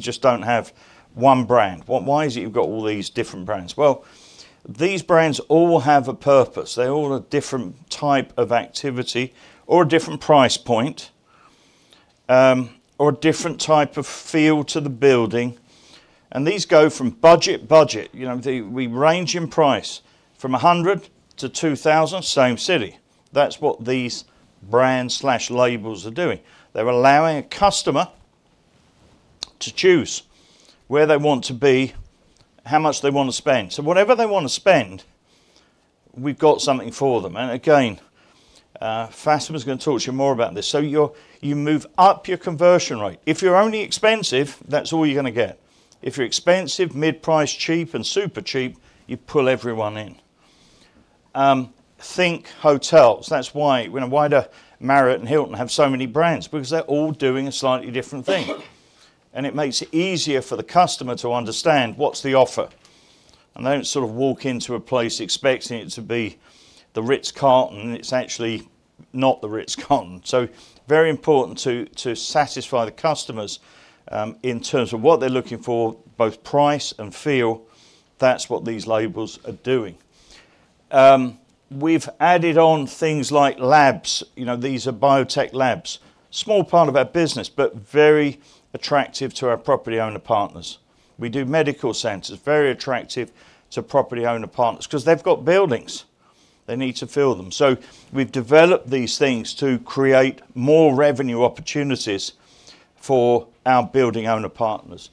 Just don't have one brand. Why is it you've got all these different brands? Well, these brands all have a purpose. They all have a different type of activity, or a different price point, or a different type of feel to the building. These go from budget to budget. We range in price from 100 to 2,000, same city. That's what these brands/labels are doing. They're allowing a customer to choose where they want to be, how much they want to spend. Whatever they want to spend, we've got something for them. Again, Fatima's going to talk to you more about this. You move up your conversion rate. If you're only expensive, that's all you're going to get. If you're expensive, mid-price, cheap, and super cheap, you pull everyone in. Think hotels. That's why Wyndham, Marriott, and Hilton have so many brands, because they're all doing a slightly different thing. And it makes it easier for the customer to understand what's the offer. And they don't sort of walk into a place expecting it to be the Ritz-Carlton, and it's actually not the Ritz-Carlton. So very important to satisfy the customers in terms of what they're looking for, both price and feel. That's what these labels are doing. We've added on things like labs. These are biotech labs. Small part of our business, but very attractive to our property owner partners. We do medical centers. Very attractive to property owner partners, because they've got buildings. They need to fill them. So we've developed these things to create more revenue opportunities for our building owner partners.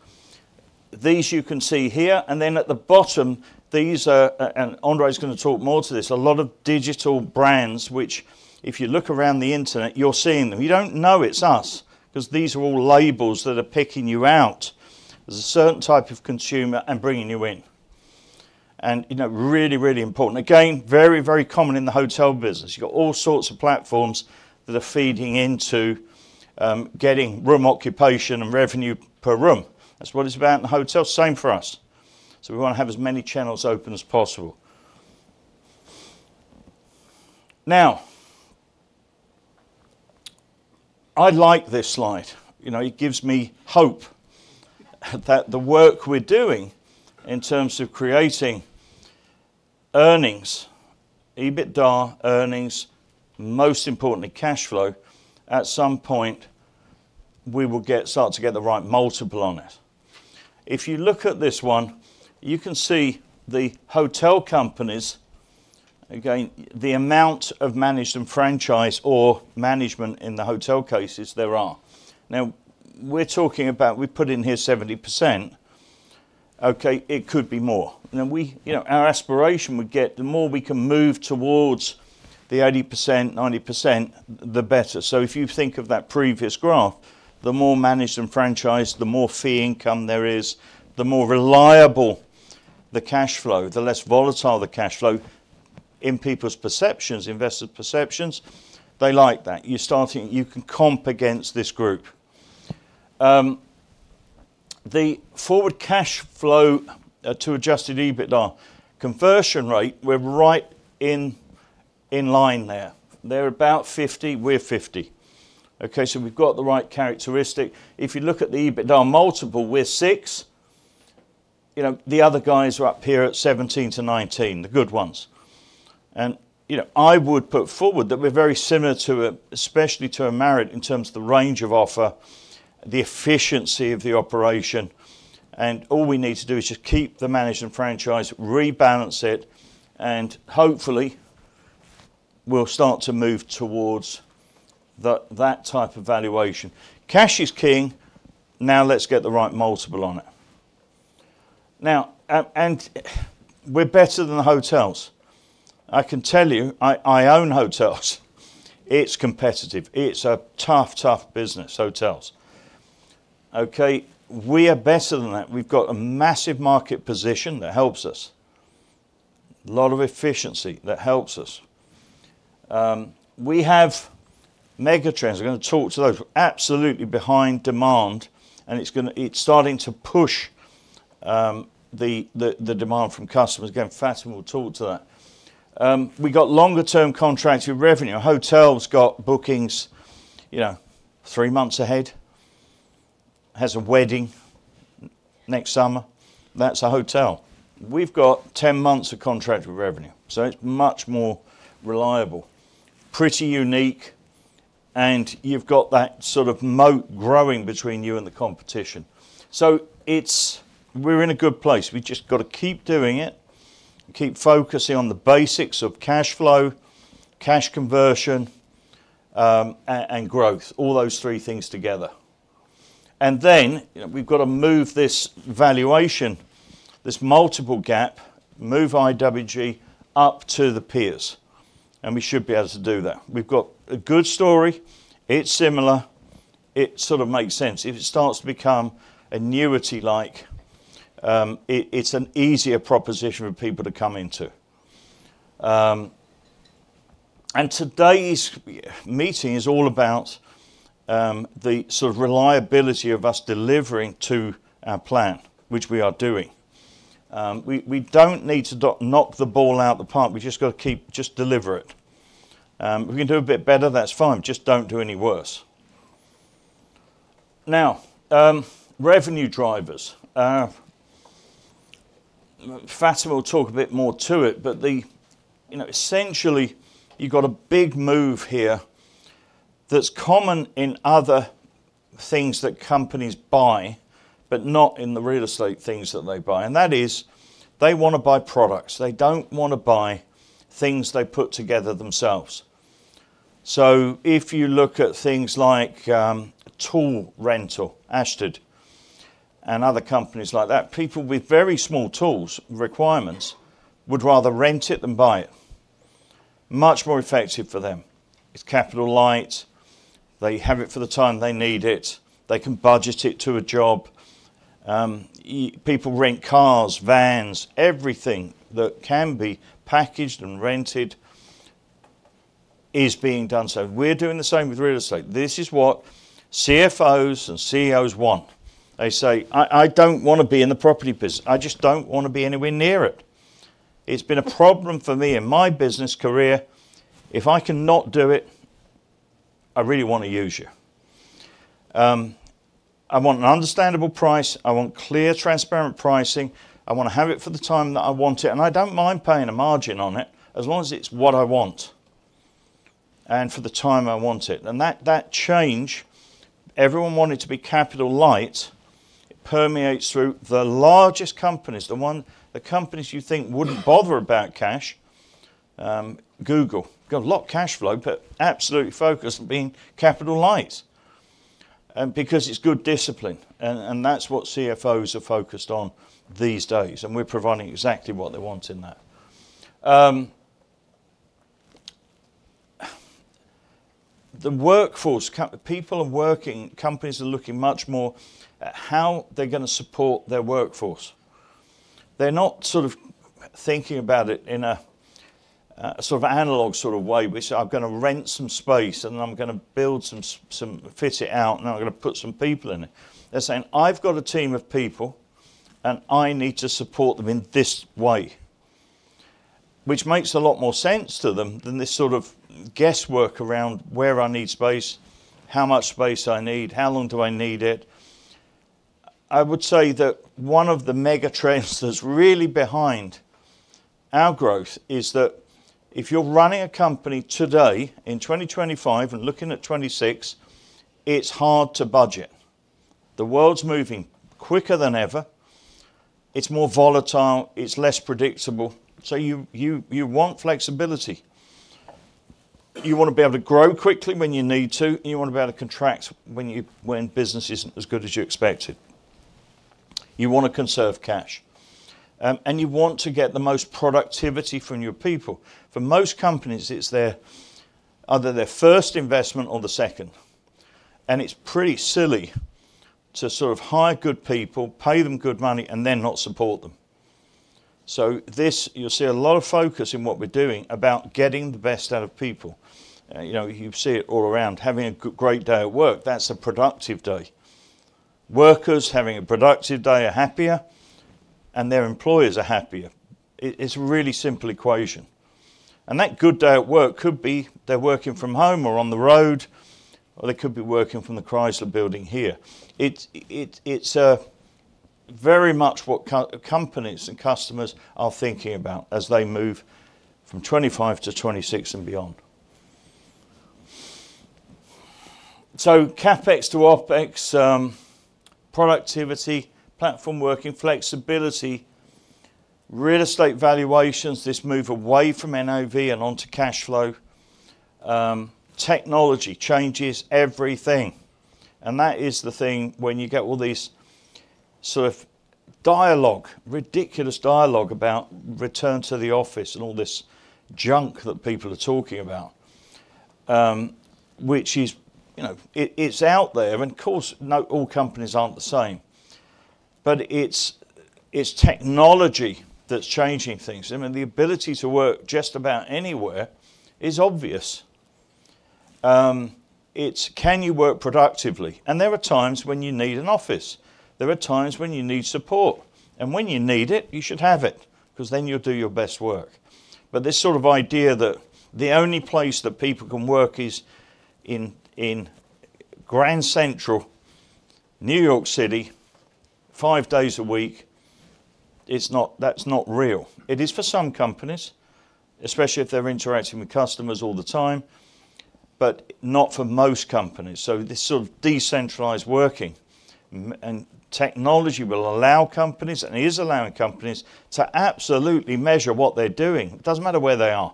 These you can see here. And then at the bottom, these are, and Andre's going to talk more to this, a lot of digital brands, which if you look around the internet, you're seeing them. You don't know it's us, because these are all labels that are picking you out as a certain type of consumer and bringing you in. And really, really important. Again, very, very common in the hotel business. You've got all sorts of platforms that are feeding into getting room occupation and revenue per room. That's what it's about in hotels. Same for us. So we want to have as many channels open as possible. Now, I like this slide. It gives me hope that the work we're doing in terms of creating earnings, EBITDA earnings, most importantly, cash flow. At some point, we will start to get the right multiple on it. If you look at this one, you can see the hotel companies, again, the amount of managed and franchised, or management in the hotel cases, there are. Now, we're talking about, we've put in here 70%. Okay, it could be more. Our aspiration would get the more we can move towards the 80%-90%, the better. So if you think of that previous graph, the more managed and franchised, the more fee income there is, the more reliable the cash flow, the less volatile the cash flow, in people's perceptions, investors' perceptions, they like that. You can comp against this group. The forward cash flow to adjusted EBITDA conversion rate, we're right in line there. They're about 50. We're 50. Okay, so we've got the right characteristic. If you look at the EBITDA multiple with six, the other guys are up here at 17-19, the good ones. And I would put forward that we're very similar to, especially to a Marriott, in terms of the range of offer, the efficiency of the operation. And all we need to do is just keep the managed and franchised, rebalance it, and hopefully, we'll start to move towards that type of valuation. Cash is king. Now let's get the right multiple on it. Now, and we're better than the hotels. I can tell you, I own hotels. It's competitive. It's a tough, tough business, hotels. Okay, we are better than that. We've got a massive market position that helps us. A lot of efficiency that helps us. We have megatrends. We're going to talk to those. Absolutely behind demand. And it's starting to push the demand from customers. Again, Fatima will talk to that. We've got longer-term contracts with revenue. A hotel's got bookings three months ahead. Has a wedding next summer. That's a hotel. We've got 10 months of contract with revenue, so it's much more reliable. Pretty unique, and you've got that sort of moat growing between you and the competition, so we're in a good place. We've just got to keep doing it, keep focusing on the basics of cash flow, cash conversion, and growth. All those three things together, and then we've got to move this valuation, this multiple gap, move IWG up to the peers, and we should be able to do that. We've got a good story. It's similar. It sort of makes sense. If it starts to become a REIT-like, it's an easier proposition for people to come into, and today's meeting is all about the sort of reliability of us delivering to our plan, which we are doing. We don't need to knock the ball out of the park. We've just got to keep just deliver it. If we can do a bit better, that's fine. Just don't do any worse. Now, revenue drivers. Fatima will talk a bit more to it, but essentially, you've got a big move here that's common in other things that companies buy, but not in the real estate things that they buy. And that is, they want to buy products. They don't want to buy things they put together themselves. So if you look at things like tool rental, Ashtead, and other companies like that, people with very small tools requirements would rather rent it than buy it. Much more effective for them. It's capital light. They have it for the time they need it. They can budget it to a job. People rent cars, vans, everything that can be packaged and rented is being done. We're doing the same with real estate. This is what CFOs and CEOs want. They say, "I don't want to be in the property business. I just don't want to be anywhere near it. It's been a problem for me in my business career. If I can not do it, I really want to use you. I want an understandable price. I want clear, transparent pricing. I want to have it for the time that I want it. And I don't mind paying a margin on it as long as it's what I want and for the time I want it." And that change, everyone wanted to be capital light, it permeates through the largest companies, the companies you think wouldn't bother about cash. Google. Got a lot of cash flow, but absolutely focused on being capital light. Because it's good discipline. That's what CFOs are focused on these days. We're providing exactly what they want in that. The workforce. People are working. Companies are looking much more at how they're going to support their workforce. They're not sort of thinking about it in a sort of analog sort of way, which I'm going to rent some space, and then I'm going to build some, fit it out, and then I'm going to put some people in it. They're saying, "I've got a team of people, and I need to support them in this way," which makes a lot more sense to them than this sort of guesswork around where I need space, how much space I need, how long do I need it. I would say that one of the megatrends that's really behind our growth is that if you're running a company today, in 2025 and looking at 2026, it's hard to budget. The world's moving quicker than ever. It's more volatile. It's less predictable. So you want flexibility. You want to be able to grow quickly when you need to, and you want to be able to contract when business isn't as good as you expected. You want to conserve cash. And you want to get the most productivity from your people. For most companies, it's either their first investment or the second. And it's pretty silly to sort of hire good people, pay them good money, and then not support them. So this, you'll see a lot of focus in what we're doing about getting the best out of people. You see it all around. Having a great day at work, that's a productive day. Workers having a productive day are happier, and their employers are happier. It's a really simple equation, and that good day at work could be they're working from home or on the road, or they could be working from the Chrysler Building here. It's very much what companies and customers are thinking about as they move from 2025 to 2026 and beyond. CapEx to OpEx, productivity, platform working, flexibility, real estate valuations, this move away from NAV and onto cash flow, technology changes everything, and that is the thing when you get all these sort of dialogue, ridiculous dialogue about return to the office and all this junk that people are talking about, which is it's out there. Of course, not all companies aren't the same, but it's technology that's changing things. I mean, the ability to work just about anywhere is obvious. It's, can you work productively? And there are times when you need an office. There are times when you need support. And when you need it, you should have it, because then you'll do your best work. But this sort of idea that the only place that people can work is in Grand Central Terminal, New York City, five days a week, that's not real. It is for some companies, especially if they're interacting with customers all the time, but not for most companies. So this sort of decentralized working. And technology will allow companies, and is allowing companies, to absolutely measure what they're doing. It doesn't matter where they are.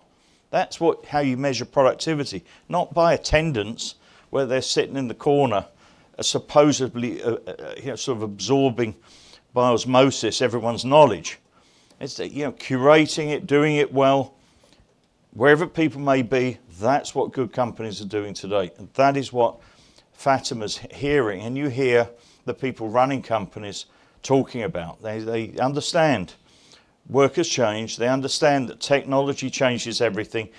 That's how you measure productivity, not by attendance, where they're sitting in the corner, supposedly sort of absorbing by osmosis everyone's knowledge. It's curating it, doing it well. Wherever people may be, that's what good companies are doing today, and that is what Fatima's hearing. You hear the people running companies talking about it. They understand. Work has changed. They understand that technology changes everything.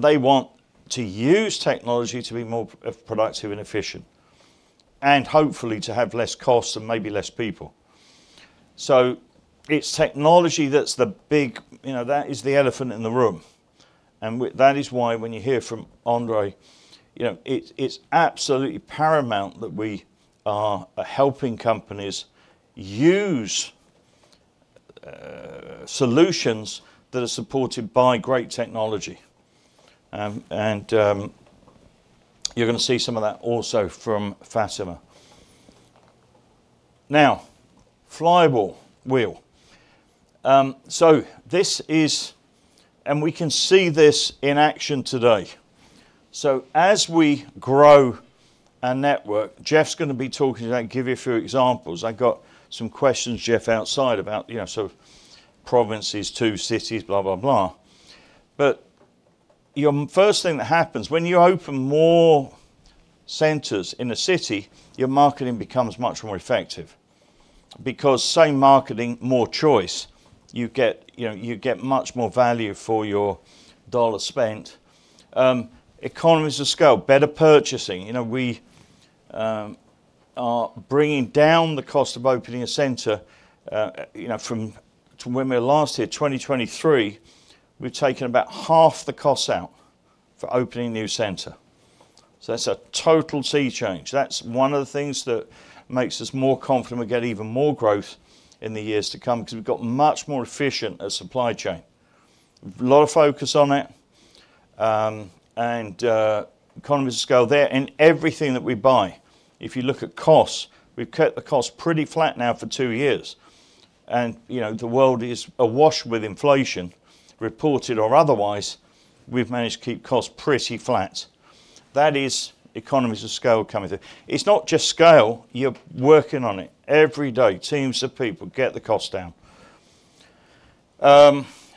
They want to use technology to be more productive and efficient, and hopefully to have less costs and maybe less people. It's technology that's the big that is the elephant in the room. That is why when you hear from Andre, it's absolutely paramount that we are helping companies use solutions that are supported by great technology. You're going to see some of that also from Fatima. Now, flywheel. This is, and we can see this in action today. As we grow our network, Jeff's going to be talking about it, give you a few examples. I've got some questions, Jeff, outside about sort of provinces, two cities, blah, blah, blah. The first thing that happens when you open more centers in a city is your marketing becomes much more effective. Because same marketing, more choice. You get much more value for your dollar spent. Economies of scale, better purchasing. We are bringing down the cost of opening a center. From when we were last here, 2023, we've taken about half the cost out for opening a new center. That's a total sea change. That's one of the things that makes us more confident we'll get even more growth in the years to come because we've got much more efficient supply chain. A lot of focus on it. Economies of scale there in everything that we buy. If you look at costs, we've kept the costs pretty flat now for two years. The world is awash with inflation, reported or otherwise. We've managed to keep costs pretty flat. That is economies of scale coming through. It's not just scale. You're working on it every day. Teams of people get the cost down.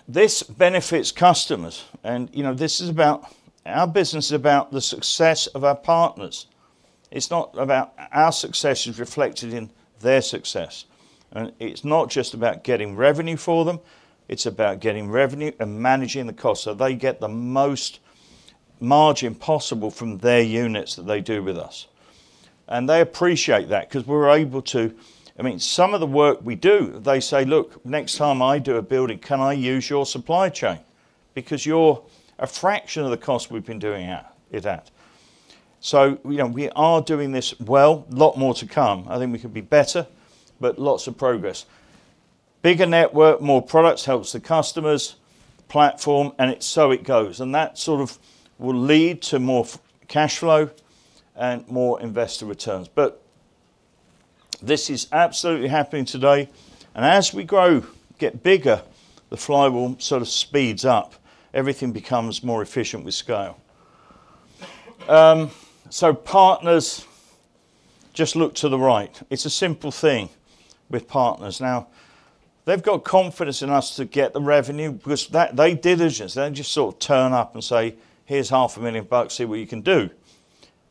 This benefits customers. This is about our business is about the success of our partners. It's not about our success is reflected in their success. It's not just about getting revenue for them. It's about getting revenue and managing the cost so they get the most margin possible from their units that they do with us. They appreciate that because we're able to. I mean, some of the work we do, they say, "Look, next time I do a building, can I use your supply chain?" because you're a fraction of the cost we've been doing it at. We are doing this well, a lot more to come. I think we could be better, but lots of progress. Bigger network, more products helps the customers, platform, and it's so it goes. And that sort of will lead to more cash flow and more investor returns. But this is absolutely happening today. And as we grow, get bigger, the flywheel sort of speeds up. Everything becomes more efficient with scale. So partners, just look to the right. It's a simple thing with partners. Now, they've got confidence in us to get the revenue because they diligence. They don't just sort of turn up and say, "Here's $500,000. See what you can do."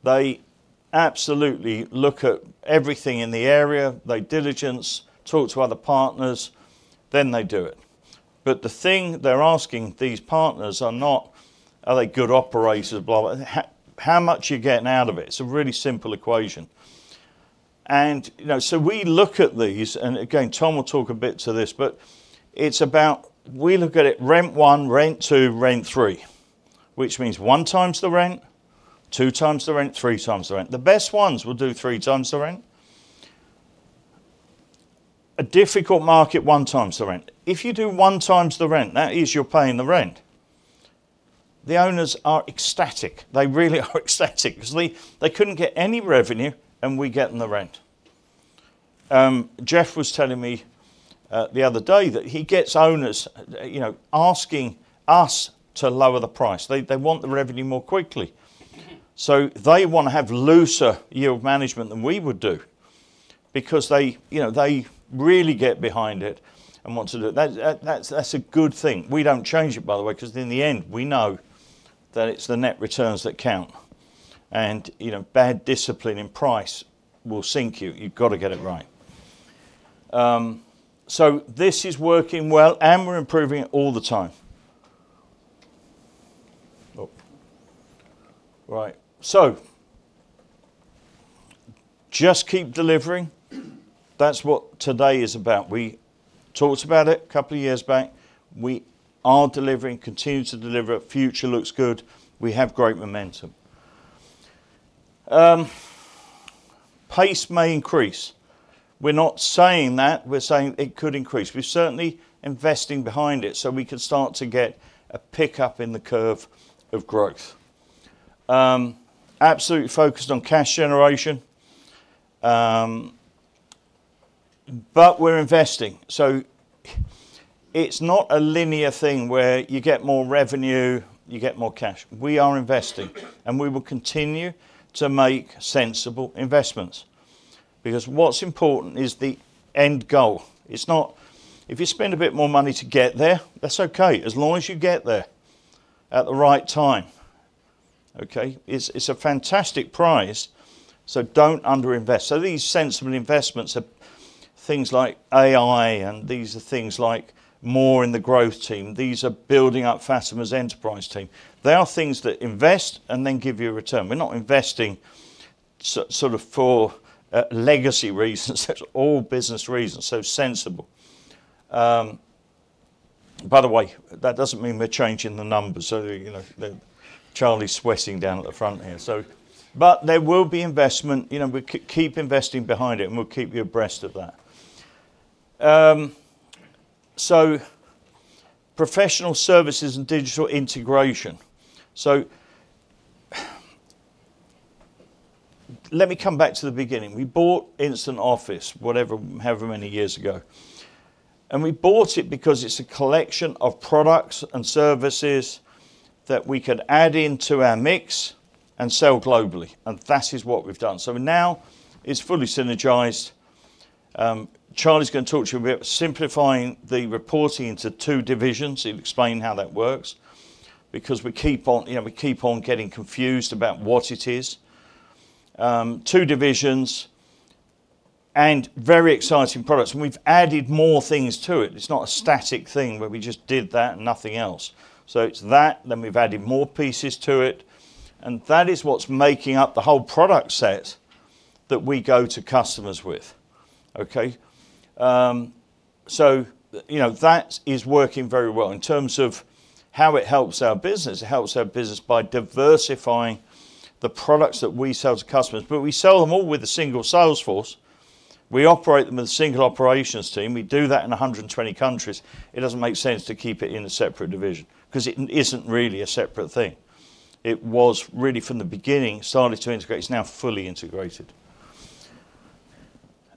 They absolutely look at everything in the area. They diligence, talk to other partners, then they do it. But the thing they're asking these partners are not, "Are they good operators?" How much are you getting out of it? It's a really simple equation. And so we look at these, and again, Tom will talk a bit to this, but it's about we look at it rent one, rent two, rent three, which means one times the rent, two times the rent, three times the rent. The best ones will do three times the rent. A difficult market, one times the rent. If you do one times the rent, that is you're paying the rent. The owners are ecstatic. They really are ecstatic because they couldn't get any revenue, and we get them the rent. Jeff was telling me the other day that he gets owners asking us to lower the price. They want the revenue more quickly. So they want to have looser yield management than we would do because they really get behind it and want to do it. That's a good thing. We don't change it, by the way, because in the end, we know that it's the net returns that count. And bad discipline in price will sink you. You've got to get it right. So this is working well, and we're improving it all the time. Right. So just keep delivering. That's what today is about. We talked about it a couple of years back. We are delivering, continue to deliver. Future looks good. We have great momentum. Pace may increase. We're not saying that. We're saying it could increase. We're certainly investing behind it so we can start to get a pickup in the curve of growth. Absolutely focused on cash generation, but we're investing. It's not a linear thing where you get more revenue, you get more cash. We are investing, and we will continue to make sensible investments. Because what's important is the end goal. If you spend a bit more money to get there, that's okay, as long as you get there at the right time. Okay? It's a fantastic prize, so don't underinvest. These sensible investments are things like AI, and these are things like more in the growth team. These are building up Fatima's enterprise team. They are things that invest and then give you a return. We're not investing sort of for legacy reasons. That's all business reasons, so sensible. By the way, that doesn't mean we're changing the numbers. Charlie's sweating down at the front here. But there will be investment. We'll keep investing behind it, and we'll keep you abreast of that. So professional services and digital integration. So let me come back to the beginning. We bought Instant Offices, whatever, however many years ago. And we bought it because it's a collection of products and services that we can add into our mix and sell globally. And that is what we've done. So now it's fully synergized. Charlie's going to talk to you a bit about simplifying the reporting into two divisions. He'll explain how that works because we keep on getting confused about what it is. Two divisions and very exciting products. And we've added more things to it. It's not a static thing where we just did that and nothing else. So it's that, then we've added more pieces to it. And that is what's making up the whole product set that we go to customers with. Okay? So that is working very well in terms of how it helps our business. It helps our business by diversifying the products that we sell to customers. But we sell them all with a single sales force. We operate them with a single operations team. We do that in 120 countries. It doesn't make sense to keep it in a separate division because it isn't really a separate thing. It was really from the beginning started to integrate. It's now fully integrated.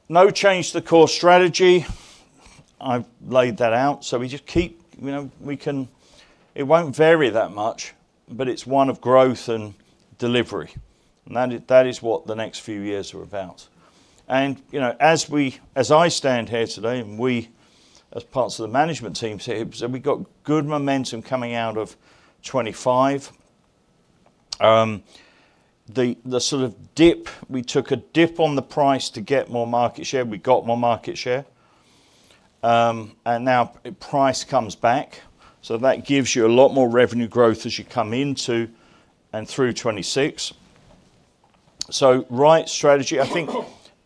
No change to the core strategy. I've laid that out. So we just keep it. It won't vary that much, but it's one of growth and delivery. And that is what the next few years are about. And as I stand here today, and we, as parts of the management teams here, we've got good momentum coming out of 2025. The sort of dip we took a dip on the price to get more market share. We got more market share. Now price comes back. That gives you a lot more revenue growth as you come into and through 2026. Right strategy. I think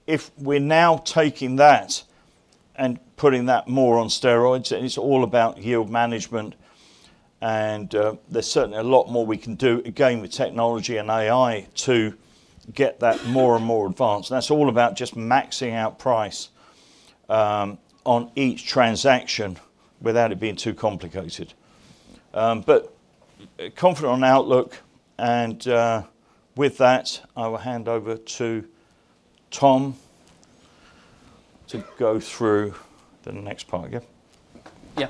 if we're now taking that and putting that more on steroids, it's all about yield management. There's certainly a lot more we can do, again, with technology and AI to get that more and more advanced. That's all about just maxing out price on each transaction without it being too complicated. Confident on outlook. With that, I will hand over to Tom to go through the next part. Yeah? Yeah.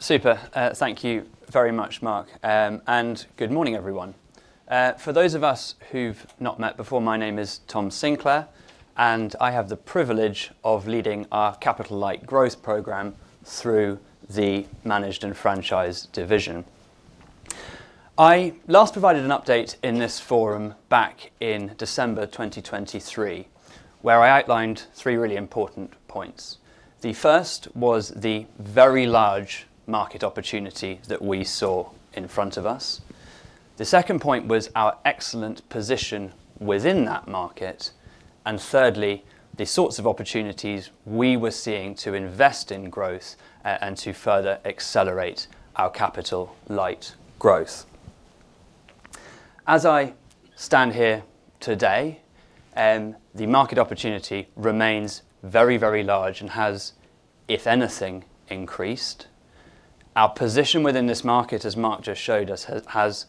Super. Thank you very much, Mark. Good morning, everyone. For those of us who've not met before, my name is Tom Sinclair. I have the privilege of leading our Capital Light Growth Program through the Managed and Franchised Division. I last provided an update in this forum back in December 2023, where I outlined three really important points. The first was the very large market opportunity that we saw in front of us. The second point was our excellent position within that market. And thirdly, the sorts of opportunities we were seeing to invest in growth and to further accelerate our Capital Light growth. As I stand here today, the market opportunity remains very, very large and has, if anything, increased. Our position within this market, as Mark just showed us, has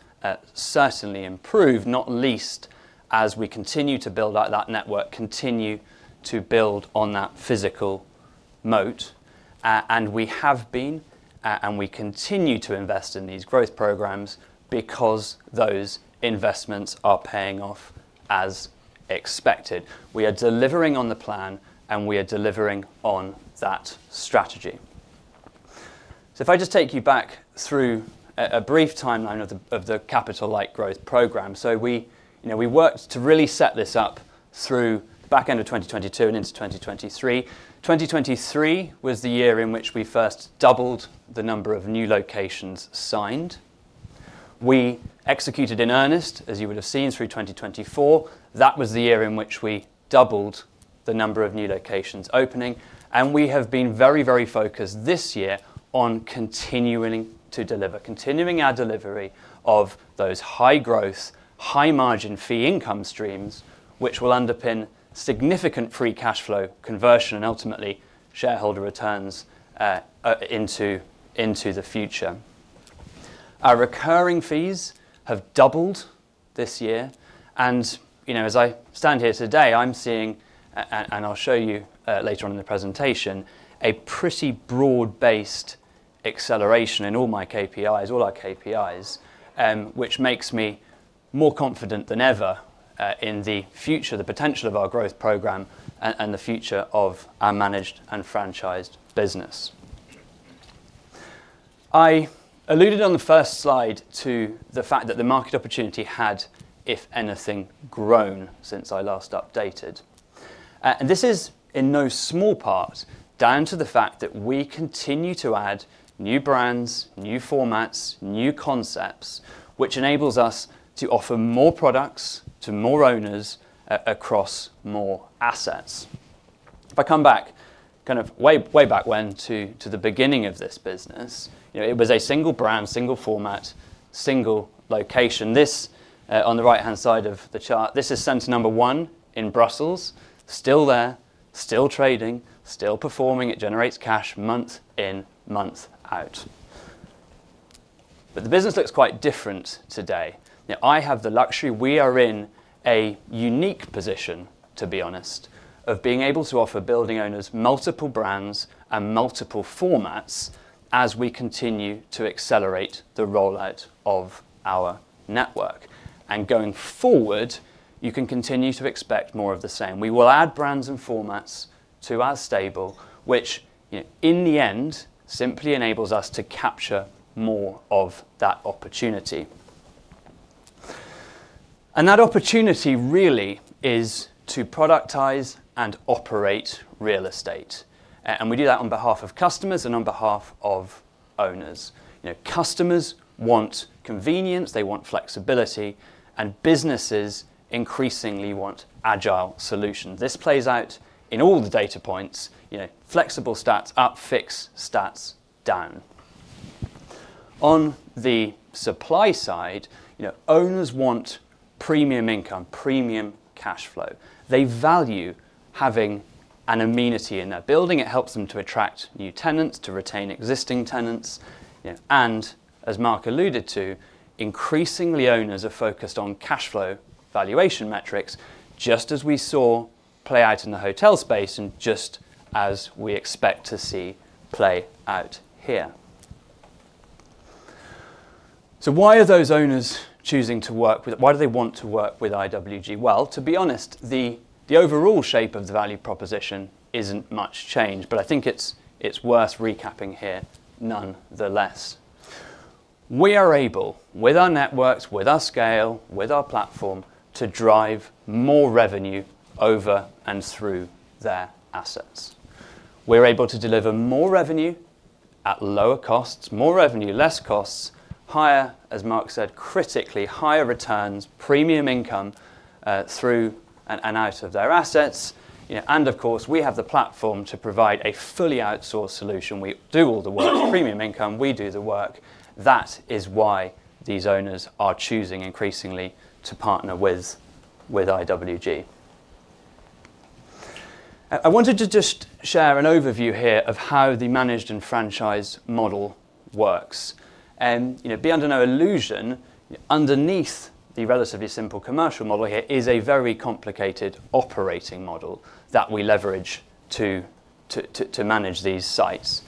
certainly improved, not least as we continue to build out that network, continue to build on that physical moat. And we have been, and we continue to invest in these growth programs because those investments are paying off as expected. We are delivering on the plan, and we are delivering on that strategy. So if I just take you back through a brief timeline of the Capital Light Growth Program. So we worked to really set this up through the back end of 2022 and into 2023. 2023 was the year in which we first doubled the number of new locations signed. We executed in earnest, as you would have seen, through 2024. That was the year in which we doubled the number of new locations opening. And we have been very, very focused this year on continuing to deliver, continuing our delivery of those high-growth, high-margin fee income streams, which will underpin significant free cash flow conversion and ultimately shareholder returns into the future. Our recurring fees have doubled this year. And as I stand here today, I'm seeing, and I'll show you later on in the presentation, a pretty broad-based acceleration in all my KPIs, all our KPIs, which makes me more confident than ever in the future, the potential of our growth program, and the future of our managed and franchised business. I alluded on the first slide to the fact that the market opportunity had, if anything, grown since I last updated. And this is in no small part down to the fact that we continue to add new brands, new formats, new concepts, which enables us to offer more products to more owners across more assets. If I come back kind of way back when to the beginning of this business, it was a single brand, single format, single location. This, on the right-hand side of the chart, this is center number one in Brussels. Still there, still trading, still performing. It generates cash month in, month out. But the business looks quite different today. I have the luxury. We are in a unique position, to be honest, of being able to offer building owners multiple brands and multiple formats as we continue to accelerate the rollout of our network. And going forward, you can continue to expect more of the same. We will add brands and formats to our stable, which in the end simply enables us to capture more of that opportunity. And that opportunity really is to productize and operate real estate. And we do that on behalf of customers and on behalf of owners. Customers want convenience. They want flexibility. And businesses increasingly want agile solutions. This plays out in all the data points. Flexible seats, up, fixed seats, down. On the supply side, owners want premium income, premium cash flow. They value having an amenity in their building. It helps them to attract new tenants, to retain existing tenants, and as Mark alluded to, increasingly owners are focused on cash flow valuation metrics, just as we saw play out in the hotel space and just as we expect to see play out here, so why are those owners choosing to work with IWG, well, to be honest, the overall shape of the value proposition isn't much changed, but I think it's worth recapping here nonetheless. We are able, with our networks, with our scale, with our platform, to drive more revenue over and through their assets. We're able to deliver more revenue at lower costs, more revenue, less costs, higher, as Mark said, critically higher returns, premium income through and out of their assets. And of course, we have the platform to provide a fully outsourced solution. We do all the work. Premium income, we do the work. That is why these owners are choosing increasingly to partner with IWG. I wanted to just share an overview here of how the Managed and Franchised Model works. And beyond no illusion, underneath the relatively simple commercial model here is a very complicated operating model that we leverage to manage these sites.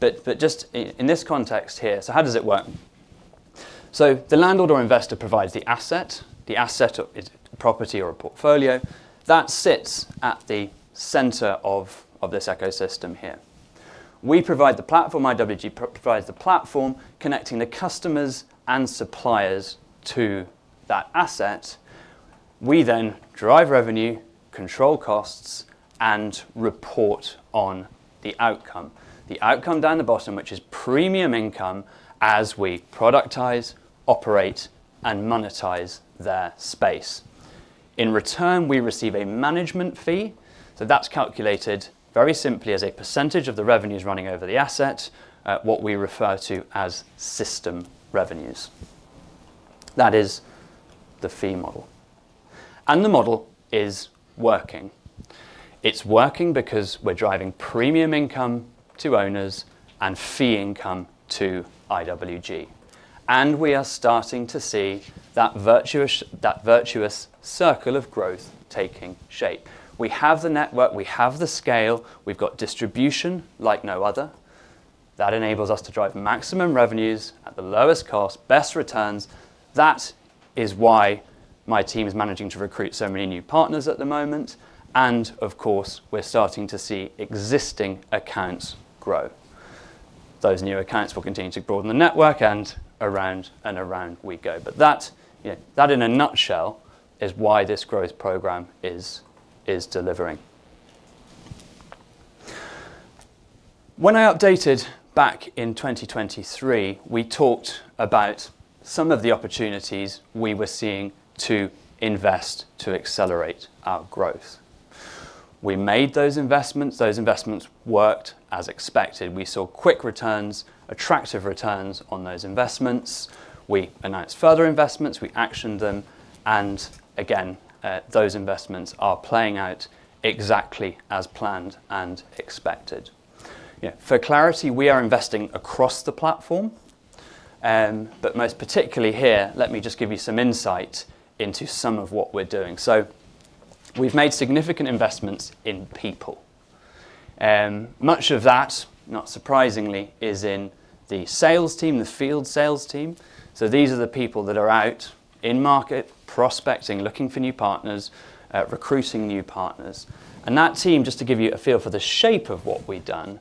But just in this context here, so how does it work? So the landlord or investor provides the asset, the asset property or a portfolio that sits at the center of this ecosystem here. We provide the platform. IWG provides the platform connecting the customers and suppliers to that asset. We then drive revenue, control costs, and report on the outcome. The outcome down the bottom, which is premium income as we productize, operate, and monetize their space. In return, we receive a management fee, so that's calculated very simply as a percentage of the revenues running over the asset, what we refer to as system revenues. That is the fee model, and the model is working. It's working because we're driving premium income to owners and fee income to IWG, and we are starting to see that virtuous circle of growth taking shape. We have the network. We have the scale. We've got distribution like no other. That enables us to drive maximum revenues at the lowest cost, best returns. That is why my team is managing to recruit so many new partners at the moment. Of course, we're starting to see existing accounts grow. Those new accounts will continue to grow in the network and around and around we go. That, in a nutshell, is why this growth program is delivering. When I updated back in 2023, we talked about some of the opportunities we were seeing to invest to accelerate our growth. We made those investments. Those investments worked as expected. We saw quick returns, attractive returns on those investments. We announced further investments. We actioned them. Again, those investments are playing out exactly as planned and expected. For clarity, we are investing across the platform. Most particularly here, let me just give you some insight into some of what we're doing. We've made significant investments in people. Much of that, not surprisingly, is in the sales team, the field sales team. These are the people that are out in market, prospecting, looking for new partners, recruiting new partners. That team, just to give you a feel for the shape of what we've done,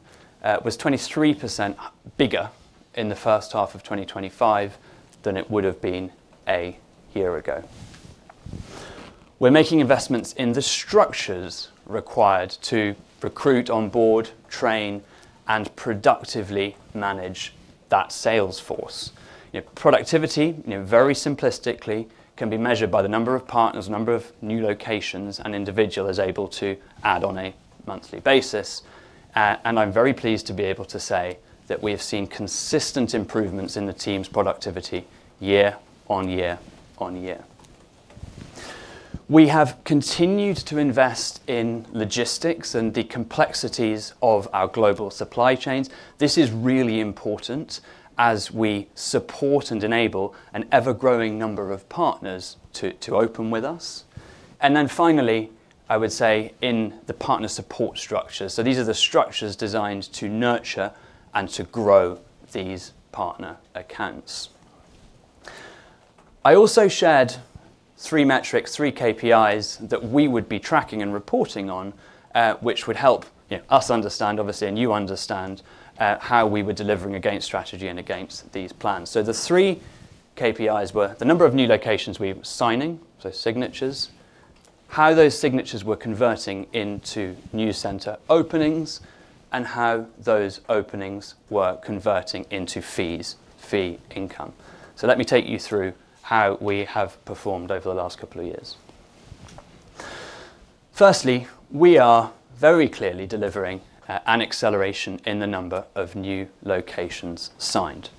was 23% bigger in the first half of 2025 than it would have been a year ago. We're making investments in the structures required to recruit, onboard, train, and productively manage that sales force. Productivity, very simplistically, can be measured by the number of partners, the number of new locations, and an individual is able to add on a monthly basis. I'm very pleased to be able to say that we have seen consistent improvements in the team's productivity year on year on year. We have continued to invest in logistics and the complexities of our global supply chains. This is really important as we support and enable an ever-growing number of partners to open with us, and then finally, I would say in the partner support structure, so these are the structures designed to nurture and to grow these partner accounts. I also shared three metrics, three KPIs that we would be tracking and reporting on, which would help us understand, obviously, and you understand how we were delivering against strategy and against these plans, so the three KPIs were the number of new locations we were signing, so signatures, how those signatures were converting into new center openings, and how those openings were converting into fees, fee income, so let me take you through how we have performed over the last couple of years. Firstly, we are very clearly delivering an acceleration in the number of new locations signed.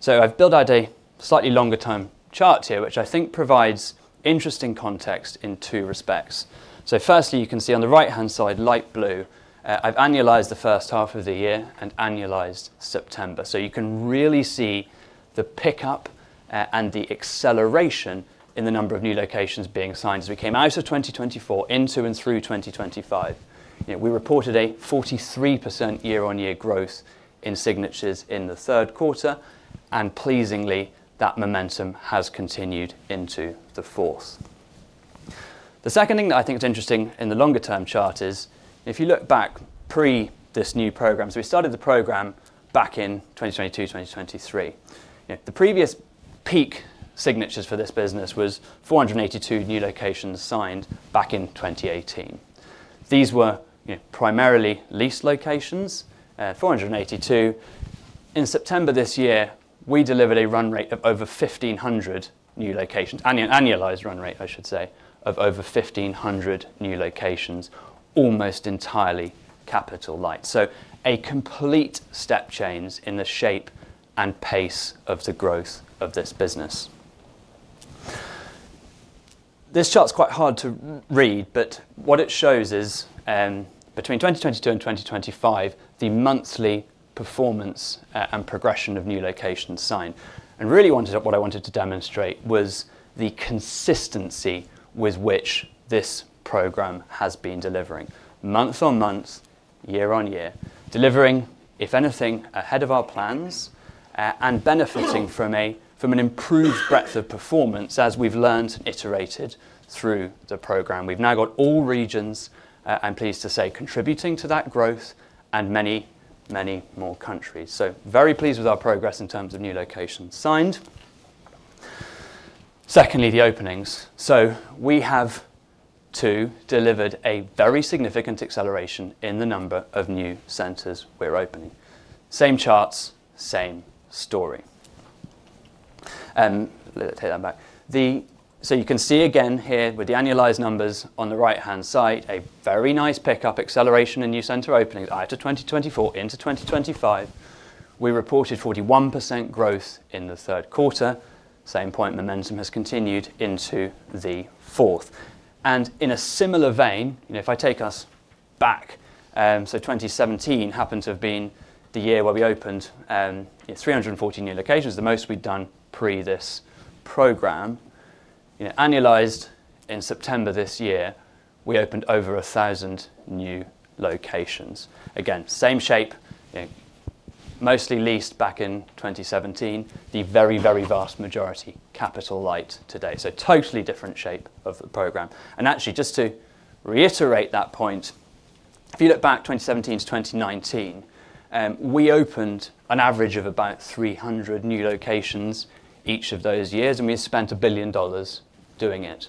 So I've built out a slightly longer-term chart here, which I think provides interesting context in two respects. So firstly, you can see on the right-hand side, light blue, I've annualized the first half of the year and annualized September. So you can really see the pickup and the acceleration in the number of new locations being signed as we came out of 2024 into and through 2025. We reported a 43% year-on-year growth in signatures in the third quarter. And pleasingly, that momentum has continued into the fourth. The second thing that I think is interesting in the longer-term chart is if you look back pre this new program, so we started the program back in 2022, 2023. The previous peak signatures for this business was 482 new locations signed back in 2018. These were primarily leased locations, 482. In September this year, we delivered a run rate of over 1,500 new locations, annualized run rate, I should say, of over 1,500 new locations, almost entirely Capital Light, so a complete step change in the shape and pace of the growth of this business. This chart's quite hard to read, but what it shows is between 2022 and 2025, the monthly performance and progression of new locations signed, and really what I wanted to demonstrate was the consistency with which this program has been delivering, month on month, year on year, delivering, if anything, ahead of our plans and benefiting from an improved breadth of performance as we've learned and iterated through the program. We've now got all regions, I'm pleased to say, contributing to that growth and many, many more countries, so very pleased with our progress in terms of new locations signed. Secondly, the openings. So we have to deliver a very significant acceleration in the number of new centers we're opening. Same charts, same story. Let me take that back. So you can see again here with the annualized numbers on the right-hand side, a very nice pickup, acceleration in new center openings out of 2024 into 2025. We reported 41% growth in the third quarter. Same point, momentum has continued into the fourth. And in a similar vein, if I take us back, so 2017 happened to have been the year where we opened 340 new locations, the most we'd done pre this program. Annualized in September this year, we opened over 1,000 new locations. Again, same shape, mostly leased back in 2017, the very, very vast majority Capital Light today. So totally different shape of the program. Actually, just to reiterate that point, if you look back 2017 to 2019, we opened an average of about 300 new locations each of those years, and we spent $1 billion doing it.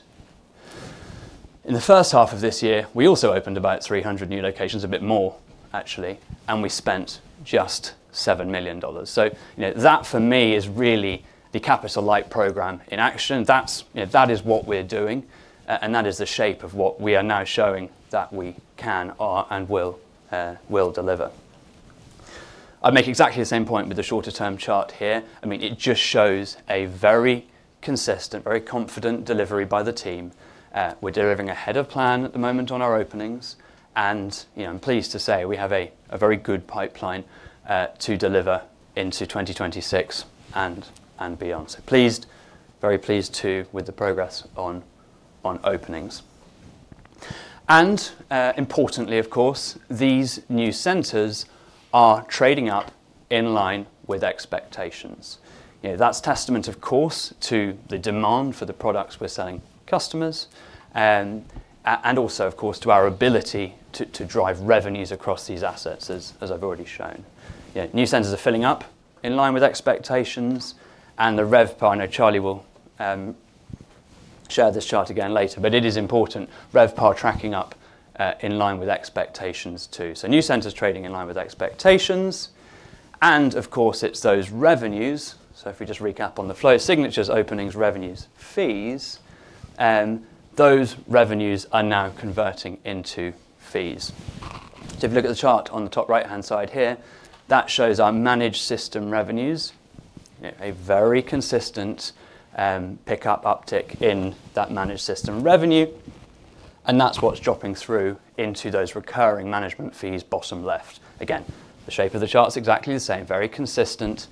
In the first half of this year, we also opened about 300 new locations, a bit more actually, and we spent just $7 million. That for me is really the Capital Light program in action. That is what we're doing, and that is the shape of what we are now showing that we can and will deliver. I'll make exactly the same point with the shorter-term chart here. I mean, it just shows a very consistent, very confident delivery by the team. We're delivering ahead of plan at the moment on our openings. I'm pleased to say we have a very good pipeline to deliver into 2026 and beyond. So pleased, very pleased too with the progress on openings. And importantly, of course, these new centers are trading up in line with expectations. That's testament, of course, to the demand for the products we're selling customers and also, of course, to our ability to drive revenues across these assets, as I've already shown. New centers are filling up in line with expectations. And the RevPAR, I know Charlie will share this chart again later, but it is important, RevPAR tracking up in line with expectations too. So new centers trading in line with expectations. And of course, it's those revenues. So if we just recap on the flow of signatures, openings, revenues, fees, those revenues are now converting into fees. So if you look at the chart on the top right-hand side here, that shows our managed system revenues, a very consistent pickup uptick in that managed system revenue. That's what's dropping through into those recurring management fees, bottom left. Again, the shape of the chart's exactly the same, very consistent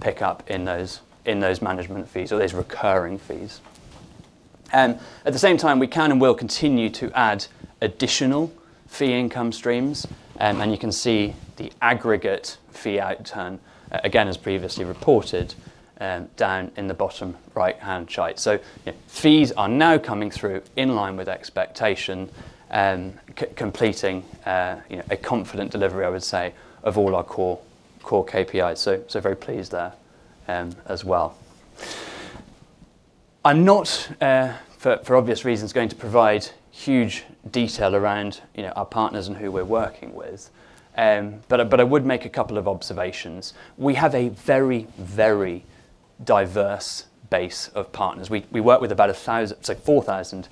pickup in those management fees or those recurring fees. At the same time, we can and will continue to add additional fee income streams. And you can see the aggregate fee outturn, again, as previously reported, down in the bottom right-hand chart. So fees are now coming through in line with expectation, completing a confident delivery, I would say, of all our core KPIs. So very pleased there as well. I'm not, for obvious reasons, going to provide huge detail around our partners and who we're working with. But I would make a couple of observations. We have a very, very diverse base of partners. We work with about 4,000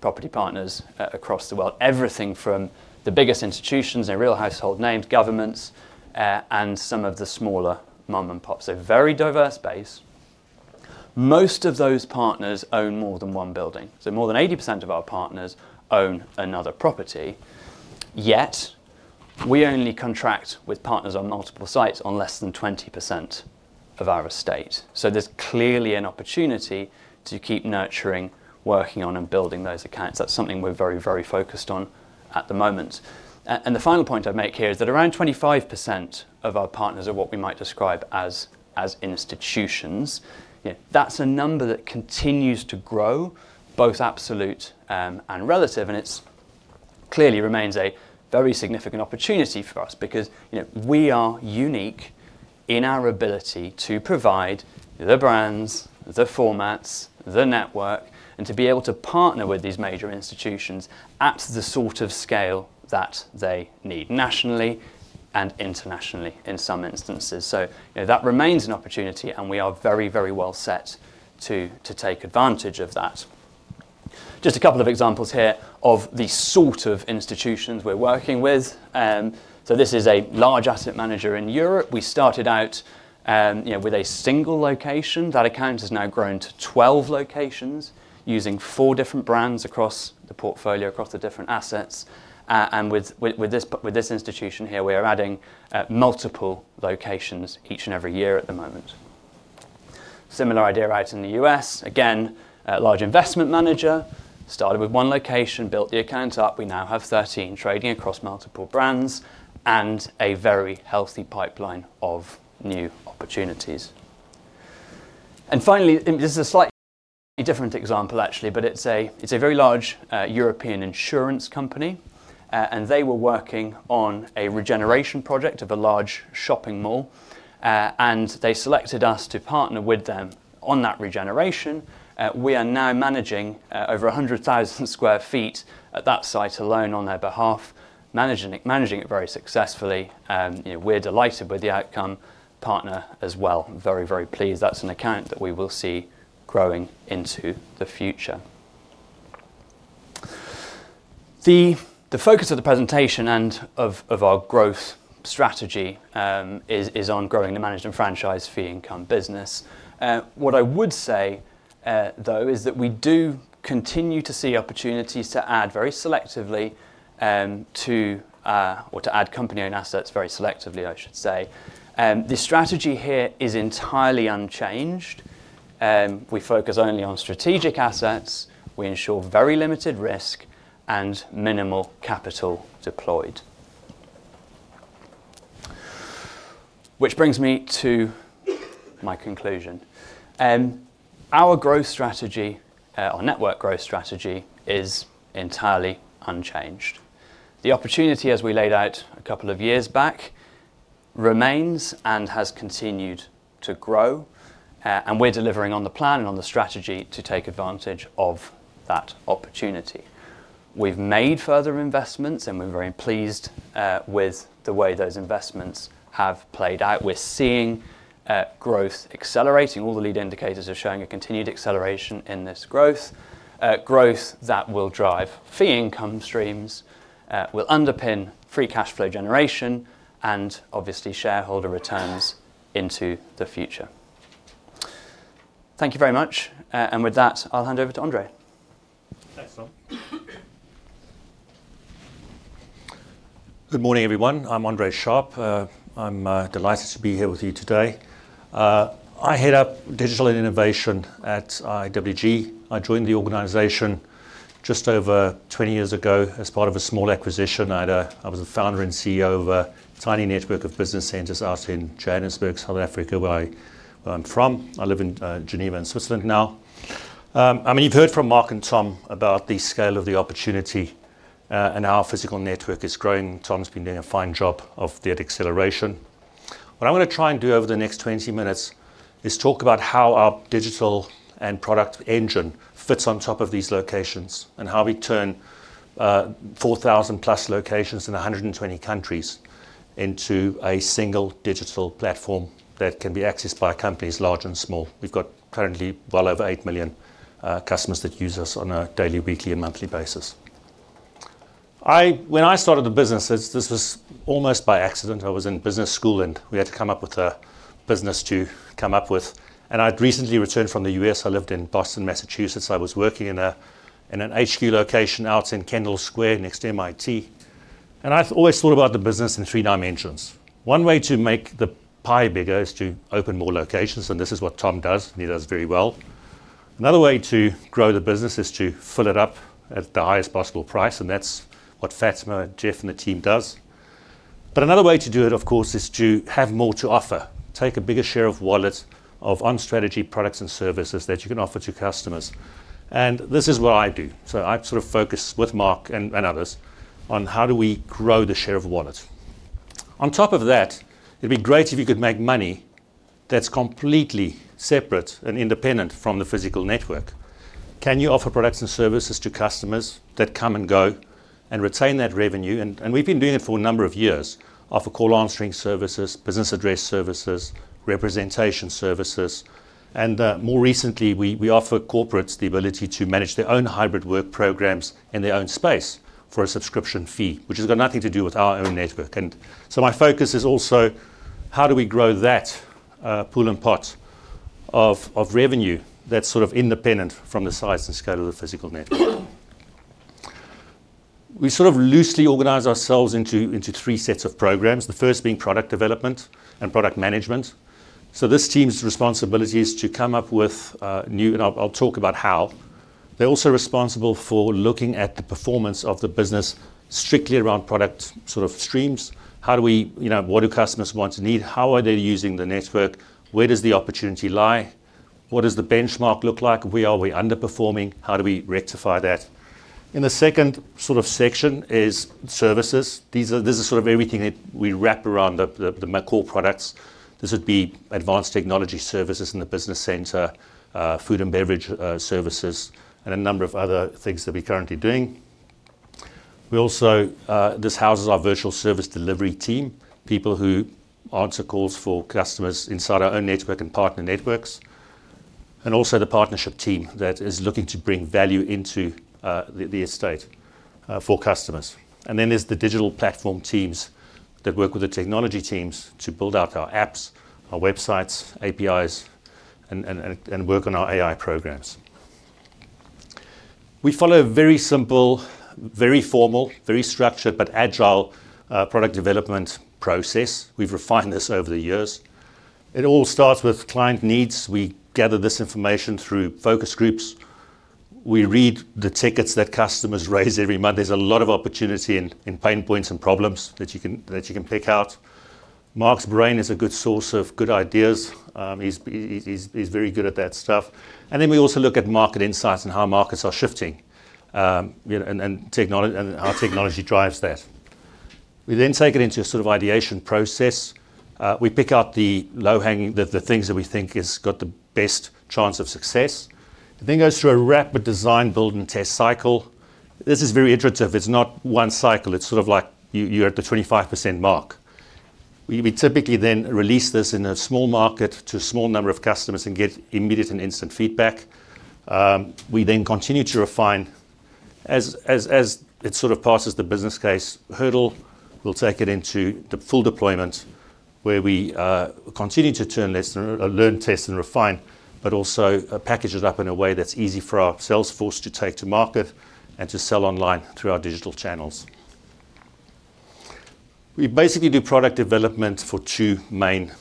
property partners across the world, everything from the biggest institutions, they're real household names, governments, and some of the smaller mom and pops. So very diverse base. Most of those partners own more than one building. So more than 80% of our partners own another property. Yet we only contract with partners on multiple sites on less than 20% of our estate. So there's clearly an opportunity to keep nurturing, working on, and building those accounts. That's something we're very, very focused on at the moment. And the final point I'd make here is that around 25% of our partners are what we might describe as institutions. That's a number that continues to grow, both absolute and relative. And it clearly remains a very significant opportunity for us because we are unique in our ability to provide the brands, the formats, the network, and to be able to partner with these major institutions at the sort of scale that they need nationally and internationally in some instances. So that remains an opportunity, and we are very, very well set to take advantage of that. Just a couple of examples here of the sort of institutions we're working with. So this is a large asset manager in Europe. We started out with a single location. That account has now grown to 12 locations using four different brands across the portfolio, across the different assets. And with this institution here, we are adding multiple locations each and every year at the moment. Similar idea right in the US. Again, large investment manager, started with one location, built the account up. We now have 13 trading across multiple brands and a very healthy pipeline of new opportunities, and finally, this is a slightly different example, actually, but it's a very large European insurance company, and they were working on a regeneration project of a large shopping mall, and they selected us to partner with them on that regeneration. We are now managing over 100,000 sq ft at that site alone on their behalf, managing it very successfully. We're delighted with the outcome. Partner as well. Very, very pleased. That's an account that we will see growing into the future. The focus of the presentation and of our growth strategy is on growing the managed and franchised fee income business. What I would say, though, is that we do continue to see opportunities to add very selectively to or to add Company-Owned assets very selectively, I should say. The strategy here is entirely unchanged. We focus only on strategic assets. We ensure very limited risk and minimal capital deployed. Which brings me to my conclusion. Our growth strategy, our network growth strategy is entirely unchanged. The opportunity, as we laid out a couple of years back, remains and has continued to grow. And we're delivering on the plan and on the strategy to take advantage of that opportunity. We've made further investments, and we're very pleased with the way those investments have played out. We're seeing growth accelerating. All the leading indicators are showing a continued acceleration in this growth, growth that will drive fee income streams, will underpin free cash flow generation, and obviously shareholder returns into the future. Thank you very much. And with that, I'll hand over to Andre. Thanks, Tom. Good morning, everyone. I'm Andre Sharp. I'm delighted to be here with you today. I head up digital innovation at IWG. I joined the organization just over 20 years ago as part of a small acquisition. I was a founder and CEO of a tiny network of business centers out in Johannesburg, South Africa, where I'm from. I live in Geneva, Switzerland now. I mean, you've heard from Mark and Tom about the scale of the opportunity and our physical network is growing. Tom's been doing a fine job of that acceleration. What I'm going to try and do over the next 20 minutes is talk about how our digital and product engine fits on top of these locations and how we turn 4,000 plus locations in 120 countries into a single digital platform that can be accessed by companies large and small. We've got currently well over eight million customers that use us on a daily, weekly, and monthly basis. When I started the business, this was almost by accident. I was in business school, and we had to come up with a business to come up with. And I'd recently returned from the U.S. I lived in Boston, Massachusetts. I was working in an HQ location out in Kendall Square next to MIT. And I always thought about the business in three dimensions. One way to make the pie bigger is to open more locations, and this is what Tom does, and he does very well. Another way to grow the business is to fill it up at the highest possible price, and that's what Fatima, Jeff, and the team does. But another way to do it, of course, is to have more to offer, take a bigger share of wallet of unstrategic products and services that you can offer to customers. And this is what I do. So I sort of focus with Mark and others on how do we grow the share of wallet. On top of that, it'd be great if you could make money that's completely separate and independent from the physical network. Can you offer products and services to customers that come and go and retain that revenue? And we've been doing it for a number of years. Offer call answering services, business address services, representation services. And more recently, we offer corporates the ability to manage their own hybrid work programs in their own space for a subscription fee, which has got nothing to do with our own network. My focus is also how do we grow that pool and pot of revenue that's sort of independent from the size and scale of the physical network. We sort of loosely organize ourselves into three sets of programs, the first being product development and product management. This team's responsibility is to come up with new, and I'll talk about how. They're also responsible for looking at the performance of the business strictly around product sort of streams. What do customers want to need? How are they using the network? Where does the opportunity lie? What does the benchmark look like? Where are we underperforming? How do we rectify that? In the second sort of section is services. This is sort of everything that we wrap around the core products. This would be advanced technology services in the business center, food and beverage services, and a number of other things that we're currently doing. This houses our virtual service delivery team, people who answer calls for customers inside our own network and partner networks, and also the partnership team that is looking to bring value into the estate for customers, and then there's the digital platform teams that work with the technology teams to build out our apps, our websites, APIs, and work on our AI programs. We follow a very simple, very formal, very structured, but agile product development process. We've refined this over the years. It all starts with client needs. We gather this information through focus groups. We read the tickets that customers raise every month. There's a lot of opportunity in pain points and problems that you can pick out. Mark's brain is a good source of good ideas. He's very good at that stuff. And then we also look at market insights and how markets are shifting and how technology drives that. We then take it into a sort of ideation process. We pick out the low-hanging, the things that we think have got the best chance of success. Then goes through a rapid design, build, and test cycle. This is very iterative. It's not one cycle. It's sort of like you're at the 25% mark. We typically then release this in a small market to a small number of customers and get immediate and instant feedback. We then continue to refine. As it sort of passes the business case hurdle, we'll take it into the full deployment where we continue to turn this, learn, test, and refine, but also package it up in a way that's easy for our sales force to take to market and to sell online through our digital channels. We basically do product development for two main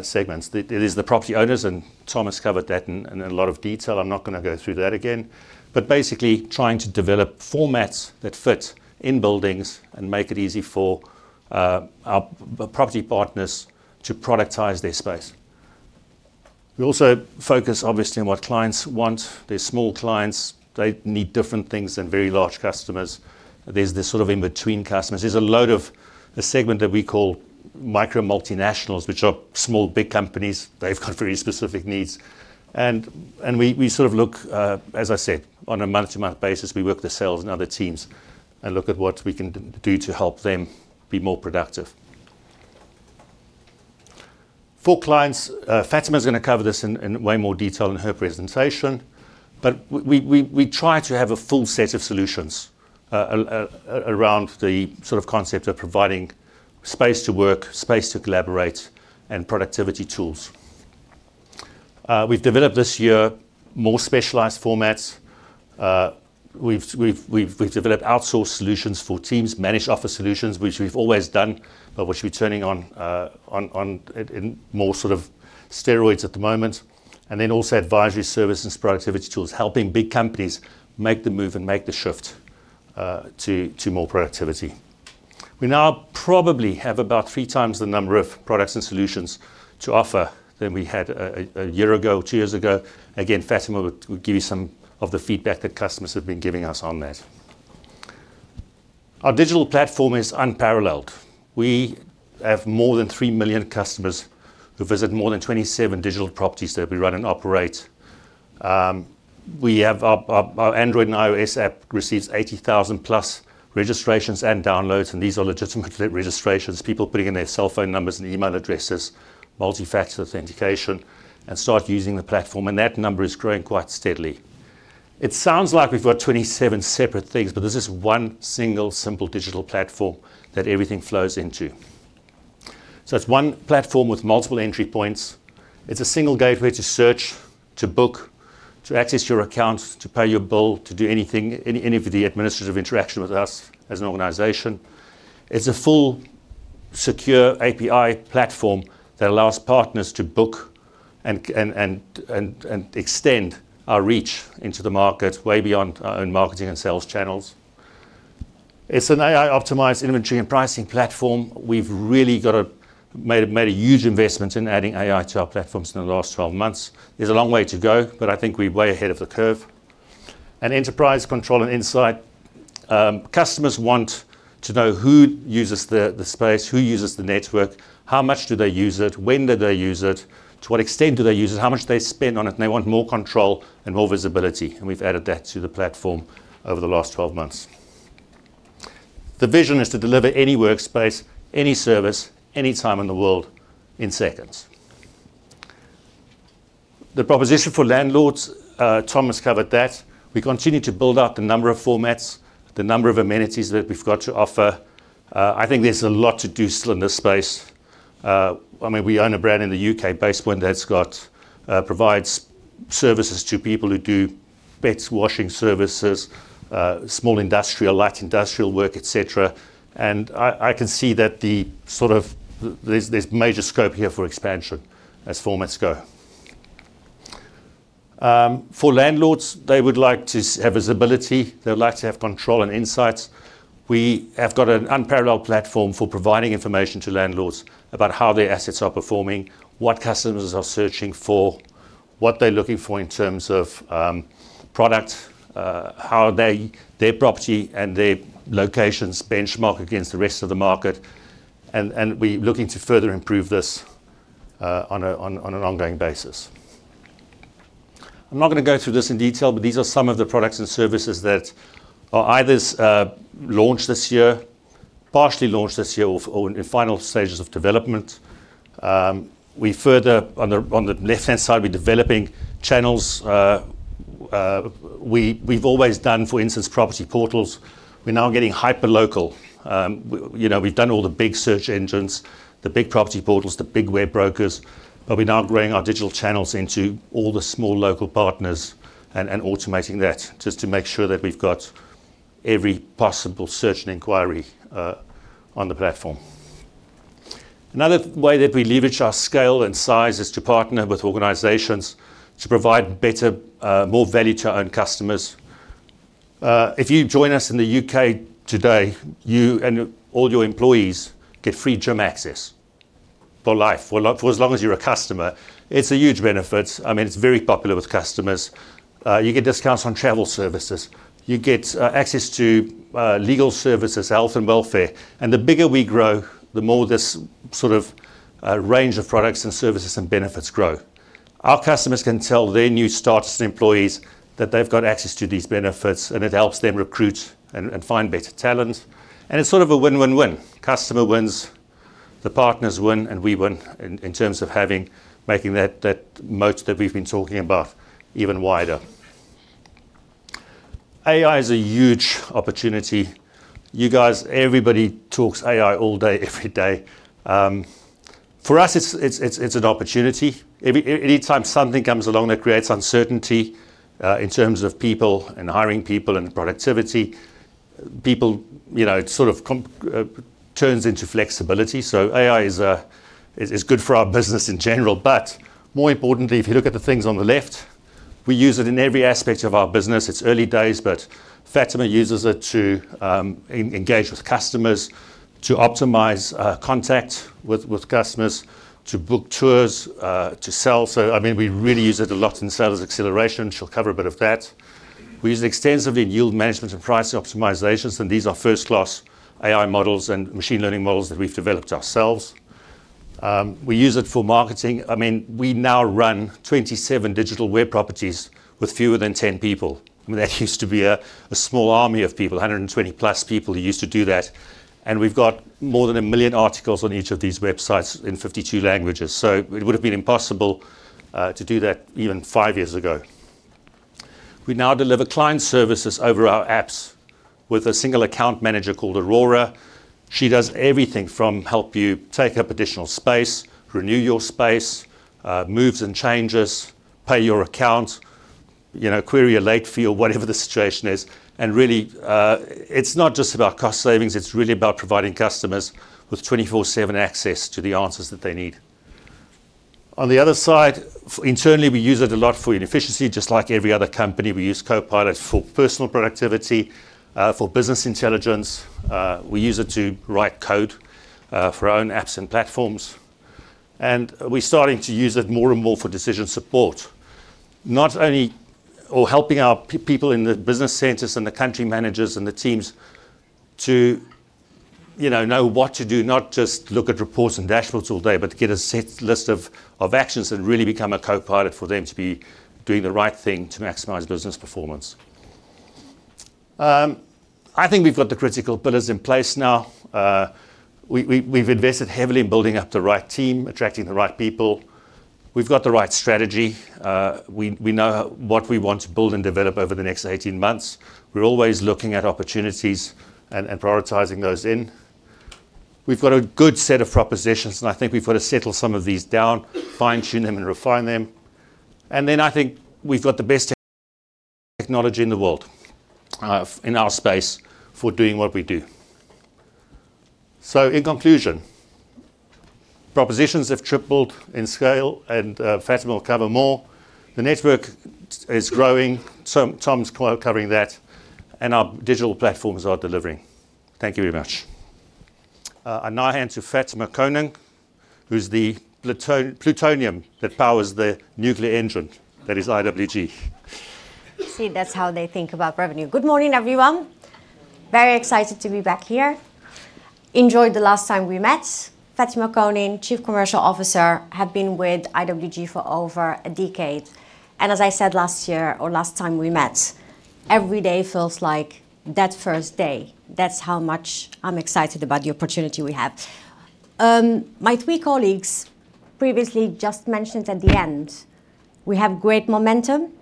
segments. It is the property owners, and Thomas covered that in a lot of detail. I'm not going to go through that again. But basically trying to develop formats that fit in buildings and make it easy for our property partners to productize their space. We also focus, obviously, on what clients want. They're small clients. They need different things than very large customers. There's this sort of in-between customers. There's a load of a segment that we call micro multinationals, which are small, big companies. They've got very specific needs. And we sort of look, as I said, on a month-to-month basis. We work with the sales and other teams and look at what we can do to help them be more productive. For clients, Fatima is going to cover this in way more detail in her presentation. But we try to have a full set of solutions around the sort of concept of providing space to work, space to collaborate, and productivity tools. We've developed this year more specialized formats. We've developed outsourced solutions for teams, managed office solutions, which we've always done, but which we're turning on in more sort of steroids at the moment. And then also advisory services and productivity tools, helping big companies make the move and make the shift to more productivity. We now probably have about three times the number of products and solutions to offer than we had a year ago, two years ago. Again, Fatima would give you some of the feedback that customers have been giving us on that. Our digital platform is unparalleled. We have more than three million customers who visit more than 27 digital properties that we run and operate. Our Android and iOS app receives 80,000 plus registrations and downloads, and these are legitimate registrations. People putting in their cell phone numbers and email addresses, multi-factor authentication, and start using the platform. And that number is growing quite steadily. It sounds like we've got 27 separate things, but this is one single simple digital platform that everything flows into. So it's one platform with multiple entry points. It's a single gateway to search, to book, to access your accounts, to pay your bill, to do anything, any of the administrative interaction with us as an organization. It's a full secure API platform that allows partners to book and extend our reach into the market way beyond our own marketing and sales channels. It's an AI-optimized inventory and pricing platform. We've really made a huge investment in adding AI to our platforms in the last 12 months. There's a long way to go, but I think we're way ahead of the curve. And enterprise control and insight. Customers want to know who uses the space, who uses the network, how much do they use it, when do they use it, to what extent do they use it, how much do they spend on it, and they want more control and more visibility. And we've added that to the platform over the last 12 months. The vision is to deliver any workspace, any service, anytime in the world in seconds. The proposition for landlords, Thomas covered that. We continue to build out the number of formats, the number of amenities that we've got to offer. I think there's a lot to do still in this space. I mean, we own a brand in the UK, Basepoint, that provides services to people who do beds, washing services, small industrial, light industrial work, etc. And I can see that there's major scope here for expansion as formats go. For landlords, they would like to have visibility. They would like to have control and insights. We have got an unparalleled platform for providing information to landlords about how their assets are performing, what customers are searching for, what they're looking for in terms of product, how their property and their locations benchmark against the rest of the market, and we're looking to further improve this on an ongoing basis. I'm not going to go through this in detail, but these are some of the products and services that are either launched this year, partially launched this year, or in final stages of development. On the left-hand side, we're developing channels. We've always done, for instance, property portals. We're now getting hyper-local. We've done all the big search engines, the big property portals, the big web brokers, but we're now growing our digital channels into all the small local partners and automating that just to make sure that we've got every possible search and inquiry on the platform. Another way that we leverage our scale and size is to partner with organizations to provide better, more value to our own customers. If you join us in the UK today, you and all your employees get free gym access for life, for as long as you're a customer. It's a huge benefit. I mean, it's very popular with customers. You get discounts on travel services. You get access to legal services, health, and welfare. And the bigger we grow, the more this sort of range of products and services and benefits grow. Our customers can tell their new starts and employees that they've got access to these benefits, and it helps them recruit and find better talent. It's sort of a win-win-win. Customer wins, the partners win, and we win in terms of making that moat that we've been talking about even wider. AI is a huge opportunity. Everybody talks AI all day, every day. For us, it's an opportunity. Anytime something comes along that creates uncertainty in terms of people and hiring people and productivity, people sort of turns into flexibility. AI is good for our business in general. More importantly, if you look at the things on the left, we use it in every aspect of our business. It's early days, but Fatima uses it to engage with customers, to optimize contact with customers, to book tours, to sell. So I mean, we really use it a lot in sales acceleration. She'll cover a bit of that. We use it extensively in yield management and price optimizations. And these are first-class AI models and machine learning models that we've developed ourselves. We use it for marketing. I mean, we now run 27 digital web properties with fewer than 10 people. I mean, that used to be a small army of people, 120-plus people who used to do that. And we've got more than a million articles on each of these websites in 52 languages. So it would have been impossible to do that even five years ago. We now deliver client services over our apps with a single account manager called Aurora. She does everything from help you take up additional space, renew your space, moves and changes, pay your account, query a late fee, or whatever the situation is. Really, it's not just about cost savings. It's really about providing customers with 24/7 access to the answers that they need. On the other side, internally, we use it a lot for efficiency. Just like every other company, we use Copilot for personal productivity, for business intelligence. We use it to write code for our own apps and platforms. We're starting to use it more and more for decision support, not only helping our people in the business centers and the country managers and the teams to know what to do, not just look at reports and dashboards all day, but to get a set list of actions and really become a Copilot for them to be doing the right thing to maximize business performance. I think we've got the critical pillars in place now. We've invested heavily in building up the right team, attracting the right people. We've got the right strategy. We know what we want to build and develop over the next 18 months. We're always looking at opportunities and prioritizing those in. We've got a good set of propositions, and I think we've got to settle some of these down, fine-tune them, and refine them. And then I think we've got the best technology in the world in our space for doing what we do. So in conclusion, propositions have tripled in scale, and Fatima will cover more. The network is growing. Tom's covering that, and our digital platforms are delivering. Thank you very much. And now hand to Fatima Koning, who's the plutonium that powers the nuclear engine that is IWG. See, that's how they think about revenue. Good morning, everyone. Very excited to be back here. Enjoyed the last time we met. Fatima Koning, Chief Commercial Officer, have been with IWG for over a decade. And as I said last year or last time we met, every day feels like that first day. That's how much I'm excited about the opportunity we have. My three colleagues previously just mentioned at the end, we have great momentum.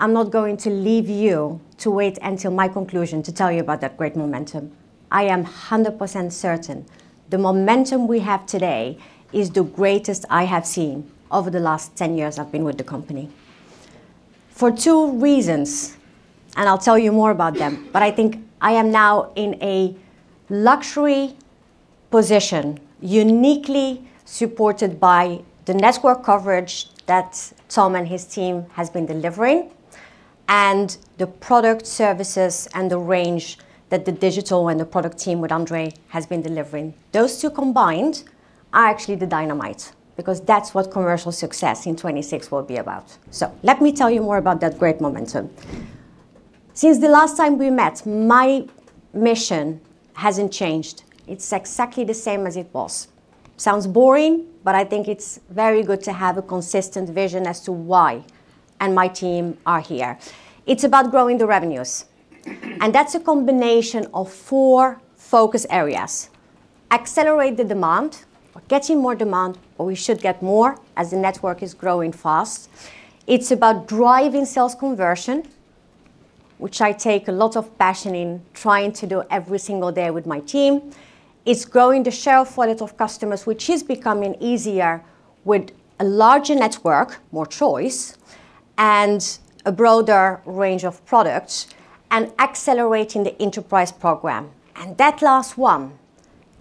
I'm not going to leave you to wait until my conclusion to tell you about that great momentum. I am 100% certain the momentum we have today is the greatest I have seen over the last 10 years I've been with the company, for two reasons, and I'll tell you more about them. But I think I am now in a luxury position, uniquely supported by the network coverage that Tom and his team have been delivering, and the product services and the range that the digital and the product team with Andre has been delivering. Those two combined are actually the dynamite because that's what commercial success in 2026 will be about. So let me tell you more about that great momentum. Since the last time we met, my mission hasn't changed. It's exactly the same as it was. Sounds boring, but I think it's very good to have a consistent vision as to why my team are here. It's about growing the revenues. And that's a combination of four focus areas: accelerate the demand, getting more demand, or we should get more as the network is growing fast. It's about driving sales conversion, which I take a lot of passion in trying to do every single day with my team. It's growing the share of wallet of customers, which is becoming easier with a larger network, more choice, and a broader range of products, and accelerating the enterprise program. And that last one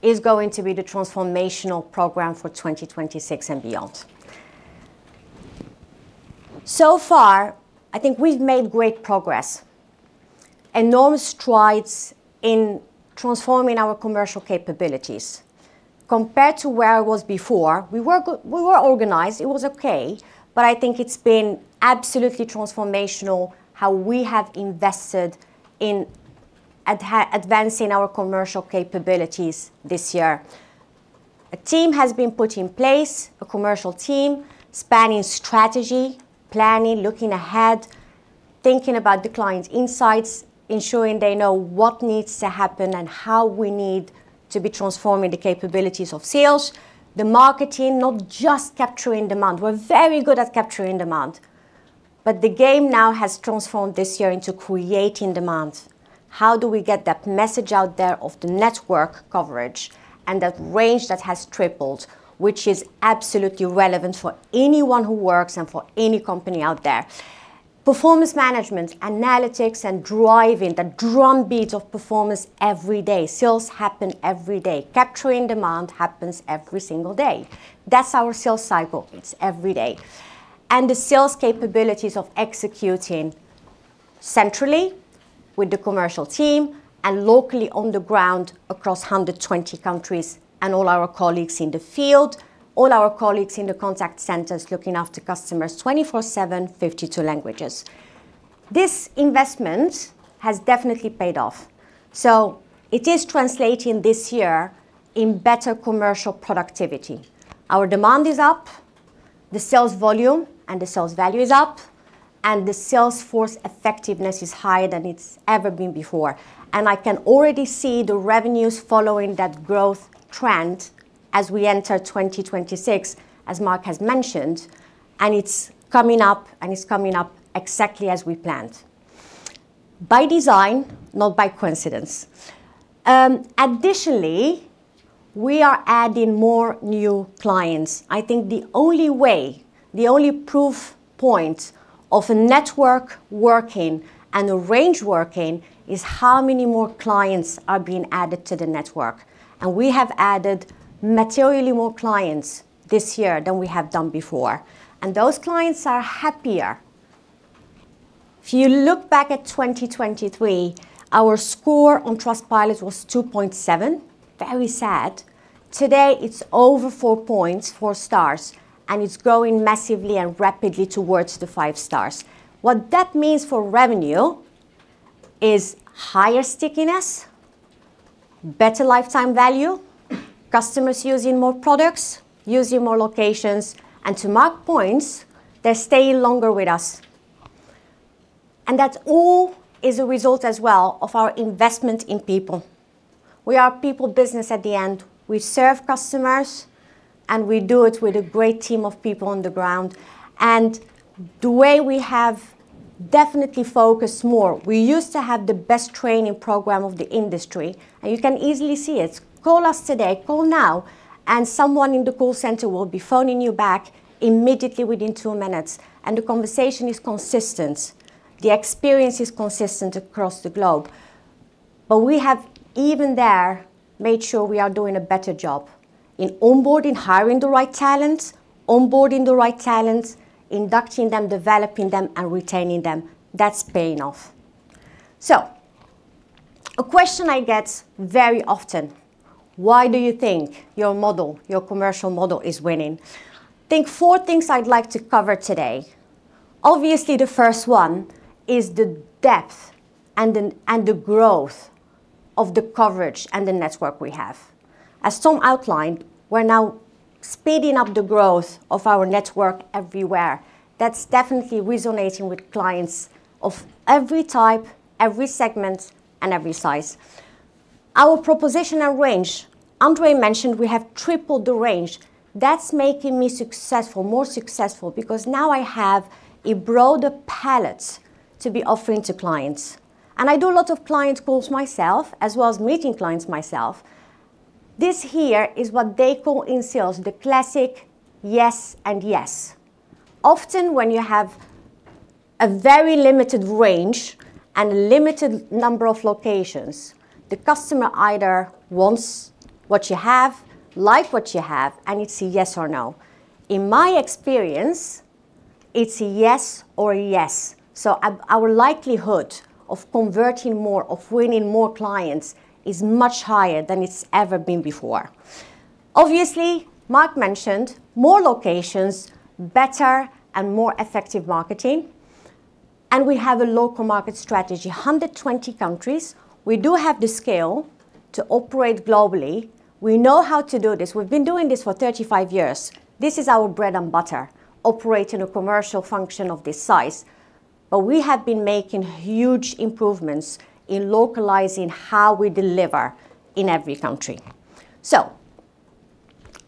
is going to be the transformational program for 2026 and beyond. So far, I think we've made great progress, enormous strides in transforming our commercial capabilities. Compared to where I was before, we were organized. It was okay. But I think it's been absolutely transformational how we have invested in advancing our commercial capabilities this year. A team has been put in place, a commercial team spanning strategy, planning, looking ahead, thinking about the client's insights, ensuring they know what needs to happen and how we need to be transforming the capabilities of sales, the marketing, not just capturing demand. We're very good at capturing demand, but the game now has transformed this year into creating demand. How do we get that message out there of the network coverage and that range that has tripled, which is absolutely relevant for anyone who works and for any company out there? Performance management, analytics, and driving the drumbeat of performance every day. Sales happen every day. Capturing demand happens every single day. That's our sales cycle. It's every day. And the sales capabilities of executing centrally with the commercial team and locally on the ground across 120 countries and all our colleagues in the field, all our colleagues in the contact centers looking after customers 24/7, 52 languages. This investment has definitely paid off. So it is translating this year in better commercial productivity. Our demand is up. The sales volume and the sales value is up, and the sales force effectiveness is higher than it's ever been before. And I can already see the revenues following that growth trend as we enter 2026, as Mark has mentioned, and it's coming up, and it's coming up exactly as we planned by design, not by coincidence. Additionally, we are adding more new clients. I think the only way, the only proof point of a network working and a range working is how many more clients are being added to the network. And we have added materially more clients this year than we have done before. And those clients are happier. If you look back at 2023, our score on Trustpilot was 2.7, very sad. Today, it's over four points, four stars, and it's growing massively and rapidly towards the five stars. What that means for revenue is higher stickiness, better lifetime value, customers using more products, using more locations, and to mark points, they stay longer with us. And that all is a result as well of our investment in people. We are people business at the end. We serve customers, and we do it with a great team of people on the ground. The way we have definitely focused more, we used to have the best training program of the industry. You can easily see it. Call us today, call now, and someone in the call center will be phoning you back immediately within two minutes. The conversation is consistent. The experience is consistent across the globe. We have even there made sure we are doing a better job in onboarding, hiring the right talent, onboarding the right talent, inducting them, developing them, and retaining them. That's paying off. A question I get very often, why do you think your model, your commercial model is winning? Think four things I'd like to cover today. Obviously, the first one is the depth and the growth of the coverage and the network we have. As Tom outlined, we're now speeding up the growth of our network everywhere. That's definitely resonating with clients of every type, every segment, and every size. Our proposition and range, Andre mentioned, we have tripled the range. That's making me successful, more successful, because now I have a broader palette to be offering to clients. And I do a lot of client calls myself as well as meeting clients myself. This here is what they call in sales the classic yes and yes. Often when you have a very limited range and a limited number of locations, the customer either wants what you have, likes what you have, and it's a yes or no. In my experience, it's a yes or a yes. So our likelihood of converting more, of winning more clients is much higher than it's ever been before. Obviously, Mark mentioned more locations, better and more effective marketing. And we have a local market strategy, 120 countries. We do have the scale to operate globally. We know how to do this. We've been doing this for 35 years. This is our bread and butter, operating a commercial function of this size. But we have been making huge improvements in localizing how we deliver in every country. So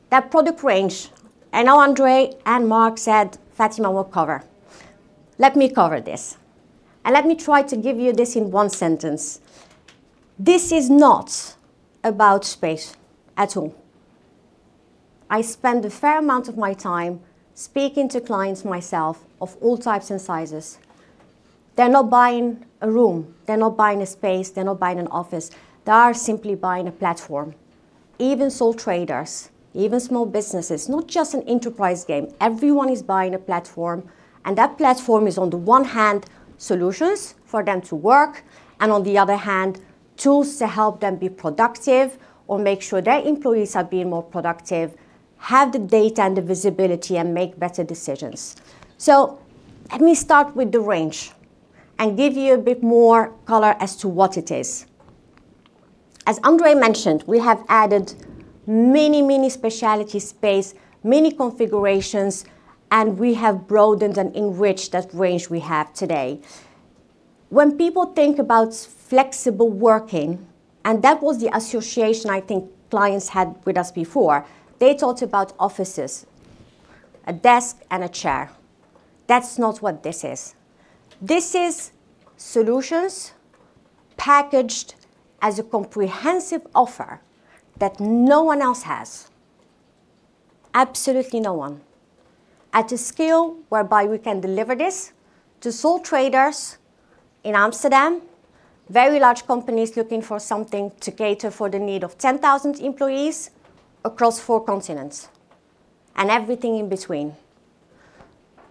that product range, I know Andre and Mark said Fatima will cover. Let me cover this. And let me try to give you this in one sentence. This is not about space at all. I spend a fair amount of my time speaking to clients myself of all types and sizes. They're not buying a room. They're not buying a space. They're not buying an office. They are simply buying a platform. Even sole traders, even small businesses, not just an enterprise game. Everyone is buying a platform. That platform is, on the one hand, solutions for them to work, and on the other hand, tools to help them be productive or make sure their employees are being more productive, have the data and the visibility, and make better decisions. So let me start with the range and give you a bit more color as to what it is. As Andre mentioned, we have added many, many specialty space, many configurations, and we have broadened and enriched that range we have today. When people think about flexible working, and that was the association I think clients had with us before, they talked about offices, a desk, and a chair. That's not what this is. This is solutions packaged as a comprehensive offer that no one else has, absolutely no one, at a scale whereby we can deliver this to sole traders in Amsterdam, very large companies looking for something to cater for the need of 10,000 employees across four continents and everything in between.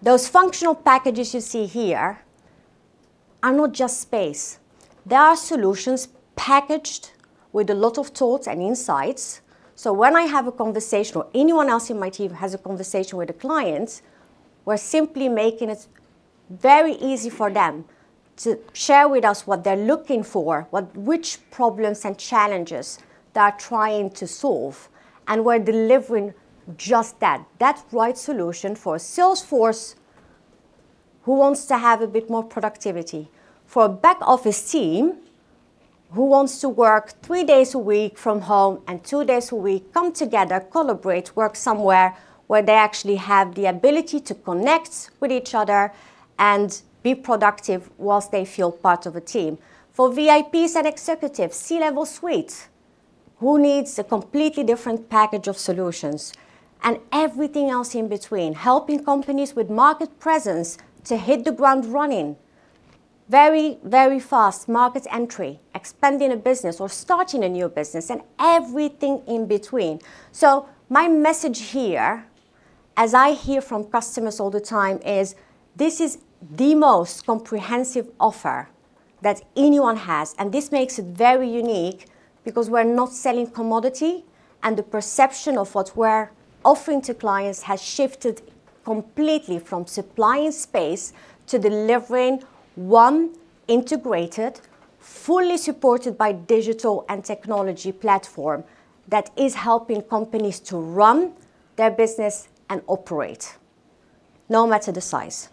Those functional packages you see here are not just space. They are solutions packaged with a lot of tools and insights. So when I have a conversation or anyone else in my team has a conversation with a client, we're simply making it very easy for them to share with us what they're looking for, which problems and challenges they are trying to solve. We're delivering just that, that right solution for a sales force who wants to have a bit more productivity, for a back office team who wants to work three days a week from home and two days a week, come together, collaborate, work somewhere where they actually have the ability to connect with each other and be productive while they feel part of a team. For VIPs and executives, C-level suite, who needs a completely different package of solutions and everything else in between, helping companies with market presence to hit the ground running very, very fast, market entry, expanding a business or starting a new business, and everything in between. My message here, as I hear from customers all the time, is this is the most comprehensive offer that anyone has. This makes it very unique because we're not selling commodity, and the perception of what we're offering to clients has shifted completely from supplying space to delivering one integrated, fully supported by digital and technology platform that is helping companies to run their business and operate no matter the size.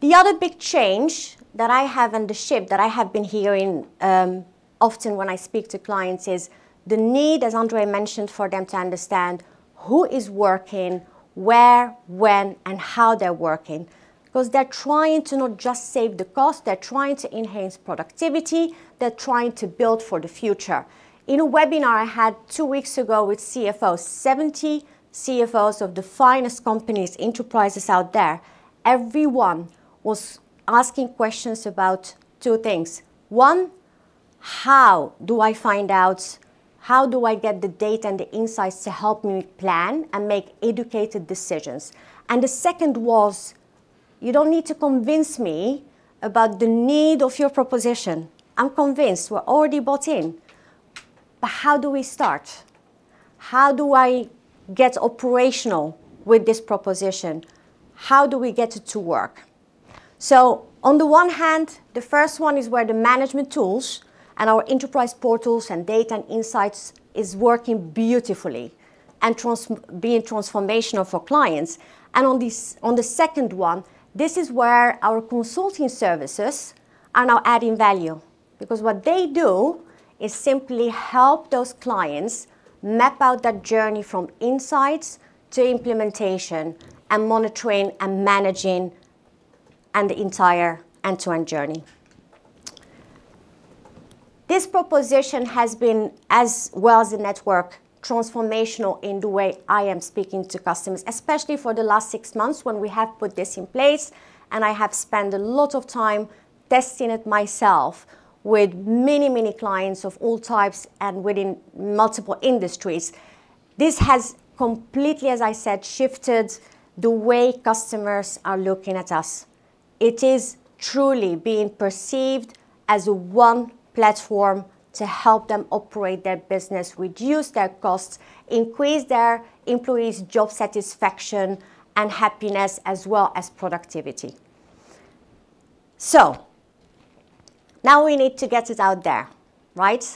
The other big change that I have noticed that I have been hearing often when I speak to clients is the need, as Andre mentioned, for them to understand who is working where, when, and how they're working because they're trying to not just save the cost. They're trying to enhance productivity. They're trying to build for the future. In a webinar I had two weeks ago with CFOs, 70 CFOs of the finest companies, enterprises out there, everyone was asking questions about two things. One, how do I find out? How do I get the data and the insights to help me plan and make educated decisions? And the second was, you don't need to convince me about the need of your proposition. I'm convinced we're already bought in. But how do we start? How do I get operational with this proposition? How do we get it to work? So on the one hand, the first one is where the management tools and our enterprise portals and data and insights are working beautifully and being transformational for clients. And on the second one, this is where our consulting services are now adding value because what they do is simply help those clients map out that journey from insights to implementation and monitoring and managing and the entire end-to-end journey. This proposition has been, as well as the network, transformational in the way I am speaking to customers, especially for the last six months when we have put this in place. And I have spent a lot of time testing it myself with many, many clients of all types and within multiple industries. This has completely, as I said, shifted the way customers are looking at us. It is truly being perceived as one platform to help them operate their business, reduce their costs, increase their employees' job satisfaction and happiness, as well as productivity. So now we need to get it out there, right?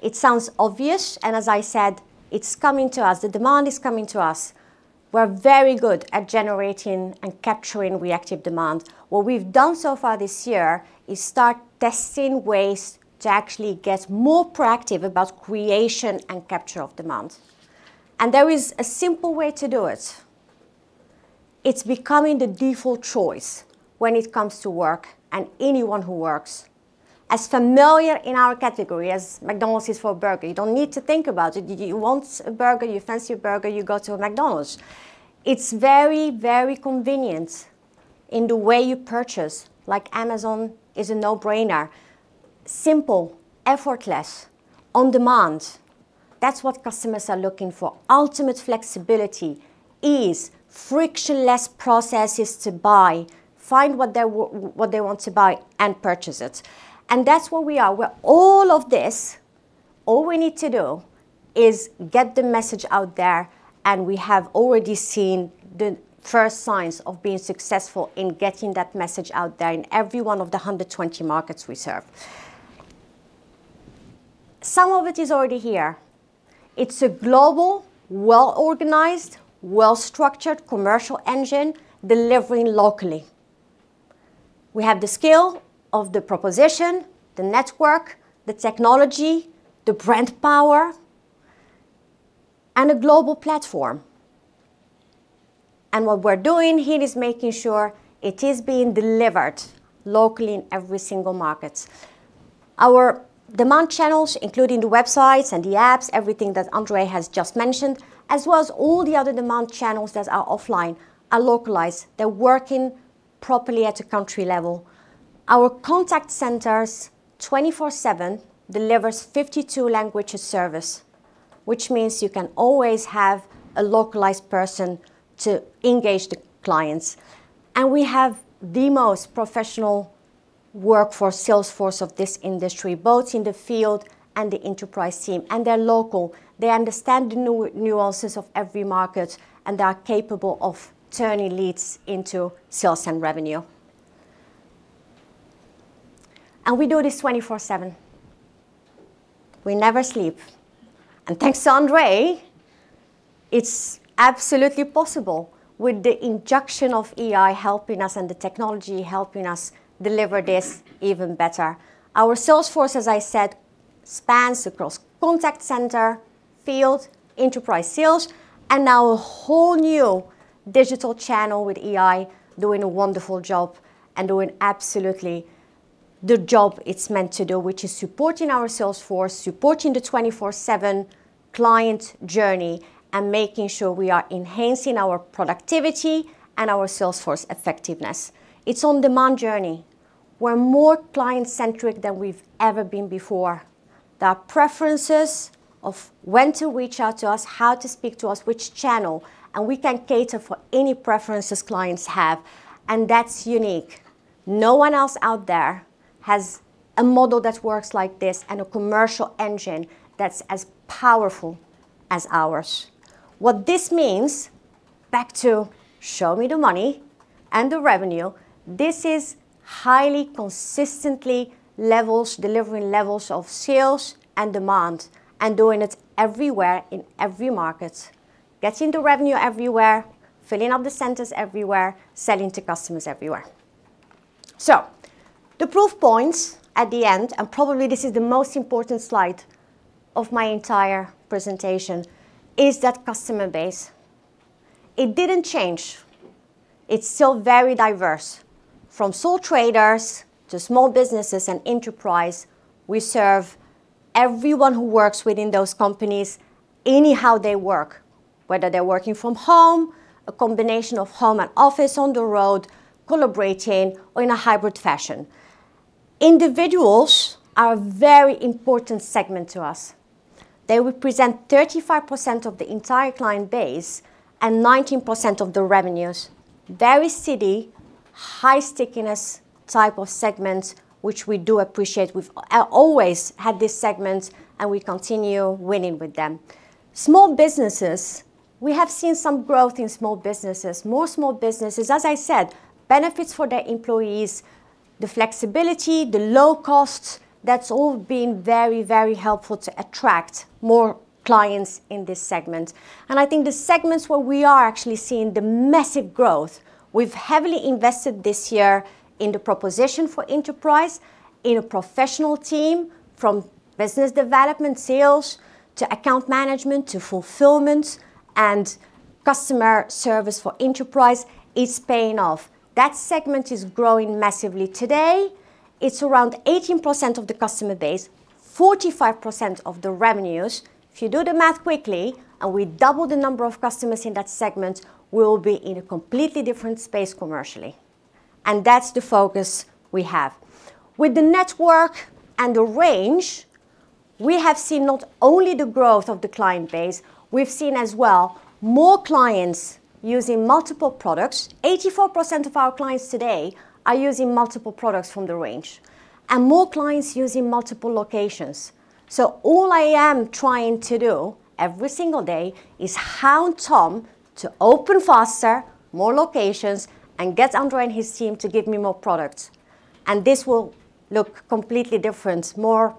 It sounds obvious. And as I said, it's coming to us. The demand is coming to us. We're very good at generating and capturing reactive demand. What we've done so far this year is start testing ways to actually get more proactive about creation and capture of demand. And there is a simple way to do it. It's becoming the default choice when it comes to work and anyone who works as familiar in our category as McDonald's is for a burger. You don't need to think about it. You want a burger, your fancy burger, you go to a McDonald's. It's very, very convenient in the way you purchase. Like Amazon is a no-brainer. Simple, effortless, on demand. That's what customers are looking for. Ultimate flexibility, ease, frictionless processes to buy, find what they want to buy, and purchase it. And that's where we are. We're all of this. All we need to do is get the message out there. And we have already seen the first signs of being successful in getting that message out there in every one of the 120 markets we serve. Some of it is already here. It's a global, well-organized, well-structured commercial engine delivering locally. We have the skill of the proposition, the network, the technology, the brand power, and a global platform. And what we're doing here is making sure it is being delivered locally in every single market. Our demand channels, including the websites and the apps, everything that Andre has just mentioned, as well as all the other demand channels that are offline, are localized. They're working properly at a country level. Our contact centers, 24/7, deliver 52 languages service, which means you can always have a localized person to engage the clients. We have the most professional workforce, salesforce of this industry, both in the field and the enterprise team. They're local. They understand the nuances of every market, and they are capable of turning leads into sales and revenue. We do this 24/7. We never sleep. Thanks to Andre, it's absolutely possible with the injection of AI helping us and the technology helping us deliver this even better. Our salesforce, as I said, spans across contact center, field, enterprise sales, and now a whole new digital channel with AI doing a wonderful job and doing absolutely the job it's meant to do, which is supporting our salesforce, supporting the 24/7 client journey, and making sure we are enhancing our productivity and our salesforce effectiveness. It's an on-demand journey. We're more client-centric than we've ever been before. There are preferences of when to reach out to us, how to speak to us, which channel, and we can cater for any preferences clients have, and that's unique. No one else out there has a model that works like this and a commercial engine that's as powerful as ours. What this means, back to show me the money and the revenue, this is highly consistently levels, delivering levels of sales and demand and doing it everywhere in every market, getting the revenue everywhere, filling up the centers everywhere, selling to customers everywhere. The proof points at the end, and probably this is the most important slide of my entire presentation, is that customer base. It didn't change. It's still very diverse. From sole traders to small businesses and enterprises, we serve everyone who works within those companies anyhow they work, whether they're working from home, a combination of home and office on the road, collaborating, or in a hybrid fashion. Individuals are a very important segment to us. They represent 35% of the entire client base and 19% of the revenues. Very steady, high stickiness type of segment, which we do appreciate. We've always had this segment, and we continue winning with them. Small businesses, we have seen some growth in small businesses, more small businesses, as I said, benefits for their employees, the flexibility, the low costs. That's all been very, very helpful to attract more clients in this segment. I think the segments where we are actually seeing the massive growth. We've heavily invested this year in the proposition for enterprise, in a professional team from business development, sales, to account management, to fulfillment, and customer service for enterprise is paying off. That segment is growing massively today. It's around 18% of the customer base, 45% of the revenues. If you do the math quickly, and we double the number of customers in that segment, we'll be in a completely different space commercially, and that's the focus we have. With the network and the range, we have seen not only the growth of the client base, we've seen as well more clients using multiple products. 84% of our clients today are using multiple products from the range and more clients using multiple locations. All I am trying to do every single day is hound Tom to open faster, more locations, and get Andre and his team to give me more products. This will look completely different, more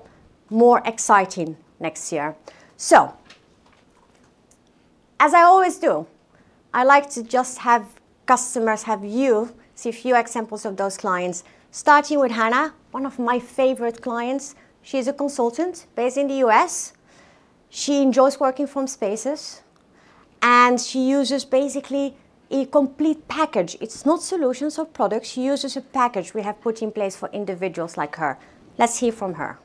exciting next year. As I always do, I like to just have customers have you see a few examples of those clients, starting with Hannah, one of my favorite clients. She is a consultant based in the US. She enjoys working from Spaces, and she uses basically a complete package. It's not solutions or products. She uses a package we have put in place for individuals like her. Let's hear from her.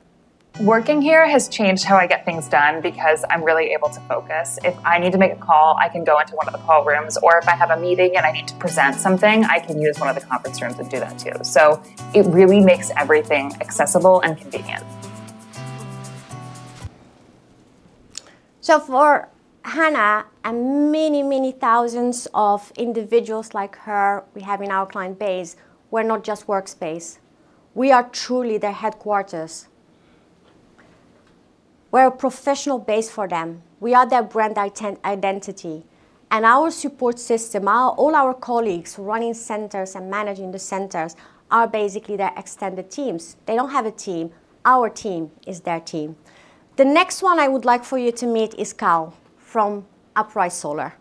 Working here has changed how I get things done because I'm really able to focus. If I need to make a call, I can go into one of the call rooms. Or if I have a meeting and I need to present something, I can use one of the conference rooms and do that too. So it really makes everything accessible and convenient. So for Hannah and many, many thousands of individuals like her we have in our client base, we're not just workspace. We are truly their headquarters. We're a professional base for them. We are their brand identity. And our support system, all our colleagues running centers and managing the centers are basically their extended teams. They don't have a team. Our team is their team. The next one I would like for you to meet is Cal from Uprise Solar.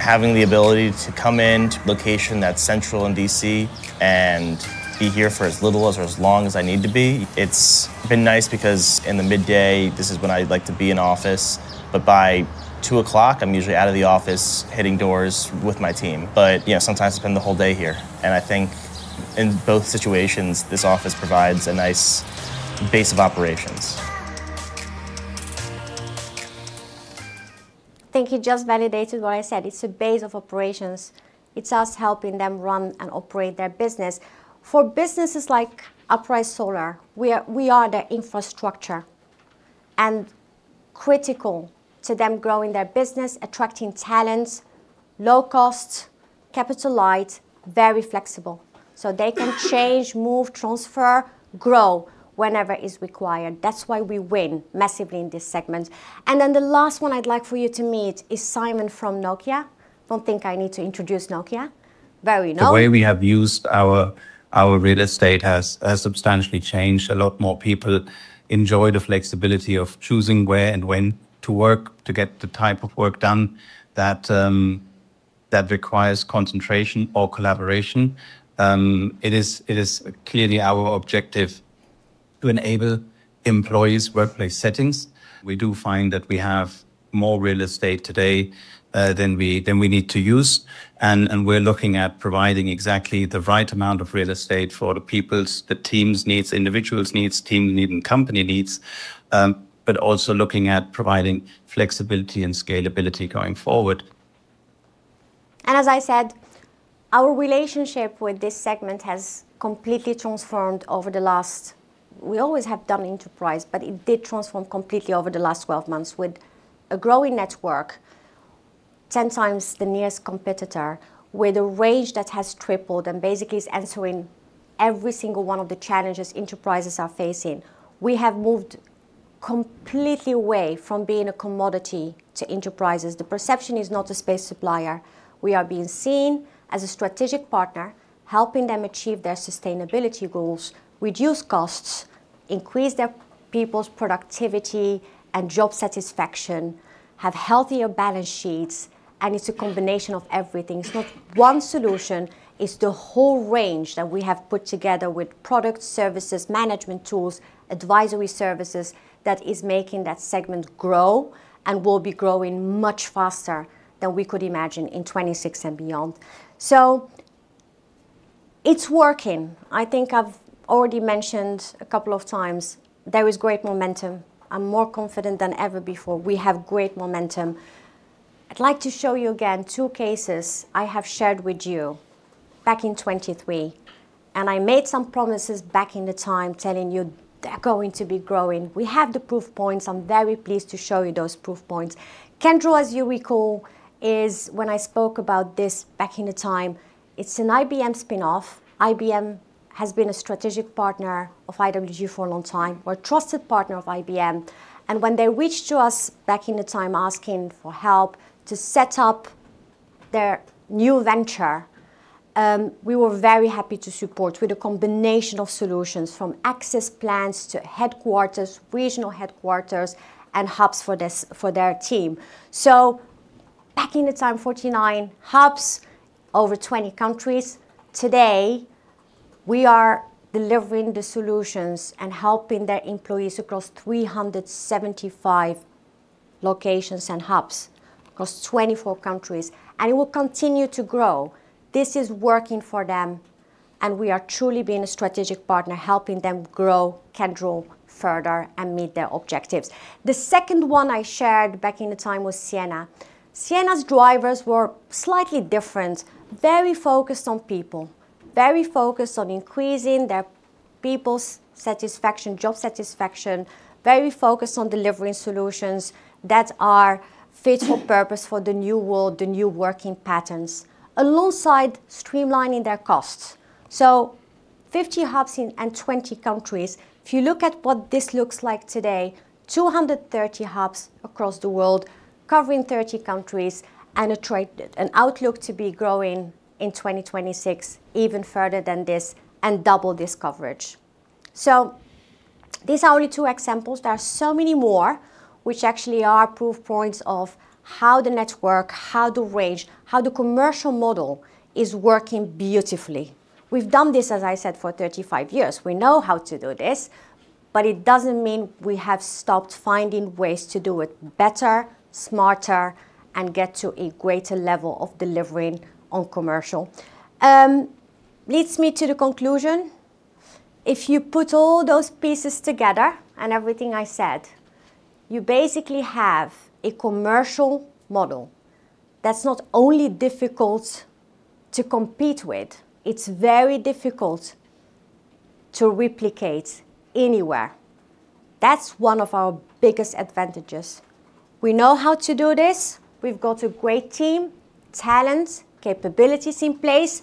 Having the ability to come into a location that's central in D.C. and be here for as little as or as long as I need to be, it's been nice because in the midday, this is when I like to be in office, but by 2:00 P.M., I'm usually out of the office hitting doors with my team, but sometimes I spend the whole day here, and I think in both situations, this office provides a nice base of operations. I think it just validated what I said. It's a base of operations. It's us helping them run and operate their business. For businesses like Uprise Solar, we are the infrastructure and critical to them growing their business, attracting talent, low cost, capital light, very flexible. So they can change, move, transfer, grow whenever is required. That's why we win massively in this segment. And then the last one I'd like for you to meet is Simon from Nokia. Don't think I need to introduce Nokia. Very no. The way we have used our real estate has substantially changed. A lot more people enjoy the flexibility of choosing where and when to work to get the type of work done that requires concentration or collaboration. It is clearly our objective to enable employees' workplace settings. We do find that we have more real estate today than we need to use. And we're looking at providing exactly the right amount of real estate for the people, the teams' needs, individuals' needs, team needs, and company needs, but also looking at providing flexibility and scalability going forward. And as I said, our relationship with this segment has completely transformed. We always have done enterprise, but it did transform completely over the last 12 months with a growing network, 10 times the nearest competitor, with a range that has tripled and basically is answering every single one of the challenges enterprises are facing. We have moved completely away from being a commodity to enterprises. The perception is not a space supplier. We are being seen as a strategic partner, helping them achieve their sustainability goals, reduce costs, increase their people's productivity and job satisfaction, have healthier balance sheets. And it's a combination of everything. It's not one solution. It's the whole range that we have put together with product services, management tools, advisory services that is making that segment grow and will be growing much faster than we could imagine in 2026 and beyond. So it's working. I think I've already mentioned a couple of times. There is great momentum. I'm more confident than ever before. We have great momentum. I'd like to show you again two cases I have shared with you back in 2023. And I made some promises back in the time telling you they're going to be growing. We have the proof points. I'm very pleased to show you those proof points. Kyndryl, as you recall, is when I spoke about this back in the time, it's an IBM spinoff. IBM has been a strategic partner of IWG for a long time. We're a trusted partner of IBM. And when they reached to us back in the time asking for help to set up their new venture, we were very happy to support with a combination of solutions from access plans to headquarters, regional headquarters, and hubs for their team. So back in the time, 49 hubs over 20 countries. Today, we are delivering the solutions and helping their employees across 375 locations and hubs across 24 countries. And it will continue to grow. This is working for them. And we are truly being a strategic partner, helping them grow, expand further, and meet their objectives. The second one I shared back in the time was Ciena. Ciena's drivers were slightly different, very focused on people, very focused on increasing their people's satisfaction, job satisfaction, very focused on delivering solutions that are fit for purpose for the new world, the new working patterns, alongside streamlining their costs. So 50 hubs in 20 countries. If you look at what this looks like today, 230 hubs across the world covering 30 countries and a great outlook to be growing in 2026 even further than this and double this coverage. So these are only two examples. There are so many more which actually are proof points of how the network, how the range, how the commercial model is working beautifully. We've done this, as I said, for 35 years. We know how to do this, but it doesn't mean we have stopped finding ways to do it better, smarter, and get to a greater level of delivering on commercial. Leads me to the conclusion. If you put all those pieces together and everything I said, you basically have a commercial model that's not only difficult to compete with, it's very difficult to replicate anywhere. That's one of our biggest advantages. We know how to do this. We've got a great team, talent, capabilities in place.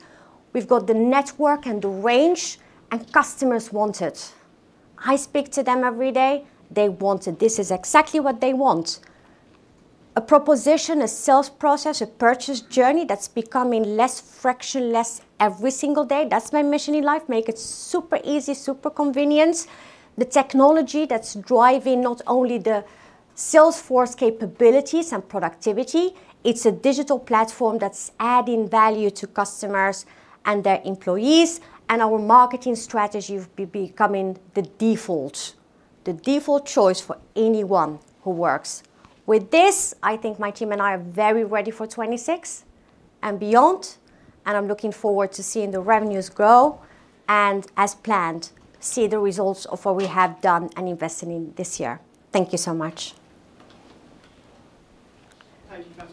We've got the network and the range and customers want it. I speak to them every day. They want it. This is exactly what they want. A proposition, a sales process, a purchase journey that's becoming less frictionless every single day. That's my mission in life. Make it super easy, super convenient. The technology that's driving not only the salesforce capabilities and productivity, it's a digital platform that's adding value to customers and their employees. And our marketing strategy will be becoming the default, the default choice for anyone who works. With this, I think my team and I are very ready for 2026 and beyond. And I'm looking forward to seeing the revenues grow and, as planned, see the results of what we have done and invested in this year. Thank you so much. Thank you,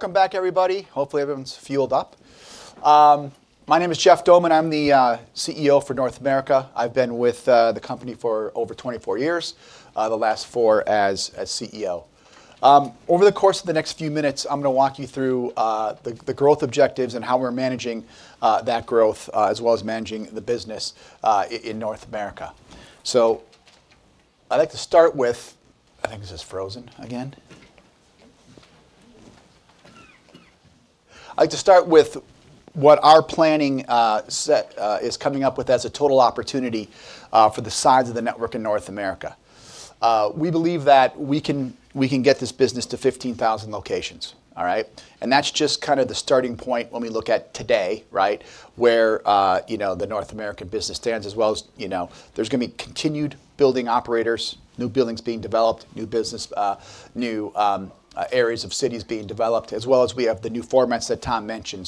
Jasmine. We're going to go to a 20-minute break. We're all back. All right. Welcome back, everybody. Hopefully, everyone's fueled up. My name is Jeff Doughman. I'm the CEO for North America. I've been with the company for over 24 years, the last four as CEO. Over the course of the next few minutes, I'm going to walk you through the growth objectives and how we're managing that growth, as well as managing the business in North America. So I'd like to start with, I think this is frozen again. I'd like to start with what our planning set is coming up with as a total opportunity for the size of the network in North America. We believe that we can get this business to 15,000 locations. All right? And that's just kind of the starting point when we look at today, right, where the North American business stands, as well as there's going to be continued building operators, new buildings being developed, new areas of cities being developed, as well as we have the new formats that Tom mentioned.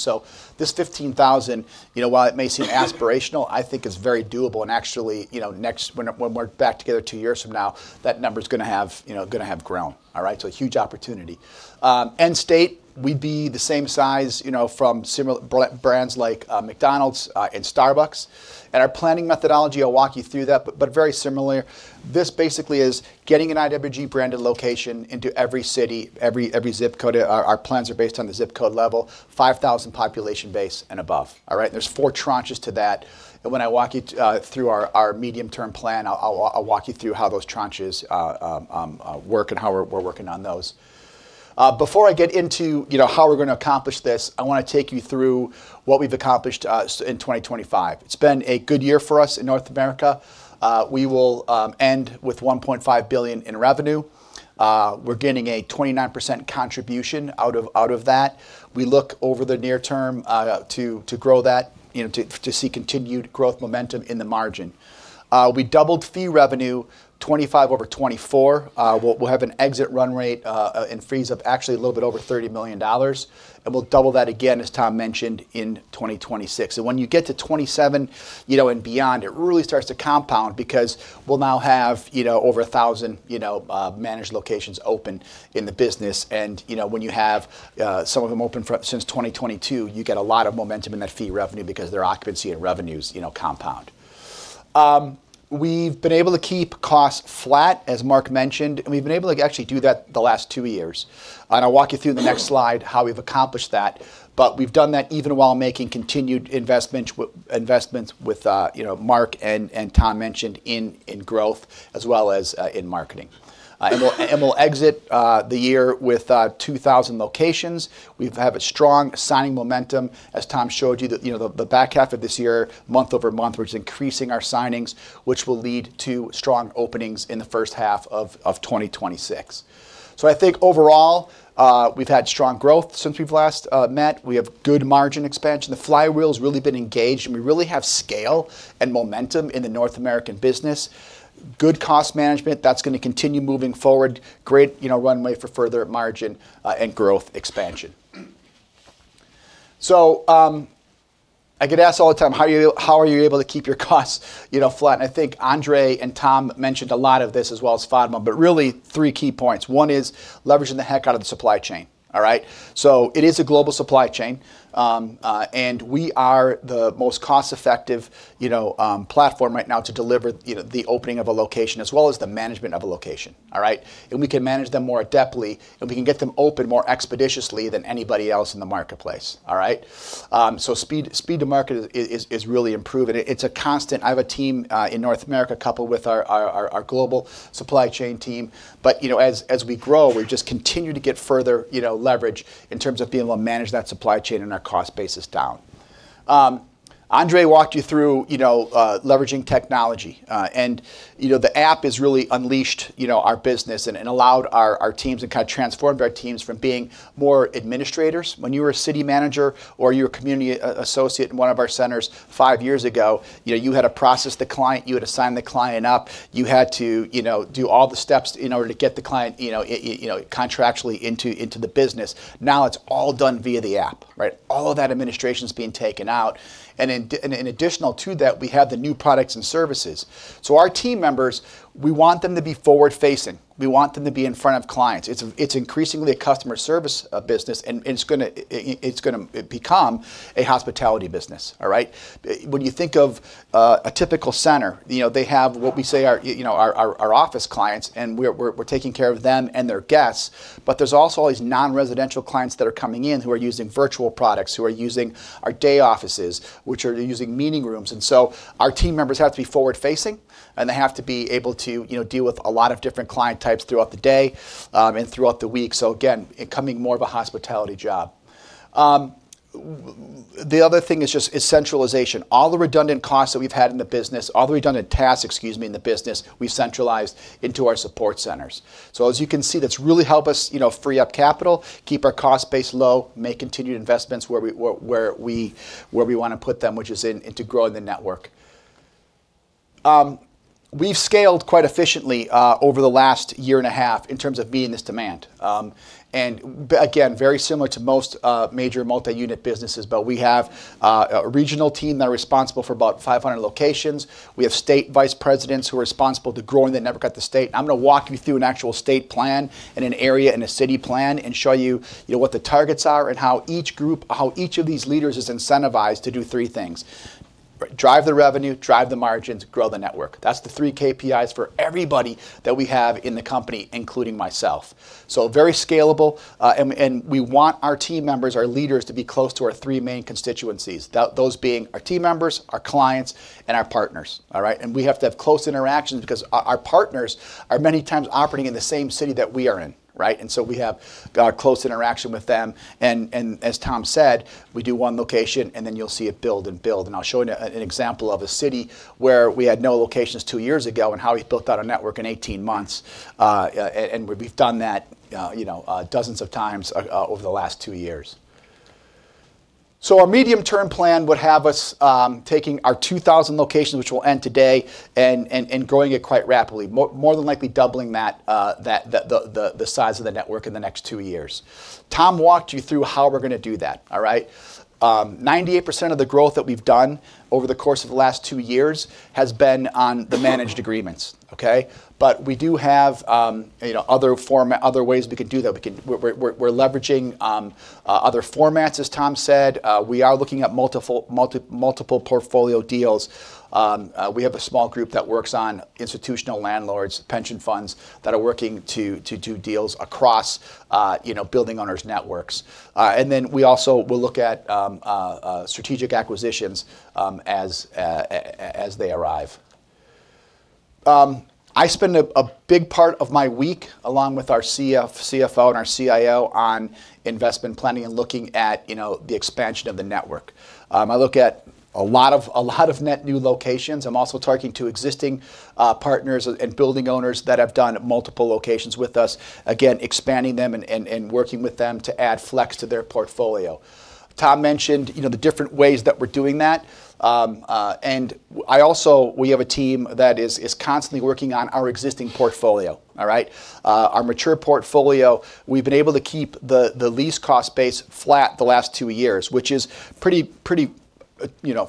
This 15,000, while it may seem aspirational, I think it's very doable. And actually, when we're back together two years from now, that number is going to have grown. All right? So a huge opportunity. And at scale, we'd be the same size as similar brands like McDonald's and Starbucks. And our planning methodology, I'll walk you through that, but very similar. This basically is getting an IWG branded location into every city, every ZIP code. Our plans are based on the ZIP code level, 5,000 population base and above. All right? And there's four tranches to that. And when I walk you through our medium-term plan, I'll walk you through how those tranches work and how we're working on those. Before I get into how we're going to accomplish this, I want to take you through what we've accomplished in 2025. It's been a good year for us in North America. We will end with $1.5 billion in revenue. We're getting a 29% contribution out of that. We look over the near term to grow that, to see continued growth momentum in the margin. We doubled fee revenue, 2025 over 2024. We'll have an exit run rate in fees of actually a little bit over $30 million. We'll double that again, as Tom mentioned, in 2026. When you get to 2027 and beyond, it really starts to compound because we'll now have over 1,000 managed locations open in the business. When you have some of them open since 2022, you get a lot of momentum in that fee revenue because their occupancy and revenues compound. We've been able to keep costs flat, as Mark mentioned. We've been able to actually do that the last two years. And I'll walk you through in the next slide how we've accomplished that. But we've done that even while making continued investments with Mark and Tom mentioned in growth, as well as in marketing. And we'll exit the year with 2,000 locations. We have a strong signing momentum, as Tom showed you, the back half of this year, month over month, which is increasing our signings, which will lead to strong openings in the first half of 2026. So I think overall, we've had strong growth since we've last met. We have good margin expansion. The flywheel has really been engaged. And we really have scale and momentum in the North American business. Good cost management. That's going to continue moving forward. Great runway for further margin and growth expansion. So I get asked all the time, how are you able to keep your costs flat? And I think Andre and Tom mentioned a lot of this, as well as Fatima, but really three key points. One is leveraging the heck out of the supply chain. All right? So it is a global supply chain. And we are the most cost-effective platform right now to deliver the opening of a location, as well as the management of a location. All right? And we can manage them more adeptly. And we can get them open more expeditiously than anybody else in the marketplace. All right? So speed to market is really improving. It's a constant. I have a team in North America coupled with our global supply chain team. But as we grow, we just continue to get further leverage in terms of being able to manage that supply chain and our cost basis down. Andre walked you through leveraging technology. And the app has really unleashed our business and allowed our teams and kind of transformed our teams from being more administrators. When you were a city manager or you were a community associate in one of our centers five years ago, you had to process the client. You had to sign the client up. You had to do all the steps in order to get the client contractually into the business. Now it's all done via the app, right? All of that administration is being taken out. And in addition to that, we have the new products and services. So our team members, we want them to be forward-facing. We want them to be in front of clients. It's increasingly a customer service business. And it's going to become a hospitality business, all right? When you think of a typical center, they have what we say are our office clients. And we're taking care of them and their guests. But there's also all these non-residential clients that are coming in who are using virtual products, who are using our day offices, which are using meeting rooms. And so our team members have to be forward-facing. And they have to be able to deal with a lot of different client types throughout the day and throughout the week. So again, becoming more of a hospitality job. The other thing is just centralization. All the redundant costs that we've had in the business, all the redundant tasks, excuse me, in the business, we've centralized into our support centers. So as you can see, that's really helped us free up capital, keep our cost base low, make continued investments where we want to put them, which is into growing the network. We've scaled quite efficiently over the last year and a half in terms of meeting this demand. And again, very similar to most major multi-unit businesses, but we have a regional team that are responsible for about 500 locations. We have state vice presidents who are responsible for growing the network at the state. And I'm going to walk you through an actual state plan and an area and a city plan and show you what the targets are and how each group, how each of these leaders is incentivized to do three things: drive the revenue, drive the margins, grow the network. That's the three KPIs for everybody that we have in the company, including myself. So very scalable. And we want our team members, our leaders, to be close to our three main constituencies, those being our team members, our clients, and our partners. All right? And we have to have close interactions because our partners are many times operating in the same city that we are in, right? And so we have a close interaction with them. And as Tom said, we do one location, and then you'll see it build and build. And I'll show you an example of a city where we had no locations two years ago and how we built out a network in 18 months. And we've done that dozens of times over the last two years. So our medium-term plan would have us taking our 2,000 locations, which will end today, and growing it quite rapidly, more than likely doubling the size of the network in the next two years. Tom walked you through how we're going to do that, all right? 98% of the growth that we've done over the course of the last two years has been on the managed agreements, okay? But we do have other ways we can do that. We're leveraging other formats, as Tom said. We are looking at multiple portfolio deals. We have a small group that works on institutional landlords, pension funds that are working to do deals across building owners' networks. And then we also will look at strategic acquisitions as they arrive. I spend a big part of my week, along with our CFO and our CIO, on investment planning and looking at the expansion of the network. I look at a lot of net new locations. I'm also talking to existing partners and building owners that have done multiple locations with us, again, expanding them and working with them to add flex to their portfolio. Tom mentioned the different ways that we're doing that, and we have a team that is constantly working on our existing portfolio, all right? Our mature portfolio, we've been able to keep the lease cost base flat the last two years, which is a pretty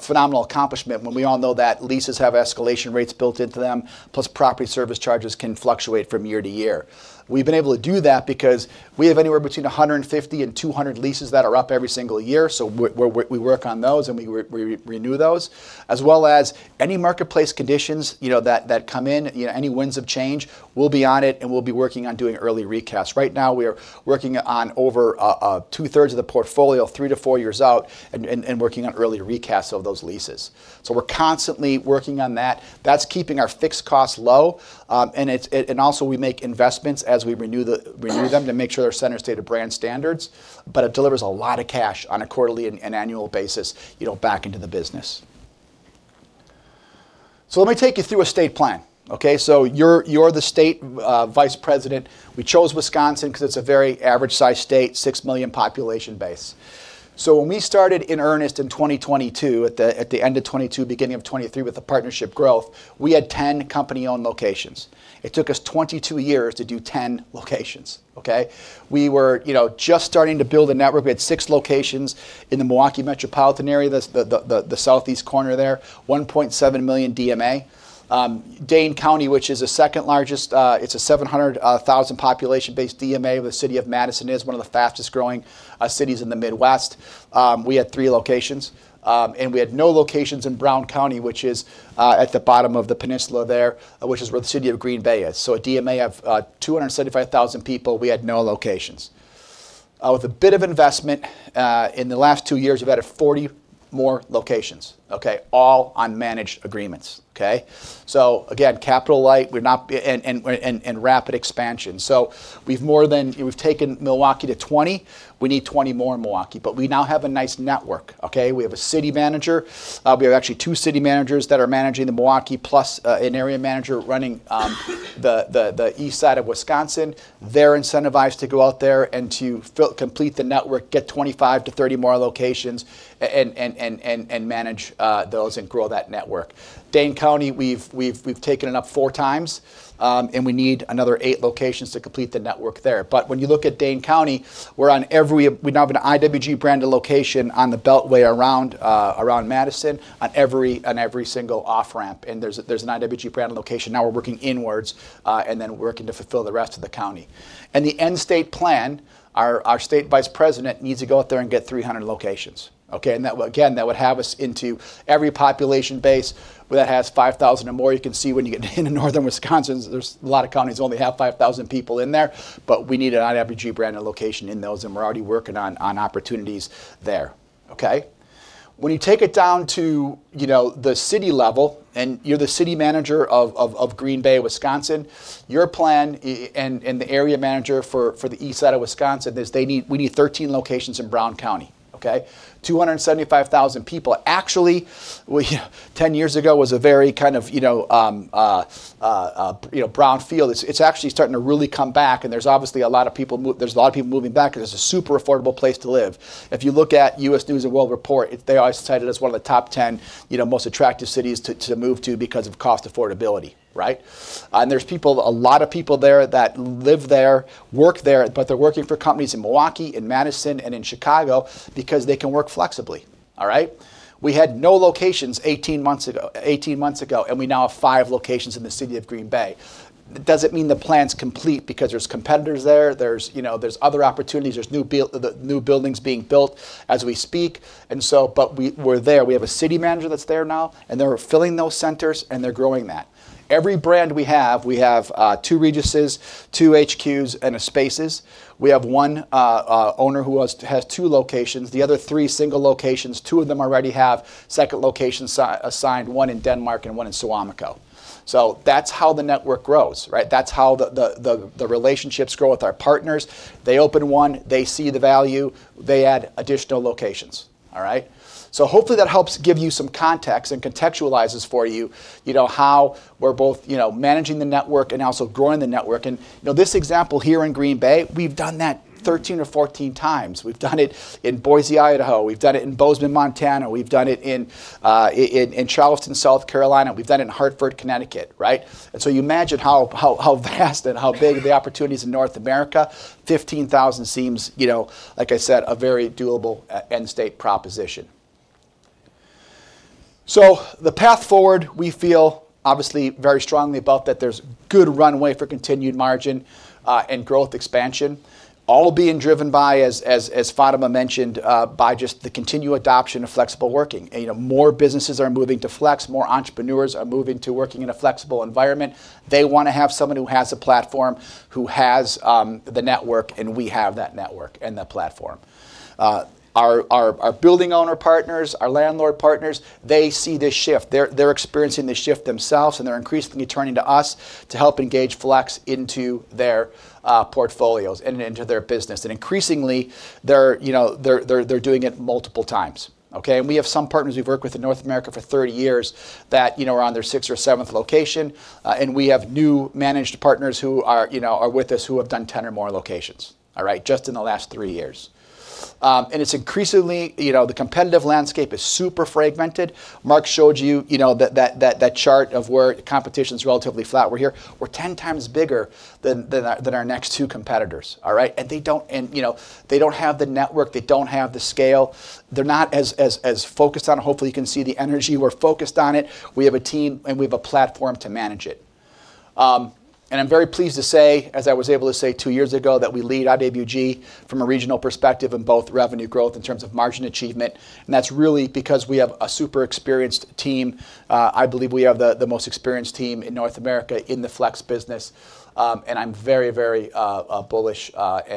phenomenal accomplishment when we all know that leases have escalation rates built into them, plus property service charges can fluctuate from year to year. We've been able to do that because we have anywhere between 150 and 200 leases that are up every single year. So we work on those and we renew those, as well as any marketplace conditions that come in, any winds of change. We'll be on it and we'll be working on doing early recasts. Right now, we are working on over two-thirds of the portfolio, three to four years out, and working on early recasts of those leases. So we're constantly working on that. That's keeping our fixed costs low. And also, we make investments as we renew them to make sure they're center standard brand standards. But it delivers a lot of cash on a quarterly and annual basis back into the business. So let me take you through a state plan, okay? So you're the state vice president. We chose Wisconsin because it's a very average-sized state, 6 million population base, so when we started in earnest in 2022, at the end of 2022, beginning of 2023, with the partnership growth, we had 10 Company-Owned locations. It took us 22 years to do 10 locations, okay? We were just starting to build a network. We had six locations in the Milwaukee metropolitan area, the southeast corner there, 1.7 million DMA. Dane County, which is the second largest, it's a 700,000 population base DMA where the city of Madison is, one of the fastest-growing cities in the Midwest. We had three locations, and we had no locations in Brown County, which is at the bottom of the peninsula there, which is where the city of Green Bay is, so a DMA of 275,000 people, we had no locations. With a bit of investment in the last two years, we've added 40 more locations, okay, all on managed agreements, okay? So again, capital light and rapid expansion. So we've taken Milwaukee to 20. We need 20 more in Milwaukee. But we now have a nice network, okay? We have a city manager. We have actually two city managers that are managing the Milwaukee, plus an area manager running the east side of Wisconsin. They're incentivized to go out there and to complete the network, get 25 to 30 more locations, and manage those and grow that network. Dane County, we've taken it up four times. And we need another eight locations to complete the network there. But when you look at Dane County, we're on every, we now have an IWG branded location on the Beltline around Madison on every single off-ramp. And there's an IWG branded location. Now we're working inwards and then working to fulfill the rest of the county. And the end state plan, our state vice president needs to go out there and get 300 locations, okay? And again, that would have us into every population base that has 5,000 or more. You can see when you get in northern Wisconsin, there's a lot of counties that only have 5,000 people in there. But we need an IWG branded location in those. And we're already working on opportunities there, okay? When you take it down to the city level and you're the city manager of Green Bay, Wisconsin, your plan and the area manager for the east side of Wisconsin is we need 13 locations in Brown County, okay? 275,000 people. Actually, 10 years ago was a very kind of brownfield. It's actually starting to really come back. There's obviously a lot of people. There's a lot of people moving back because it's a super affordable place to live. If you look at U.S. News & World Report, they always cite it as one of the top 10 most attractive cities to move to because of cost affordability, right? There's a lot of people there that live there, work there. But they're working for companies in Milwaukee, in Madison, and in Chicago because they can work flexibly, all right? We had no locations 18 months ago. We now have five locations in the city of Green Bay. Does it mean the plan's complete because there's competitors there? There's other opportunities. There's new buildings being built as we speak. But we're there. We have a city manager that's there now. They're filling those centers. They're growing that. Every brand we have, we have two Reguses, two HQs, and a Spaces. We have one owner who has two locations. The other three single locations, two of them already have second locations assigned, one in Denmark and one in Suamico. So that's how the network grows, right? That's how the relationships grow with our partners. They open one. They see the value. They add additional locations, all right? So hopefully that helps give you some context and contextualizes for you how we're both managing the network and also growing the network. And this example here in Green Bay, we've done that 13 or 14 times. We've done it in Boise, Idaho. We've done it in Bozeman, Montana. We've done it in Charleston, South Carolina. We've done it in Hartford, Connecticut, right? And so you imagine how vast and how big the opportunities in North America. 15,000 seems, like I said, a very doable end state proposition. So the path forward, we feel obviously very strongly about that there's good runway for continued margin and growth expansion, all being driven by, as Fatima mentioned, by just the continued adoption of flexible working. More businesses are moving to flex. More entrepreneurs are moving to working in a flexible environment. They want to have someone who has a platform, who has the network, and we have that network and that platform. Our building owner partners, our landlord partners, they see this shift. They're experiencing this shift themselves. They're increasingly turning to us to help engage flex into their portfolios and into their business. Increasingly, they're doing it multiple times, okay? We have some partners we've worked with in North America for 30 years that are on their sixth or seventh location. We have new managed partners who are with us who have done 10 or more locations, all right, just in the last three years. And it's increasingly, the competitive landscape is super fragmented. Mark showed you that chart of where competition's relatively flat. We're here. We're 10 times bigger than our next two competitors, all right? And they don't have the network. They don't have the scale. They're not as focused on it. Hopefully, you can see the energy. We're focused on it. We have a team. And we have a platform to manage it. And I'm very pleased to say, as I was able to say two years ago, that we lead IWG from a regional perspective in both revenue growth in terms of margin achievement. And that's really because we have a super experienced team. I believe we have the most experienced team in North America in the flex business. And I'm very, very bullish that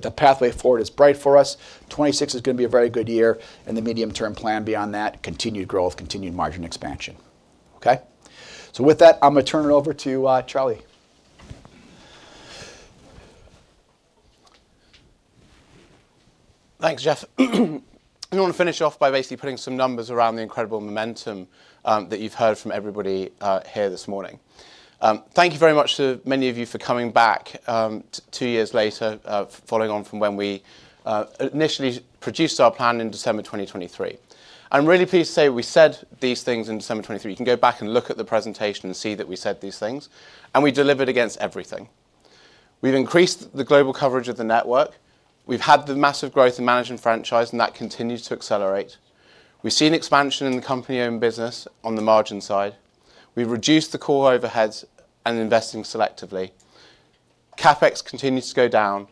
the pathway forward is bright for us. 2026 is going to be a very good year. And the medium-term plan beyond that, continued growth, continued margin expansion, okay? So with that, I'm going to turn it over to Charlie. Thanks, Jeff. I want to finish off by basically putting some numbers around the incredible momentum that you've heard from everybody here this morning. Thank you very much to many of you for coming back two years later, following on from when we initially produced our plan in December 2023. I'm really pleased to say we said these things in December 2023. You can go back and look at the presentation and see that we said these things, and we delivered against everything. We've increased the global coverage of the network. We've had the massive growth in management franchise, and that continues to accelerate. We've seen expansion in the Company-Owned business on the margin side. We've reduced the core overheads and investing selectively. CapEx continues to go down.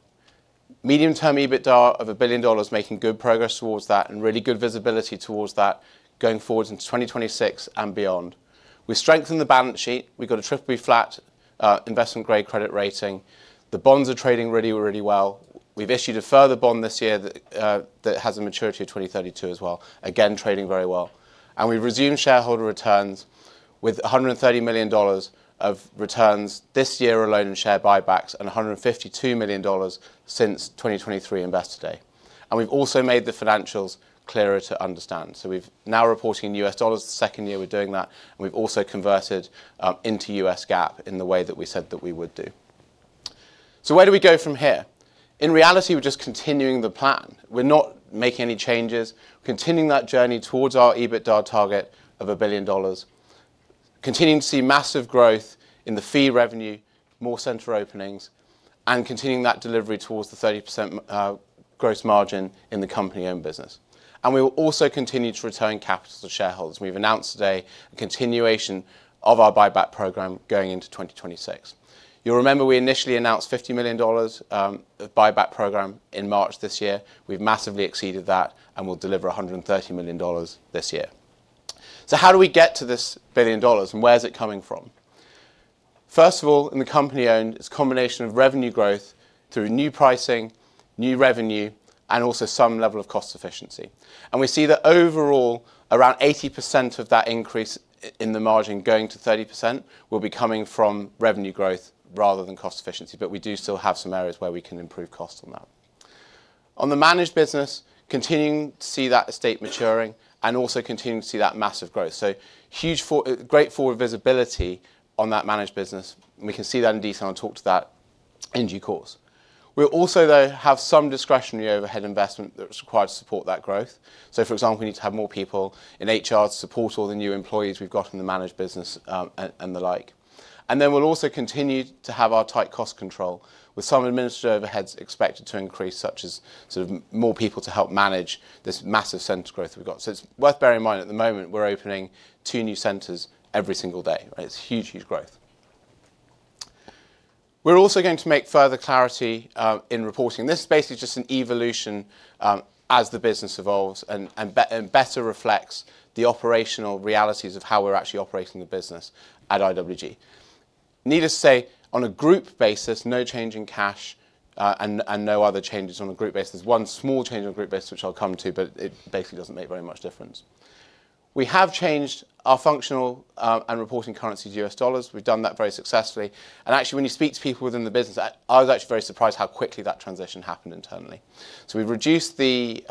Medium-term EBITDA of $1 billion making good progress towards that and really good visibility towards that going forward into 2026 and beyond. We strengthened the balance sheet. We got a BBB flat investment-grade credit rating. The bonds are trading really, really well. We've issued a further bond this year that has a maturity of 2032 as well. Again, trading very well. And we've resumed shareholder returns with $130 million of returns this year alone in share buybacks and $152 million since 2023 investor day. And we've also made the financials clearer to understand. So we've now reporting in US dollars the second year we're doing that. And we've also converted into US GAAP in the way that we said that we would do. So where do we go from here? In reality, we're just continuing the plan. We're not making any changes. We're continuing that journey towards our EBITDA target of $1 billion, continuing to see massive growth in the fee revenue, more center openings, and continuing that delivery towards the 30% gross margin in the Company-Owned business. And we will also continue to return capital to shareholders. We've announced today a continuation of our buyback program going into 2026. You'll remember we initially announced $50 million buyback program in March this year. We've massively exceeded that and will deliver $130 million this year. So how do we get to this billion dollars and where is it coming from? First of all, in the Company-Owned, it's a combination of revenue growth through new pricing, new revenue, and also some level of cost efficiency. And we see that overall, around 80% of that increase in the margin going to 30% will be coming from revenue growth rather than cost efficiency. But we do still have some areas where we can improve cost on that. On the managed business, continuing to see that estate maturing and also continuing to see that massive growth. So great forward visibility on that managed business. We can see that in detail and talk to that in due course. We also, though, have some discretionary overhead investment that's required to support that growth. So, for example, we need to have more people in HR to support all the new employees we've got in the managed business and the like. And then we'll also continue to have our tight cost control with some administrative overheads expected to increase, such as sort of more people to help manage this massive center growth we've got. So it's worth bearing in mind at the moment, we're opening two new centers every single day. It's huge, huge growth. We're also going to make further clarity in reporting. This is basically just an evolution as the business evolves and better reflects the operational realities of how we're actually operating the business at IWG. Needless to say, on a group basis, no change in cash and no other changes on a group basis. There's one small change on a group basis, which I'll come to, but it basically doesn't make very much difference. We have changed our functional and reporting currency to US dollars. We've done that very successfully. And actually, when you speak to people within the business, I was actually very surprised how quickly that transition happened internally. So we've reduced the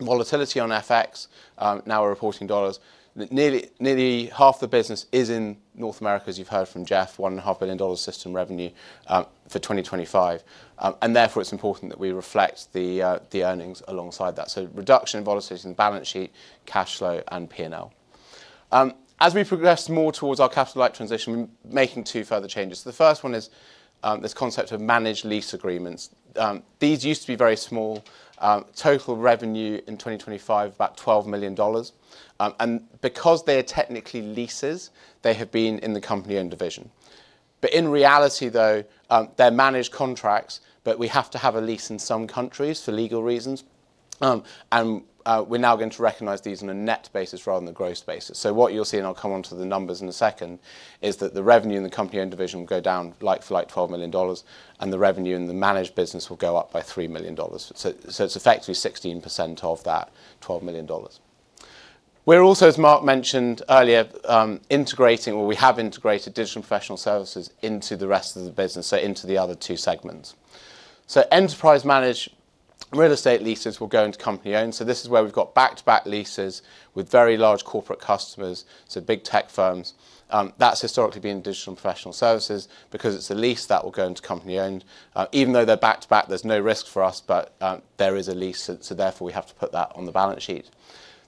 volatility on FX. Now we're reporting dollars. Nearly half the business is in North America, as you've heard from Jeff, $1.5 billion system revenue for 2025. Therefore, it's important that we reflect the earnings alongside that. Reduction in volatility in the balance sheet, cash flow, and P&L. As we progress more towards our capital light transition, we're making two further changes. The first one is this concept of managed lease agreements. These used to be very small. Total revenue in 2025, about $12 million. Because they are technically leases, they have been in the Company-Owned division. But in reality, though, they're managed contracts, but we have to have a lease in some countries for legal reasons. We're now going to recognize these on a net basis rather than a gross basis. So what you'll see, and I'll come on to the numbers in a second, is that the revenue in the Company-Owned division will go down like for like $12 million, and the revenue in the managed business will go up by $3 million. So it's effectively 16% of that $12 million. We're also, as Mark mentioned earlier, integrating or we have integrated digital professional services into the rest of the business, so into the other two segments. So enterprise managed real estate leases will go into Company-Owned. So this is where we've got back-to-back leases with very large corporate customers, so big tech firms. That's historically been digital professional services because it's a lease that will go into Company-Owned. Even though they're back-to-back, there's no risk for us, but there is a lease. So therefore, we have to put that on the balance sheet.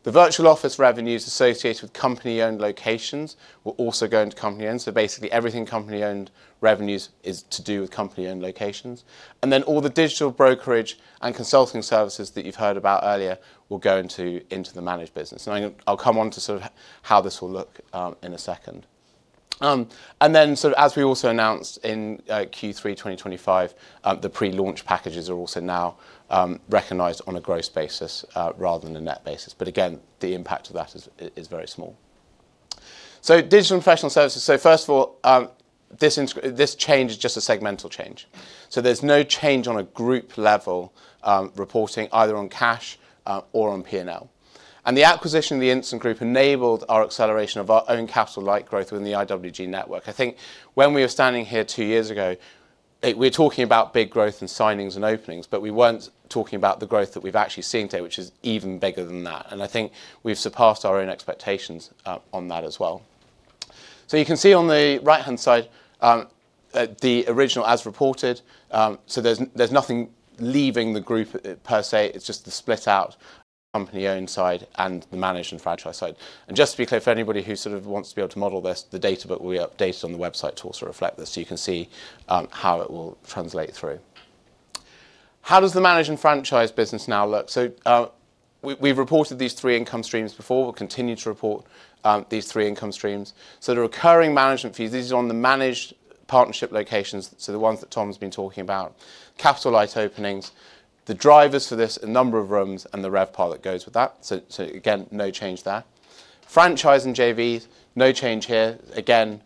The virtual office revenues associated with Company-Owned locations will also go into Company-Owned. So basically, everything Company-Owned revenues is to do with Company-Owned locations. And then all the digital brokerage and consulting services that you've heard about earlier will go into the managed business. And I'll come on to sort of how this will look in a second. And then sort of as we also announced in Q3 2025, the pre-launch packages are also now recognized on a gross basis rather than a net basis. But again, the impact of that is very small. So digital professional services. So first of all, this change is just a segmental change. So there's no change on a group level reporting either on cash or on P&L. And the acquisition of the Instant Group enabled our acceleration of our own capital light growth within the IWG network. I think when we were standing here two years ago, we were talking about big growth and signings and openings, but we weren't talking about the growth that we've actually seen today, which is even bigger than that. And I think we've surpassed our own expectations on that as well. So you can see on the right-hand side the original as reported. So there's nothing leaving the group per se. It's just the split out of the Company-Owned side and the managed and franchised side. And just to be clear for anybody who sort of wants to be able to model this, the data book will be updated on the website to also reflect this. So you can see how it will translate through. How does the managed and franchised business now look? So we've reported these three income streams before. We'll continue to report these three income streams. So the recurring management fees, these are on the managed partnership locations, so the ones that Tom's been talking about, capital-light openings, the drivers for this, a number of rooms, and the RevPAR goes with that. So again, no change there. Franchise and JV, no change here. Again,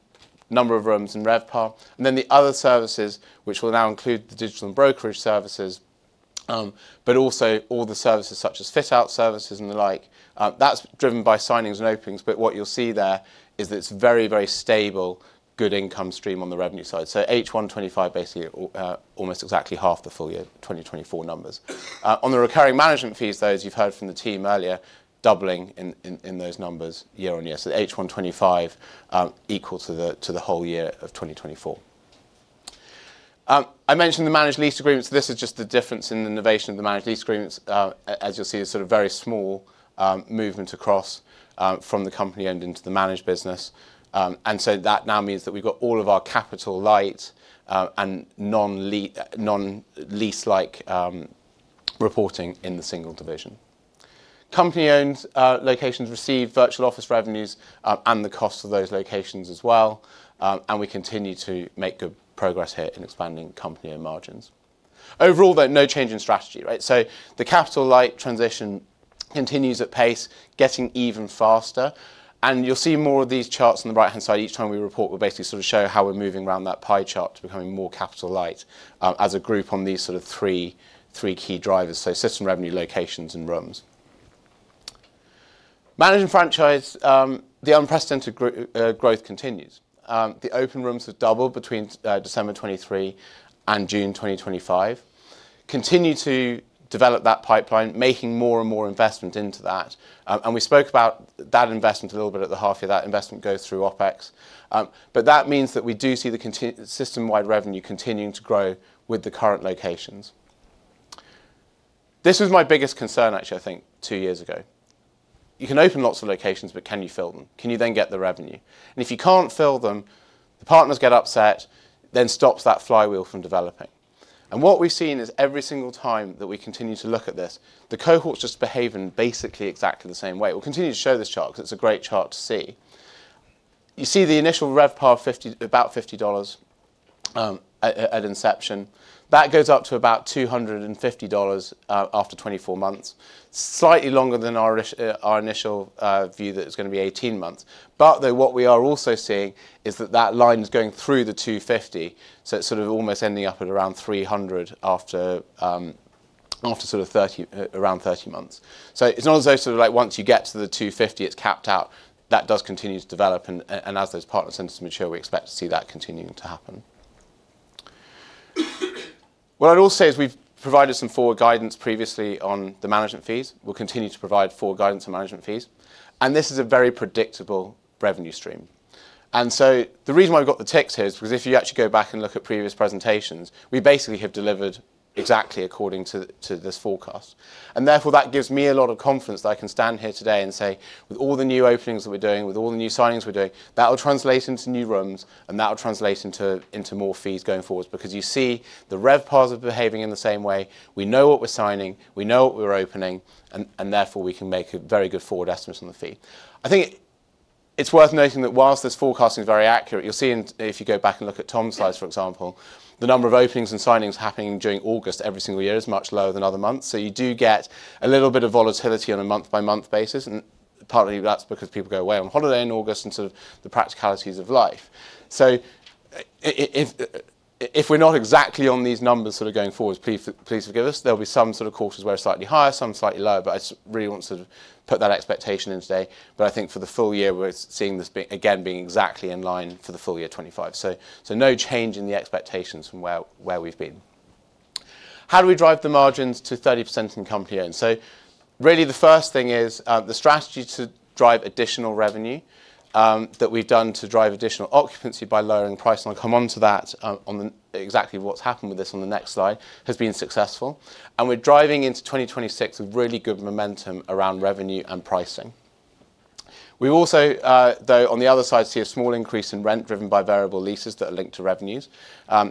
a number of rooms and RevPAR. And then the other services, which will now include the digital and brokerage services, but also all the services such as fit-out services and the like. That's driven by signings and openings. But what you'll see there is that it's a very, very stable, good income stream on the revenue side. So H1 2025, basically almost exactly half the full year 2024 numbers. On the recurring management fees, though, as you've heard from the team earlier, doubling in those numbers year-on-year. So H1 2025 equal to the whole year of 2024. I mentioned the managed lease agreements. This is just the difference in the innovation of the managed lease agreements. As you'll see, it's sort of very small movement across from the Company-Owned into the managed business. And so that now means that we've got all of our capital-like and non-lease-like reporting in the single division. Company-Owned locations receive virtual office revenues and the cost of those locations as well. And we continue to make good progress here in expanding Company-Owned margins. Overall, though, no change in strategy, right? So the capital-like transition continues at pace, getting even faster. And you'll see more of these charts on the right-hand side each time we report. We'll basically sort of show how we're moving around that pie chart to becoming more capital-like as a group on these sort of three key drivers, so system revenue, locations, and rooms. Managed and franchised, the unprecedented growth continues. The open rooms have doubled between December 2023 and June 2025. Continue to develop that pipeline, making more and more investment into that. And we spoke about that investment a little bit at the half year. That investment goes through OpEx. But that means that we do see the system-wide revenue continuing to grow with the current locations. This was my biggest concern, actually, I think, two years ago. You can open lots of locations, but can you fill them? Can you then get the revenue? And if you can't fill them, the partners get upset, then stops that flywheel from developing. And what we've seen is every single time that we continue to look at this, the cohorts just behave in basically exactly the same way. We'll continue to show this chart because it's a great chart to see. You see the initial RevPAR, about $50 at inception. That goes up to about $250 after 24 months, slightly longer than our initial view that it's going to be 18 months. But what we are also seeing is that that line is going through the 250, so it's sort of almost ending up at around 300 after sort of around 30 months. So it's not as though sort of like once you get to the 250, it's capped out. That does continue to develop. And as those partner centers mature, we expect to see that continuing to happen. What I'd also say is we've provided some forward guidance previously on the management fees. We'll continue to provide forward guidance on management fees. And this is a very predictable revenue stream. And so the reason why we've got the ticks here is because if you actually go back and look at previous presentations, we basically have delivered exactly according to this forecast. And therefore, that gives me a lot of confidence that I can stand here today and say, with all the new openings that we're doing, with all the new signings we're doing, that'll translate into new rooms, and that'll translate into more fees going forward because you see the RevPARs are behaving in the same way. We know what we're signing. We know what we're opening. And therefore, we can make a very good forward estimate on the fee. I think it's worth noting that while this forecasting is very accurate, you'll see if you go back and look at Tom's slides, for example, the number of openings and signings happening during August every single year is much lower than other months. So you do get a little bit of volatility on a month-by-month basis. And partly, that's because people go away on holiday in August and sort of the practicalities of life. So if we're not exactly on these numbers sort of going forward, please forgive us. There'll be some sort of quarters where it's slightly higher, some slightly lower. But I really want to sort of put that expectation in today. But I think for the full year, we're seeing this again being exactly in line for the full year 2025. So no change in the expectations from where we've been. How do we drive the margins to 30% in Company-Owned? So really, the first thing is the strategy to drive additional revenue that we've done to drive additional occupancy by lowering pricing. I'll come on to that, on exactly what's happened with this on the next slide, has been successful, and we're driving into 2026 with really good momentum around revenue and pricing. We also, though, on the other side, see a small increase in rent driven by variable leases that are linked to revenues.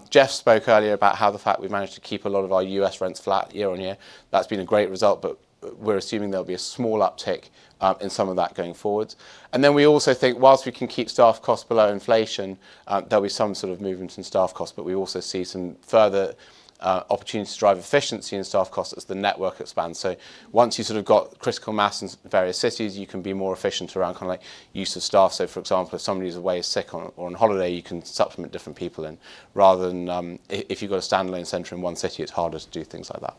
Jeff spoke earlier about how the fact we've managed to keep a lot of our U.S. rents flat year on year. That's been a great result, but we're assuming there'll be a small uptick in some of that going forwards, and then we also think whilst we can keep staff costs below inflation, there'll be some sort of movement in staff costs. But we also see some further opportunities to drive efficiency in staff costs as the network expands. So once you've sort of got critical mass in various cities, you can be more efficient around kind of like use of staff. So, for example, if somebody's away sick or on holiday, you can supplement different people in. Rather than if you've got a standalone center in one city, it's harder to do things like that.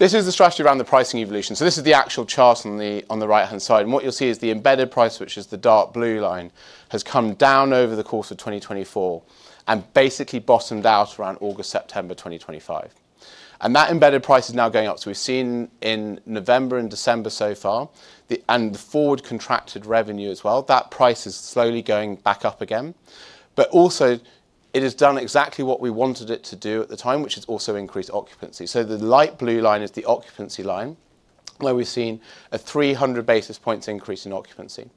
This is the strategy around the pricing evolution. So this is the actual chart on the right-hand side. And what you'll see is the embedded price, which is the dark blue line, has come down over the course of 2024 and basically bottomed out around August, September 2025. And that embedded price is now going up. So we've seen in November and December so far, and the forward contracted revenue as well, that price is slowly going back up again. But also, it has done exactly what we wanted it to do at the time, which is also increased occupancy. So the light blue line is the occupancy line where we've seen a 300 basis points increase in occupancy.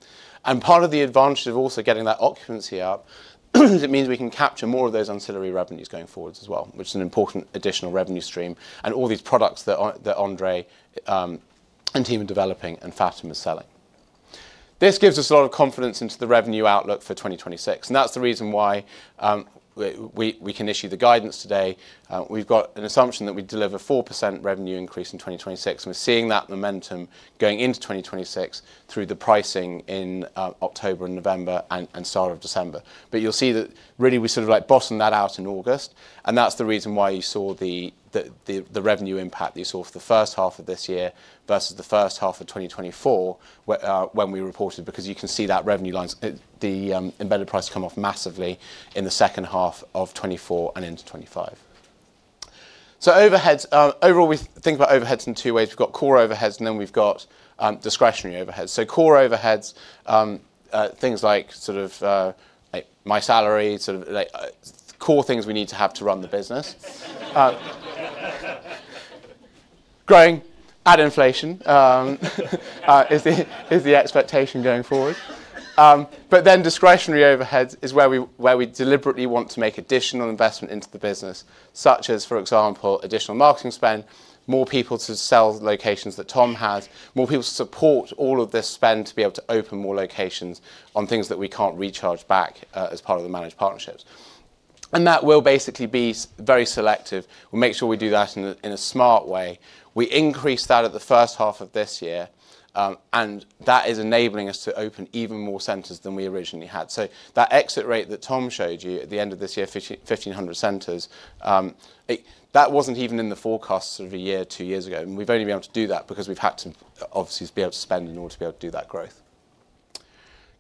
And part of the advantage of also getting that occupancy up is it means we can capture more of those ancillary revenues going forward as well, which is an important additional revenue stream and all these products that Andre and team are developing and Fatima is selling. This gives us a lot of confidence into the revenue outlook for 2026. And that's the reason why we can issue the guidance today. We've got an assumption that we deliver 4% revenue increase in 2026. We're seeing that momentum going into 2026 through the pricing in October and November and start of December. You'll see that really we sort of like bottomed that out in August. That's the reason why you saw the revenue impact that you saw for the first half of this year versus the first half of 2024 when we reported because you can see that revenue lines, the embedded price come off massively in the second half of 2024 and into 2025. Overheads, overall, we think about overheads in two ways. We've got core overheads, and then we've got discretionary overheads. Core overheads, things like sort of my salary, sort of core things we need to have to run the business. Growing at inflation is the expectation going forward. But then discretionary overheads is where we deliberately want to make additional investment into the business, such as, for example, additional marketing spend, more people to sell locations that Tom has, more people to support all of this spend to be able to open more locations on things that we can't recharge back as part of the managed partnerships. And that will basically be very selective. We'll make sure we do that in a smart way. We increase that at the first half of this year. And that is enabling us to open even more centers than we originally had. So that exit rate that Tom showed you at the end of this year, 1,500 centers, that wasn't even in the forecast sort of a year, two years ago. We've only been able to do that because we've had to obviously be able to spend in order to be able to do that growth.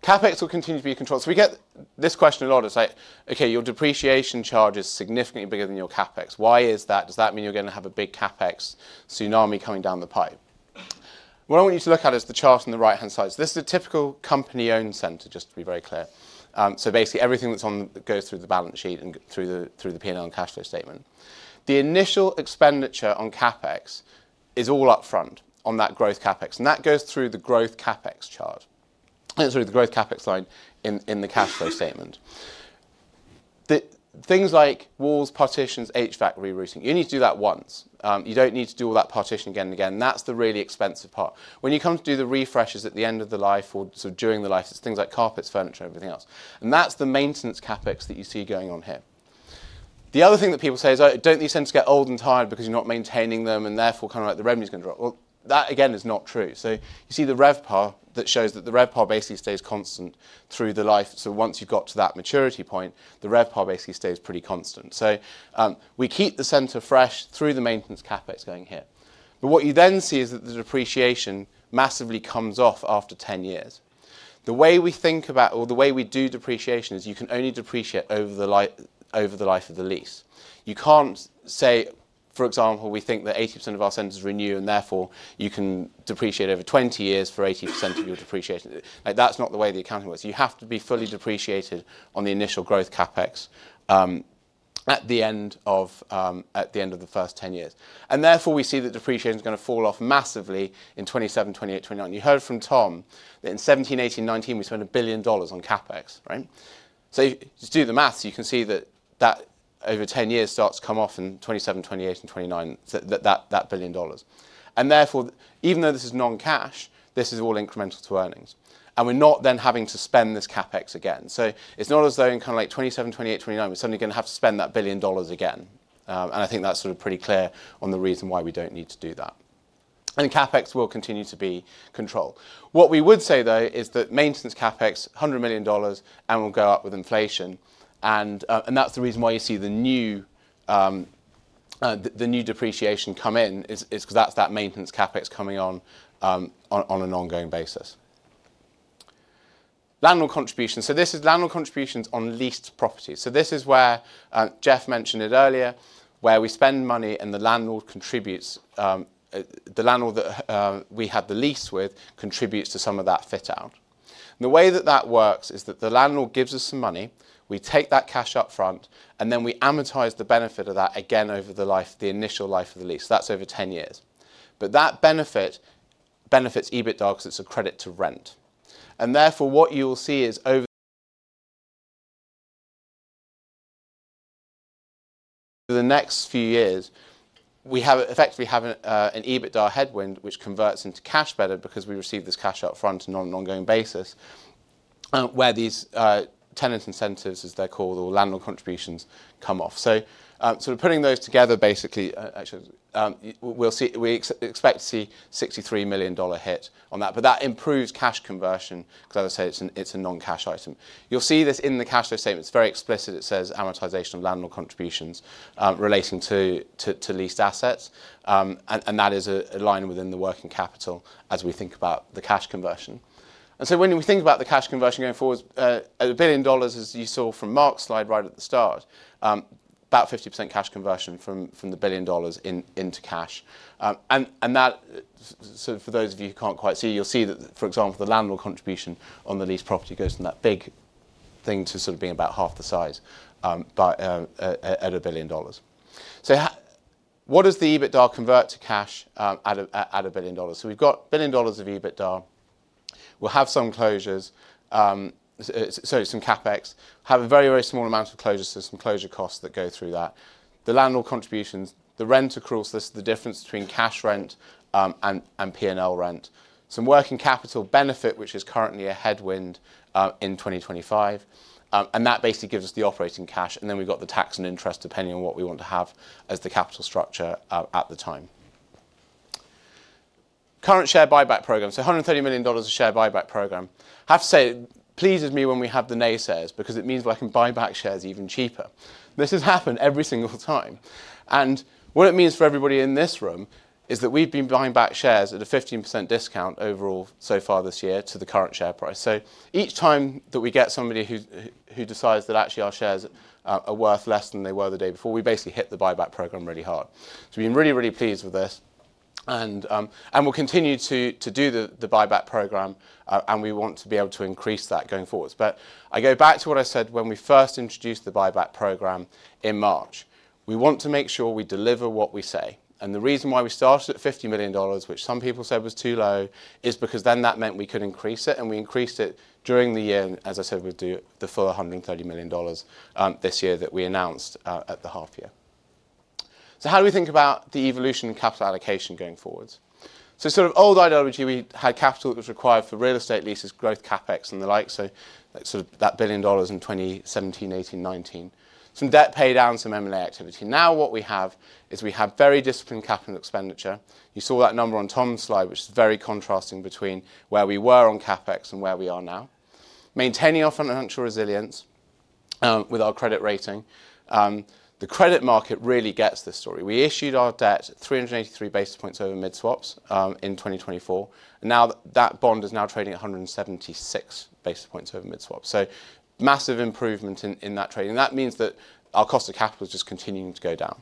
CapEx will continue to be controlled. So we get this question a lot. It's like, okay, your depreciation charge is significantly bigger than your CapEx. Why is that? Does that mean you're going to have a big CapEx tsunami coming down the pipe? What I want you to look at is the chart on the right-hand side. So this is a typical Company-Owned center, just to be very clear. So basically, everything that goes through the balance sheet and through the P&L and cash flow statement. The initial expenditure on CapEx is all upfront on that growth CapEx. And that goes through the growth CapEx chart. It's through the growth CapEx line in the cash flow statement. Things like walls, partitions, HVAC rerouting, you need to do that once. You don't need to do all that partition again and again. That's the really expensive part. When you come to do the refreshes at the end of the life or sort of during the life, it's things like carpets, furniture, everything else. And that's the maintenance CapEx that you see going on here. The other thing that people say is, oh, don't these centers get old and tired because you're not maintaining them and therefore kind of like the revenue is going to drop. Well, that again is not true. So you see the RevPAR. That shows that the RevPAR basically stays constant through the life. So once you've got to that maturity point, the RevPAR basically stays pretty constant. So we keep the center fresh through the maintenance CapEx going here. But what you then see is that the depreciation massively comes off after 10 years. The way we think about, or the way we do depreciation is you can only depreciate over the life of the lease. You can't say, for example, we think that 80% of our centers renew and therefore you can depreciate over 20 years for 80% of your depreciation. That's not the way the accounting works. You have to be fully depreciated on the initial growth CapEx at the end of the first 10 years. And therefore, we see that depreciation is going to fall off massively in 2007, 2008, 2009. You heard from Tom that in 2017, 2018, 2019, we spent $1 billion on CapEx, right? So just do the math. You can see that over 10 years, starts come off in 2027, 2028, and 2029, that $1 billion. And therefore, even though this is non-cash, this is all incremental to earnings. And we're not then having to spend this CapEx again. So it's not as though in kind of like 2027, 2028, 2029, we're suddenly going to have to spend that $1 billion again. And I think that's sort of pretty clear on the reason why we don't need to do that. And CapEx will continue to be controlled. What we would say, though, is that maintenance CapEx, $100 million, and we'll go up with inflation. And that's the reason why you see the new depreciation come in is because that's that maintenance CapEx coming on an ongoing basis. Landlord contributions. So this is landlord contributions on leased properties. So this is where Jeff mentioned it earlier, where we spend money and the landlord contributes, the landlord that we had the lease with contributes to some of that fit-out. The way that that works is that the landlord gives us some money, we take that cash upfront, and then we amortize the benefit of that again over the initial life of the lease. That's over 10 years. But that benefit benefits EBITDA because it's a credit to rent. And therefore, what you will see is over the next few years, we effectively have an EBITDA headwind, which converts into cash better because we receive this cash upfront on an ongoing basis, where these tenant incentives, as they're called, or landlord contributions come off. So sort of putting those together, basically, actually, we expect to see a $63 million hit on that. But that improves cash conversion because, as I say, it's a non-cash item. You'll see this in the cash flow statement. It's very explicit. It says amortization of landlord contributions relating to leased assets. And that is a line within the working capital as we think about the cash conversion. And so when we think about the cash conversion going forward, $1 billion, as you saw from Mark's slide right at the start, about 50% cash conversion from the $1 billion into cash. And that, sort of for those of you who can't quite see, you'll see that, for example, the landlord contribution on the leased property goes from that big thing to sort of being about half the size at $1 billion. So what does the EBITDA convert to cash at $1 billion? So we've got $1 billion of EBITDA. We'll have some closures, certainly some CapEx, have a very, very small amount of closures, so some closure costs that go through that. The landlord contributions, the rent across this, the difference between cash rent and P&L rent, some working capital benefit, which is currently a headwind in 2025. That basically gives us the operating cash. Then we've got the tax and interest depending on what we want to have as the capital structure at the time. Current share buyback program. So $130 million share buyback program. I have to say, it pleases me when we have the naysayers because it means I can buy back shares even cheaper. This has happened every single time. What it means for everybody in this room is that we've been buying back shares at a 15% discount overall so far this year to the current share price. So each time that we get somebody who decides that actually our shares are worth less than they were the day before, we basically hit the buyback program really hard. So we've been really, really pleased with this. And we'll continue to do the buyback program. And we want to be able to increase that going forwards. But I go back to what I said when we first introduced the buyback program in March. We want to make sure we deliver what we say. And the reason why we started at $50 million, which some people said was too low, is because then that meant we could increase it. And we increased it during the year, and as I said, we'll do the full $130 million this year that we announced at the half year. So how do we think about the evolution in capital allocation going forwards? So sort of old ideology, we had capital that was required for real estate leases, growth CapEx, and the like. So that sort of $1 billion in 2017, 2018, 2019, some debt pay down, some M&A activity. Now what we have is we have very disciplined capital expenditure. You saw that number on Tom's slide, which is very contrasting between where we were on CapEx and where we are now. Maintaining our financial resilience with our credit rating. The credit market really gets this story. We issued our debt 383 basis points over mid-swaps in 2024. And now that bond is now trading at 176 basis points over mid-swaps. So massive improvement in that trading. And that means that our cost of capital is just continuing to go down.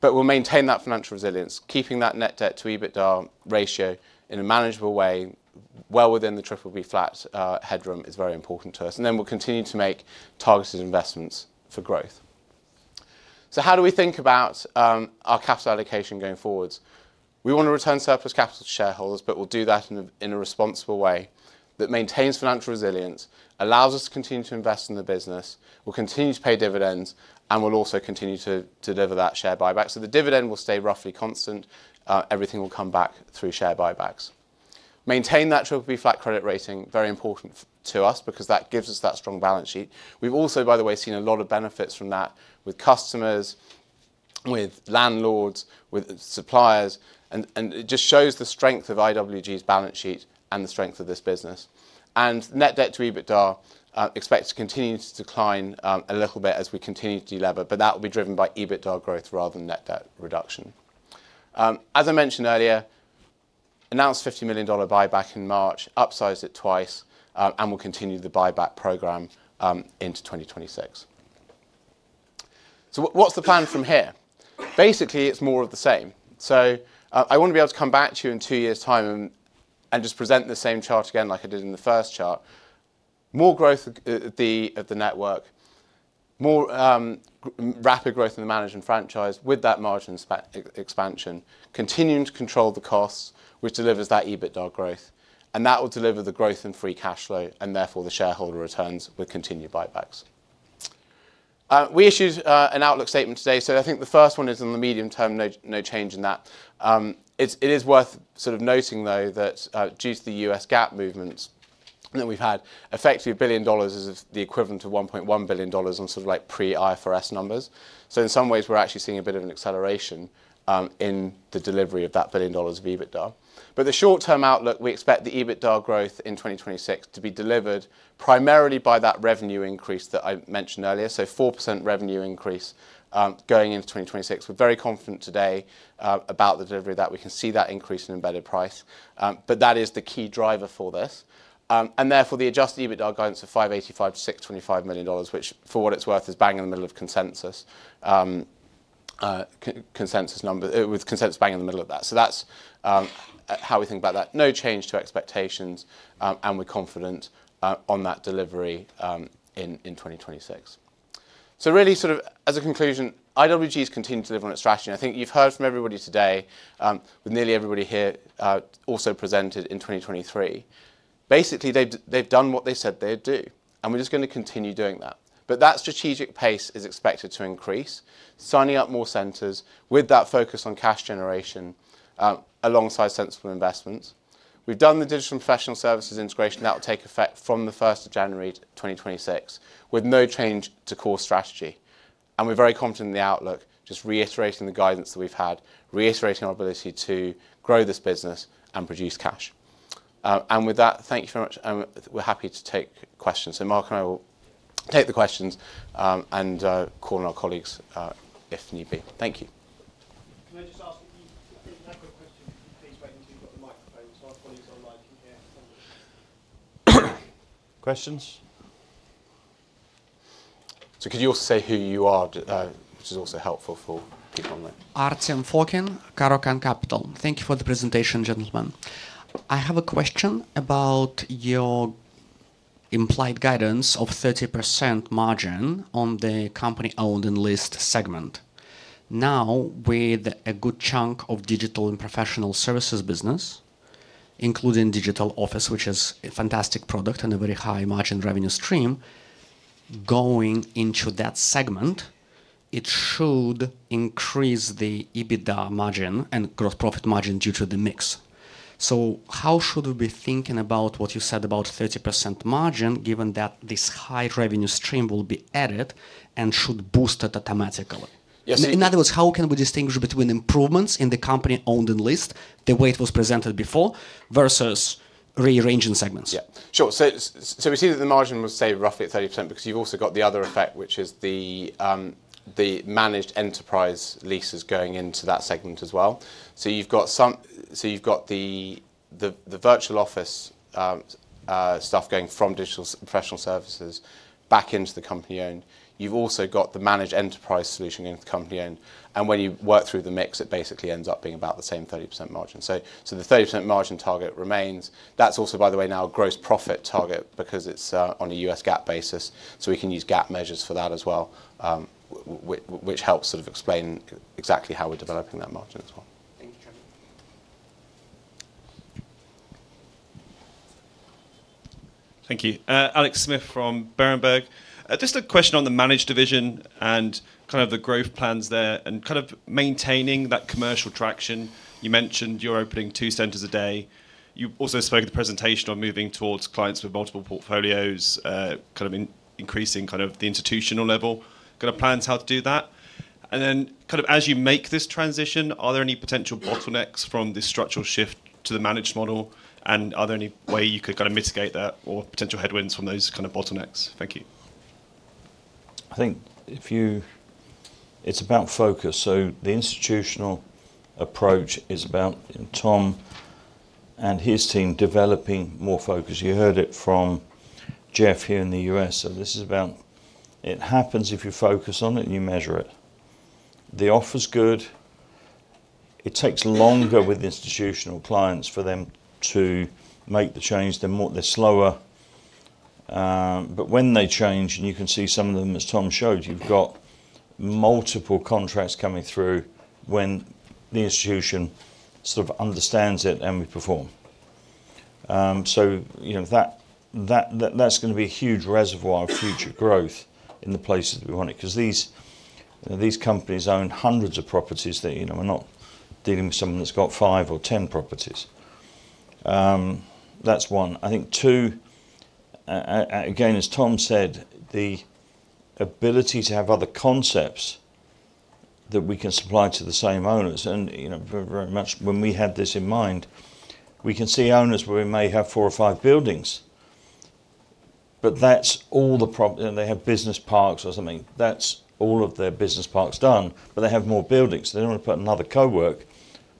But we'll maintain that financial resilience, keeping that net debt to EBITDA ratio in a manageable way, well within the BBB flat headroom, is very important to us. And then we'll continue to make targeted investments for growth. So how do we think about our capital allocation going forwards? We want to return surplus capital to shareholders, but we'll do that in a responsible way that maintains financial resilience, allows us to continue to invest in the business, will continue to pay dividends, and will also continue to deliver that share buyback. So the dividend will stay roughly constant. Everything will come back through share buybacks. Maintain that BBB flat credit rating, very important to us because that gives us that strong balance sheet. We've also, by the way, seen a lot of benefits from that with customers, with landlords, with suppliers. It just shows the strength of IWG's balance sheet and the strength of this business. Net debt to EBITDA expects to continue to decline a little bit as we continue to deliver, but that will be driven by EBITDA growth rather than net debt reduction. As I mentioned earlier, announced $50 million buyback in March, upsized it twice, and will continue the buyback program into 2026. What's the plan from here? Basically, it's more of the same. I want to be able to come back to you in two years' time and just present the same chart again like I did in the first chart. More growth of the network, more rapid growth in the managed and franchise with that margin expansion, continuing to control the costs, which delivers that EBITDA growth. And that will deliver the growth in free cash flow and therefore the shareholder returns with continued buybacks. We issued an outlook statement today. So I think the first one is in the medium term, no change in that. It is worth sort of noting, though, that due to the U.S. GAAP movements that we've had, effectively a billion dollars is the equivalent of $1.1 billion on sort of like pre-IFRS numbers. So in some ways, we're actually seeing a bit of an acceleration in the delivery of that billion dollars of EBITDA. But the short-term outlook, we expect the EBITDA growth in 2026 to be delivered primarily by that revenue increase that I mentioned earlier. So 4% revenue increase going into 2026. We're very confident today about the delivery of that. We can see that increase in embedded price. But that is the key driver for this. And therefore, the adjusted EBITDA guidance of $585-$625 million, which for what it's worth is bang in the middle of consensus numbers with consensus bang in the middle of that. So that's how we think about that. No change to expectations. And we're confident on that delivery in 2026. So really sort of as a conclusion, IWG has continued to deliver on its strategy. And I think you've heard from everybody today, with nearly everybody here also presented in 2023. Basically, they've done what they said they'd do. And we're just going to continue doing that. But that strategic pace is expected to increase, signing up more centers with that focus on cash generation alongside sensible investments. We've done the Digital and Professional Services integration. That will take effect from the 1st of January 2026 with no change to core strategy. We're very confident in the outlook, just reiterating the guidance that we've had, reiterating our ability to grow this business and produce cash. With that, thank you very much. We're happy to take questions. Mark and I will take the questions and call on our colleagues if need be. Thank you. Can I just ask you to repeat that quick question? Please wait until you've got the microphone so our colleagues online can hear somebody. Questions? Could you also say who you are, which is also helpful for people online? Artem Fokin, Caro-Kann Capital. Thank you for the presentation, gentlemen. I have a question about your implied guidance of 30% margin on the Company-Owned and leased segment. Now, with a good chunk of Digital and Professional Services business, including digital office, which is a fantastic product and a very high margin revenue stream, going into that segment, it should increase the EBITDA margin and gross profit margin due to the mix. So how should we be thinking about what you said about 30% margin, given that this high revenue stream will be added and should boost it automatically? In other words, how can we distinguish between improvements in the Company-Owned and leased, the way it was presented before, versus rearranging segments? Yeah. Sure. So we see that the margin was, say, roughly at 30% because you've also got the other effect, which is the managed enterprise leases going into that segment as well. So you've got the virtual office stuff going from Digital and Professional Services back into the Company-Owned. You've also got the managed enterprise solution going into the Company-Owned. And when you work through the mix, it basically ends up being about the same 30% margin. So the 30% margin target remains. That's also, by the way, now a gross profit target because it's on a U.S. GAAP basis. So we can use GAAP measures for that as well, which helps sort of explain exactly how we're developing that margin as well. Thank you, Trevor. Thank you. Alex Smith from Berenberg. Just a question on the managed division and kind of the growth plans there and kind of maintaining that commercial traction. You mentioned you're opening two centers a day. You also spoke at the presentation on moving towards clients with multiple portfolios, kind of increasing kind of the institutional level. Got a plan on how to do that. And then kind of as you make this transition, are there any potential bottlenecks from this structural shift to the managed model? And are there any way you could kind of mitigate that or potential headwinds from those kind of bottlenecks? Thank you. I think if you it's about focus. So the institutional approach is about Tom and his team developing more focus. You heard it from Jeff here in the U.S. So this is about it happens if you focus on it and you measure it. The offer's good. It takes longer with institutional clients for them to make the change. They're slower. But when they change, and you can see some of them, as Tom showed, you've got multiple contracts coming through when the institution sort of understands it and we perform. That's going to be a huge reservoir of future growth in the places that we want it because these companies own hundreds of properties that we're not dealing with someone that's got five or 10 properties. That's one. I think two, again, as Tom said, the ability to have other concepts that we can supply to the same owners. And very much when we had this in mind, we can see owners where we may have four or five buildings. But that's all the problem. They have business parks or something. That's all of their business parks done. But they have more buildings. They don't want to put another co-work.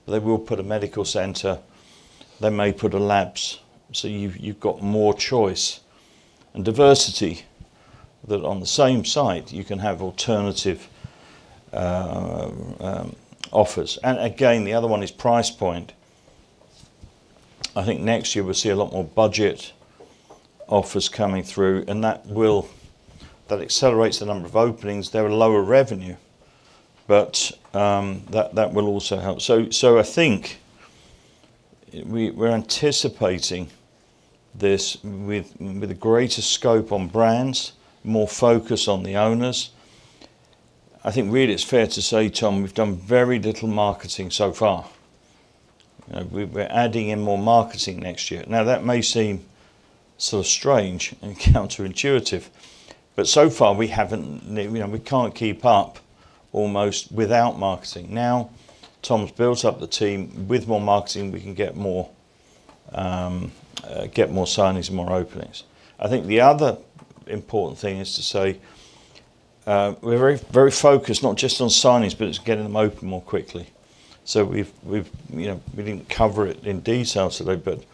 They will put a medical center. They may put a labs. So you've got more choice and diversity that on the same site, you can have alternative offers. And again, the other one is price point. I think next year, we'll see a lot more budget offers coming through. That accelerates the number of openings. They're a lower revenue, but that will also help. So I think we're anticipating this with a greater scope on brands, more focus on the owners. I think really it's fair to say, Tom, we've done very little marketing so far. We're adding in more marketing next year. Now, that may seem sort of strange and counterintuitive. But so far, we can't keep up almost without marketing. Now, Tom's built up the team with more marketing. We can get more signings and more openings. I think the other important thing is to say we're very focused not just on signings, but it's getting them open more quickly. So we didn't cover it in detail today, but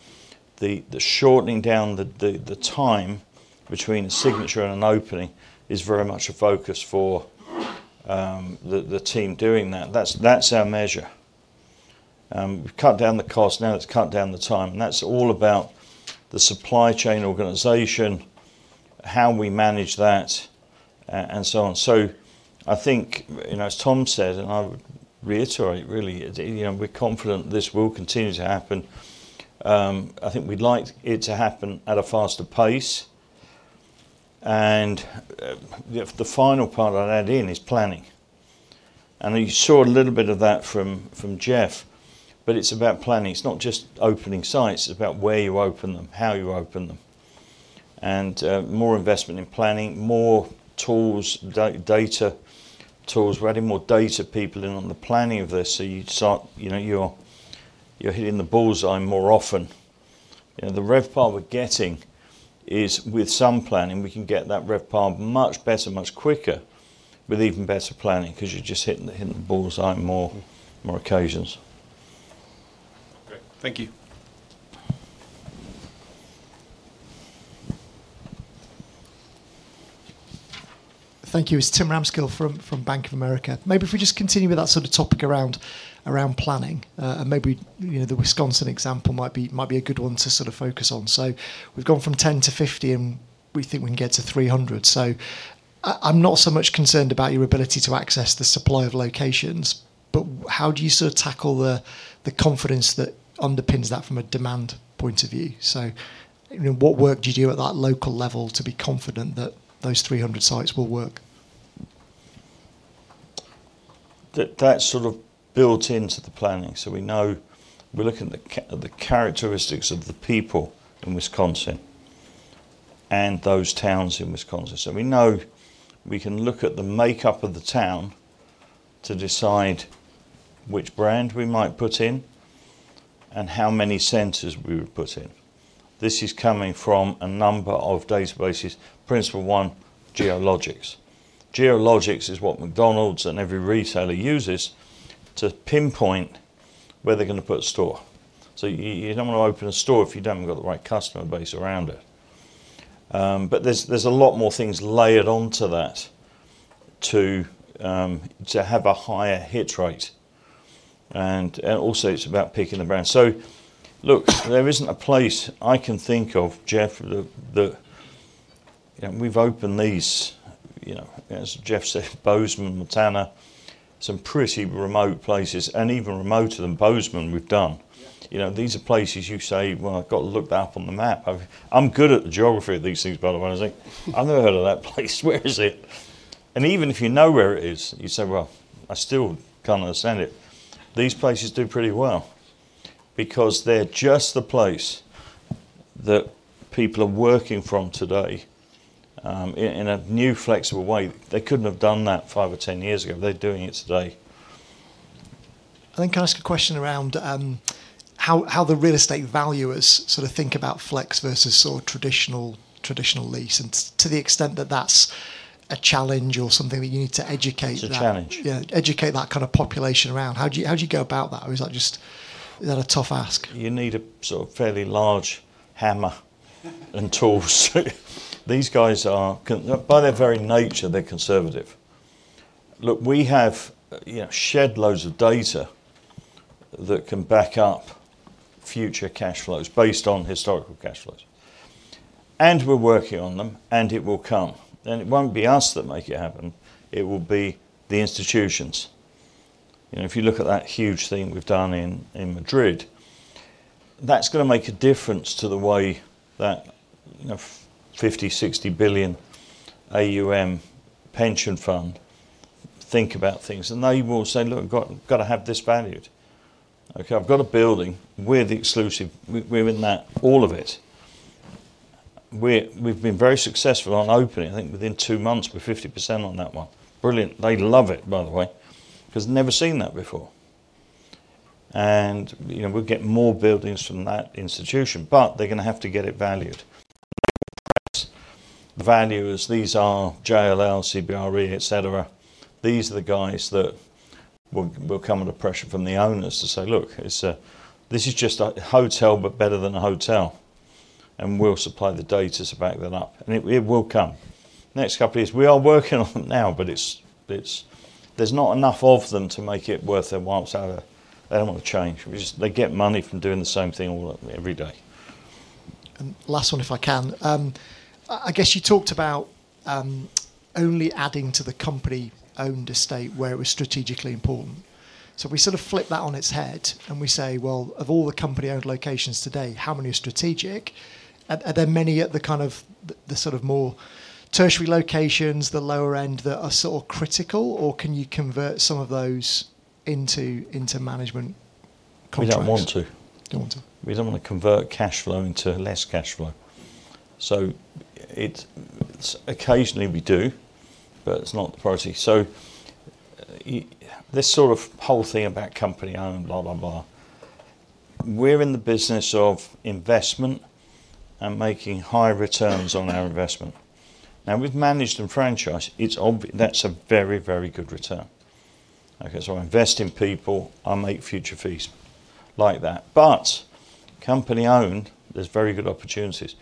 the shortening down the time between a signature and an opening is very much a focus for the team doing that. That's our measure. We've cut down the cost. Now, it's cut down the time. And that's all about the supply chain organization, how we manage that, and so on. So I think, as Tom said, and I reiterate really, we're confident this will continue to happen. I think we'd like it to happen at a faster pace. And the final part I'd add in is planning. And you saw a little bit of that from Jeff, but it's about planning. It's not just opening sites. It's about where you open them, how you open them. And more investment in planning, more tools, data tools. We're adding more data people in on the planning of this. So you're hitting the bull's eye more often. The RevPAW we're getting is with some planning, we can get that RevPAW much better, much quicker with even better planning because you're just hitting the bull's eye on more occasions. Great. Thank you. Thank you. It's Tim Ramskill from Bank of America. Maybe if we just continue with that sort of topic around planning, maybe the Wisconsin example might be a good one to sort of focus on. So we've gone from 10 to 50, and we think we can get to 300. So I'm not so much concerned about your ability to access the supply of locations, but how do you sort of tackle the confidence that underpins that from a demand point of view? So what work do you do at that local level to be confident that those 300 sites will work? That's sort of built into the planning. So we know we're looking at the characteristics of the people in Wisconsin and those towns in Wisconsin. So we know we can look at the makeup of the town to decide which brand we might put in and how many centers we would put in. This is coming from a number of databases. Principal one, Geolytix. Geolytix is what McDonald's and every retailer uses to pinpoint where they're going to put a store. So you don't want to open a store if you don't have the right customer base around it. But there's a lot more things layered onto that to have a higher hit rate. And also, it's about picking the brand. So look, there isn't a place I can think of, Jeff, that we've opened these, as Jeff said, Bozeman, Montana, some pretty remote places, and even remoter than Bozeman we've done. These are places you say, "Well, I've got to look that up on the map." I'm good at the geography of these things, by the way. I was like, "I've never heard of that place. Where is it?" And even if you know where it is, you say, "Well, I still can't understand it." These places do pretty well because they're just the place that people are working from today in a new, flexible way. They couldn't have done that five or 10 years ago. They're doing it today. I think I ask a question around how the real estate valuers sort of think about flex versus sort of traditional lease, and to the extent that that's a challenge or something that you need to educate. It's a challenge. Yeah. Educate that kind of population around. How do you go about that? Or is that just a tough ask? You need a sort of fairly large hammer and tools. These guys are, by their very nature, they're conservative. Look, we have shed loads of data that can back up future cash flows based on historical cash flows, and we're working on them, and it will come, and it won't be us that make it happen. It will be the institutions. If you look at that huge thing we've done in Madrid, that's going to make a difference to the way that 50-60 billion AUM pension fund think about things, and they will say, "Look, I've got to have this valued." Okay, I've got a building. We're the exclusive. We're in that, all of it. We've been very successful on opening. I think within two months, we're 50% on that one. Brilliant. They love it, by the way, because they've never seen that before, and we'll get more buildings from that institution, but they're going to have to get it valued, and that will create value as these are JLL, CBRE, etc. These are the guys that will come under pressure from the owners to say, "Look, this is just a hotel, but better than a hotel," and we'll supply the data to back that up, and it will come. Next couple of years, we are working on it now, but there's not enough of them to make it worth their while to get out of it. They don't want to change. They get money from doing the same thing every day. And last one, if I can. I guess you talked about only adding to the Company-Owned estate where it was strategically important. So we sort of flip that on its head, and we say, "Well, of all the Company-Owned locations today, how many are strategic? Are there many at the sort of more tertiary locations, the lower end, that are sort of critical? Or can you convert some of those into management contracts?" We don't want to. We don't want to. We don't want to convert cash flow into less cash flow. So occasionally we do, but it's not the priority. So this sort of whole thing about Company-Owned, blah, blah, blah, we're in the business of investment and making high returns on our investment. Now, with managed and franchised, that's a very, very good return. Okay, so I invest in people. I make future fees like that. But Company-Owned, there's very good opportunities.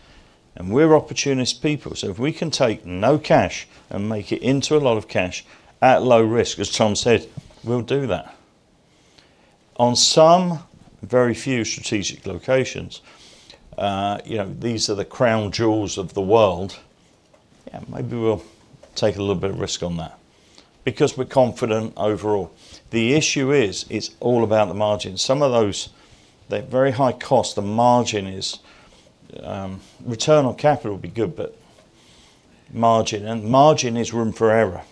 And we're opportunist people. So if we can take no cash and make it into a lot of cash at low risk, as Tom said, we'll do that. On some very few strategic locations, these are the crown jewels of the world. Yeah, maybe we'll take a little bit of risk on that because we're confident overall. The issue is it's all about the margin. Some of those, they're very high cost. The margin is return on capital would be good, but margin. And margin is room for error,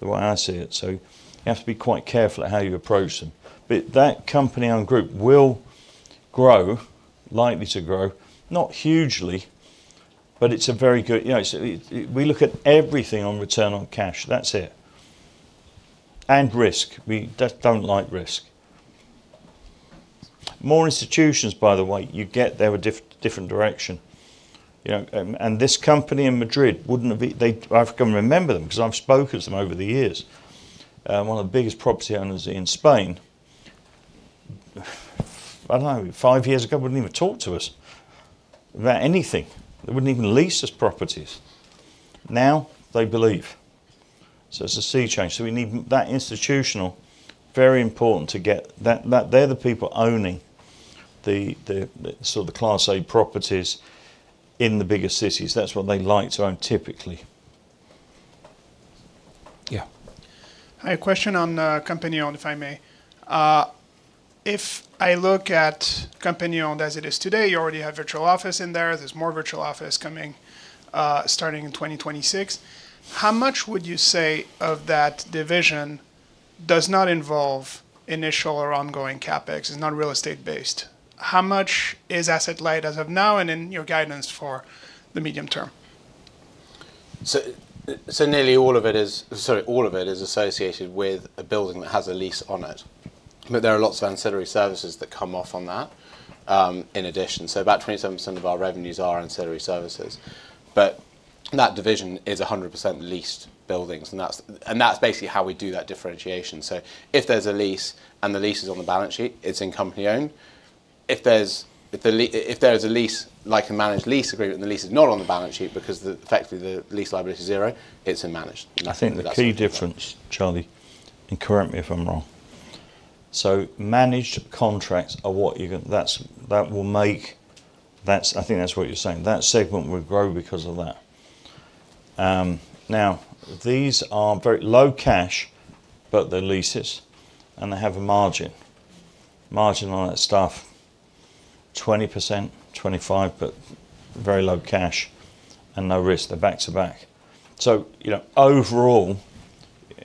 the way I see it. So you have to be quite careful at how you approach them. But that Company-Owned group will grow, likely to grow, not hugely, but it's a very good. We look at everything on return on cash. That's it. And risk. We just don't like risk. More institutions, by the way. You get there a different direction. And this company in Madrid wouldn't have been. I've come to remember them because I've spoken to them over the years. One of the biggest property owners in Spain. I don't know, five years ago, wouldn't even talk to us about anything. They wouldn't even lease us properties. Now, they believe. So it's a sea change. So we need that institutional, very important to get. They're the people owning sort of the class A properties in the bigger cities. That's what they like to own typically. Yeah. I have a question on Company-Owned, if I may. If I look at Company-Owned as it is today, you already have virtual office in there. There's more virtual office coming starting in 2026. How much would you say of that division does not involve initial or ongoing CapEx? It's not real estate-based. How much is asset-light as of now and in your guidance for the medium term? So nearly all of it is sorry, all of it is associated with a building that has a lease on it. But there are lots of ancillary services that come off on that in addition. So about 27% of our revenues are ancillary services. But that division is 100% leased buildings. And that's basically how we do that differentiation. So if there's a lease and the lease is on the balance sheet, it's in Company-Owned. If there's a lease like a managed lease agreement and the lease is not on the balance sheet because effectively the lease liability is zero, it's in managed. I think the key difference, Charlie, and correct me if I'm wrong. So managed contracts are what you're going to that will make I think that's what you're saying. That segment will grow because of that. Now, these are very low cash, but they're leases, and they have a margin. Margin on that stuff, 20%, 25%, but very low cash and no risk. They're back to back. So overall,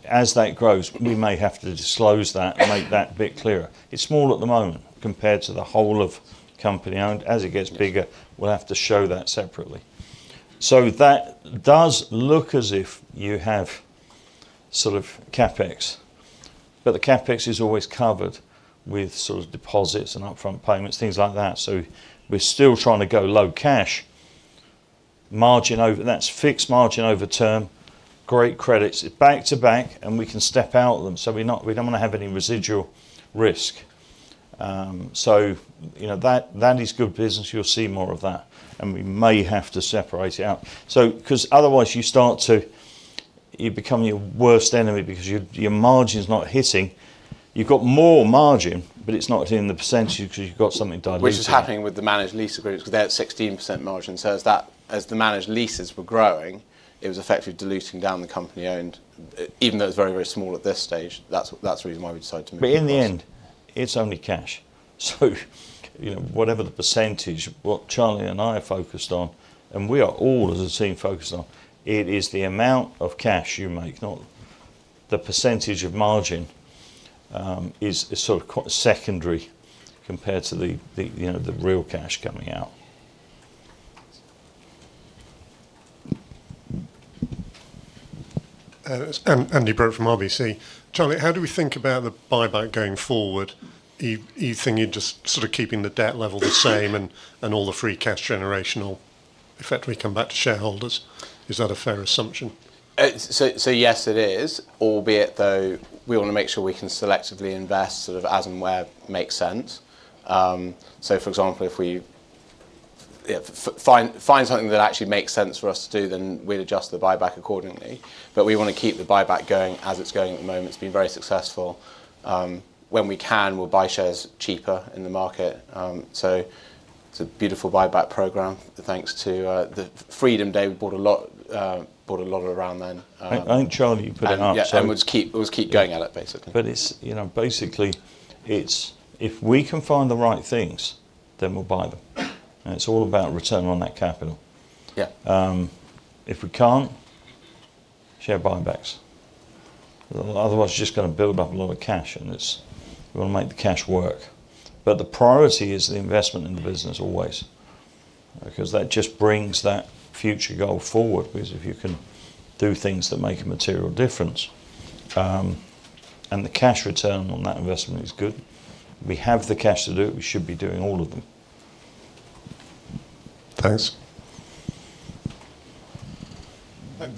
as that grows, we may have to disclose that and make that a bit clearer. It's small at the moment compared to the whole of Company-Owned. As it gets bigger, we'll have to show that separately. So that does look as if you have sort of CapEx. But the CapEx is always covered with sort of deposits and upfront payments, things like that. So we're still trying to go low cash. That's fixed margin over term, great credits. It's back to back, and we can step out of them. So we don't want to have any residual risk. So that is good business. You'll see more of that. And we may have to separate it out. Because otherwise, you become your worst enemy because your margin's not hitting. You've got more margin, but it's not hitting the percentage because you've got something diluted. Which is happening with the managed lease agreements because they had 16% margin. So as the managed leases were growing, it was effectively diluting down the Company-Owned. Even though it's very, very small at this stage, that's the reason why we decided to make it. But in the end, it's only cash. So whatever the percentage, what Charlie and I are focused on, and we are all, as a team, focused on, it is the amount of cash you make, not the percentage of margin is sort of quite secondary compared to the real cash coming out. Andy Brooke from RBC. Charlie, how do we think about the buyback going forward? You think you're just sort of keeping the debt level the same and all the free cash generation or effectively come back to shareholders. Is that a fair assumption? So yes, it is, albeit though we want to make sure we can selectively invest sort of as and where it makes sense. So for example, if we find something that actually makes sense for us to do, then we'd adjust the buyback accordingly. But we want to keep the buyback going as it's going at the moment. It's been very successful. When we can, we'll buy shares cheaper in the market. So it's a beautiful buyback program, thanks to the Freedom Day. We bought a lot around then. I think, Charlie, you put it out. Yeah, and we'll just keep going at it, basically. But basically, if we can find the right things, then we'll buy them. And it's all about return on that capital. If we can't, share buybacks. Otherwise, you're just going to build up a lot of cash, and we want to make the cash work. But the priority is the investment in the business always because that just brings that future goal forward because if you can do things that make a material difference and the cash return on that investment is good, we have the cash to do it. We should be doing all of them. Thanks.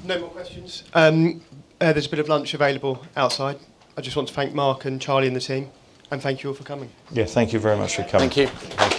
No more questions. There's a bit of lunch available outside. I just want to thank Mark and Charlie and the team, and thank you all for coming. Yeah, thank you very much for coming. Thank you.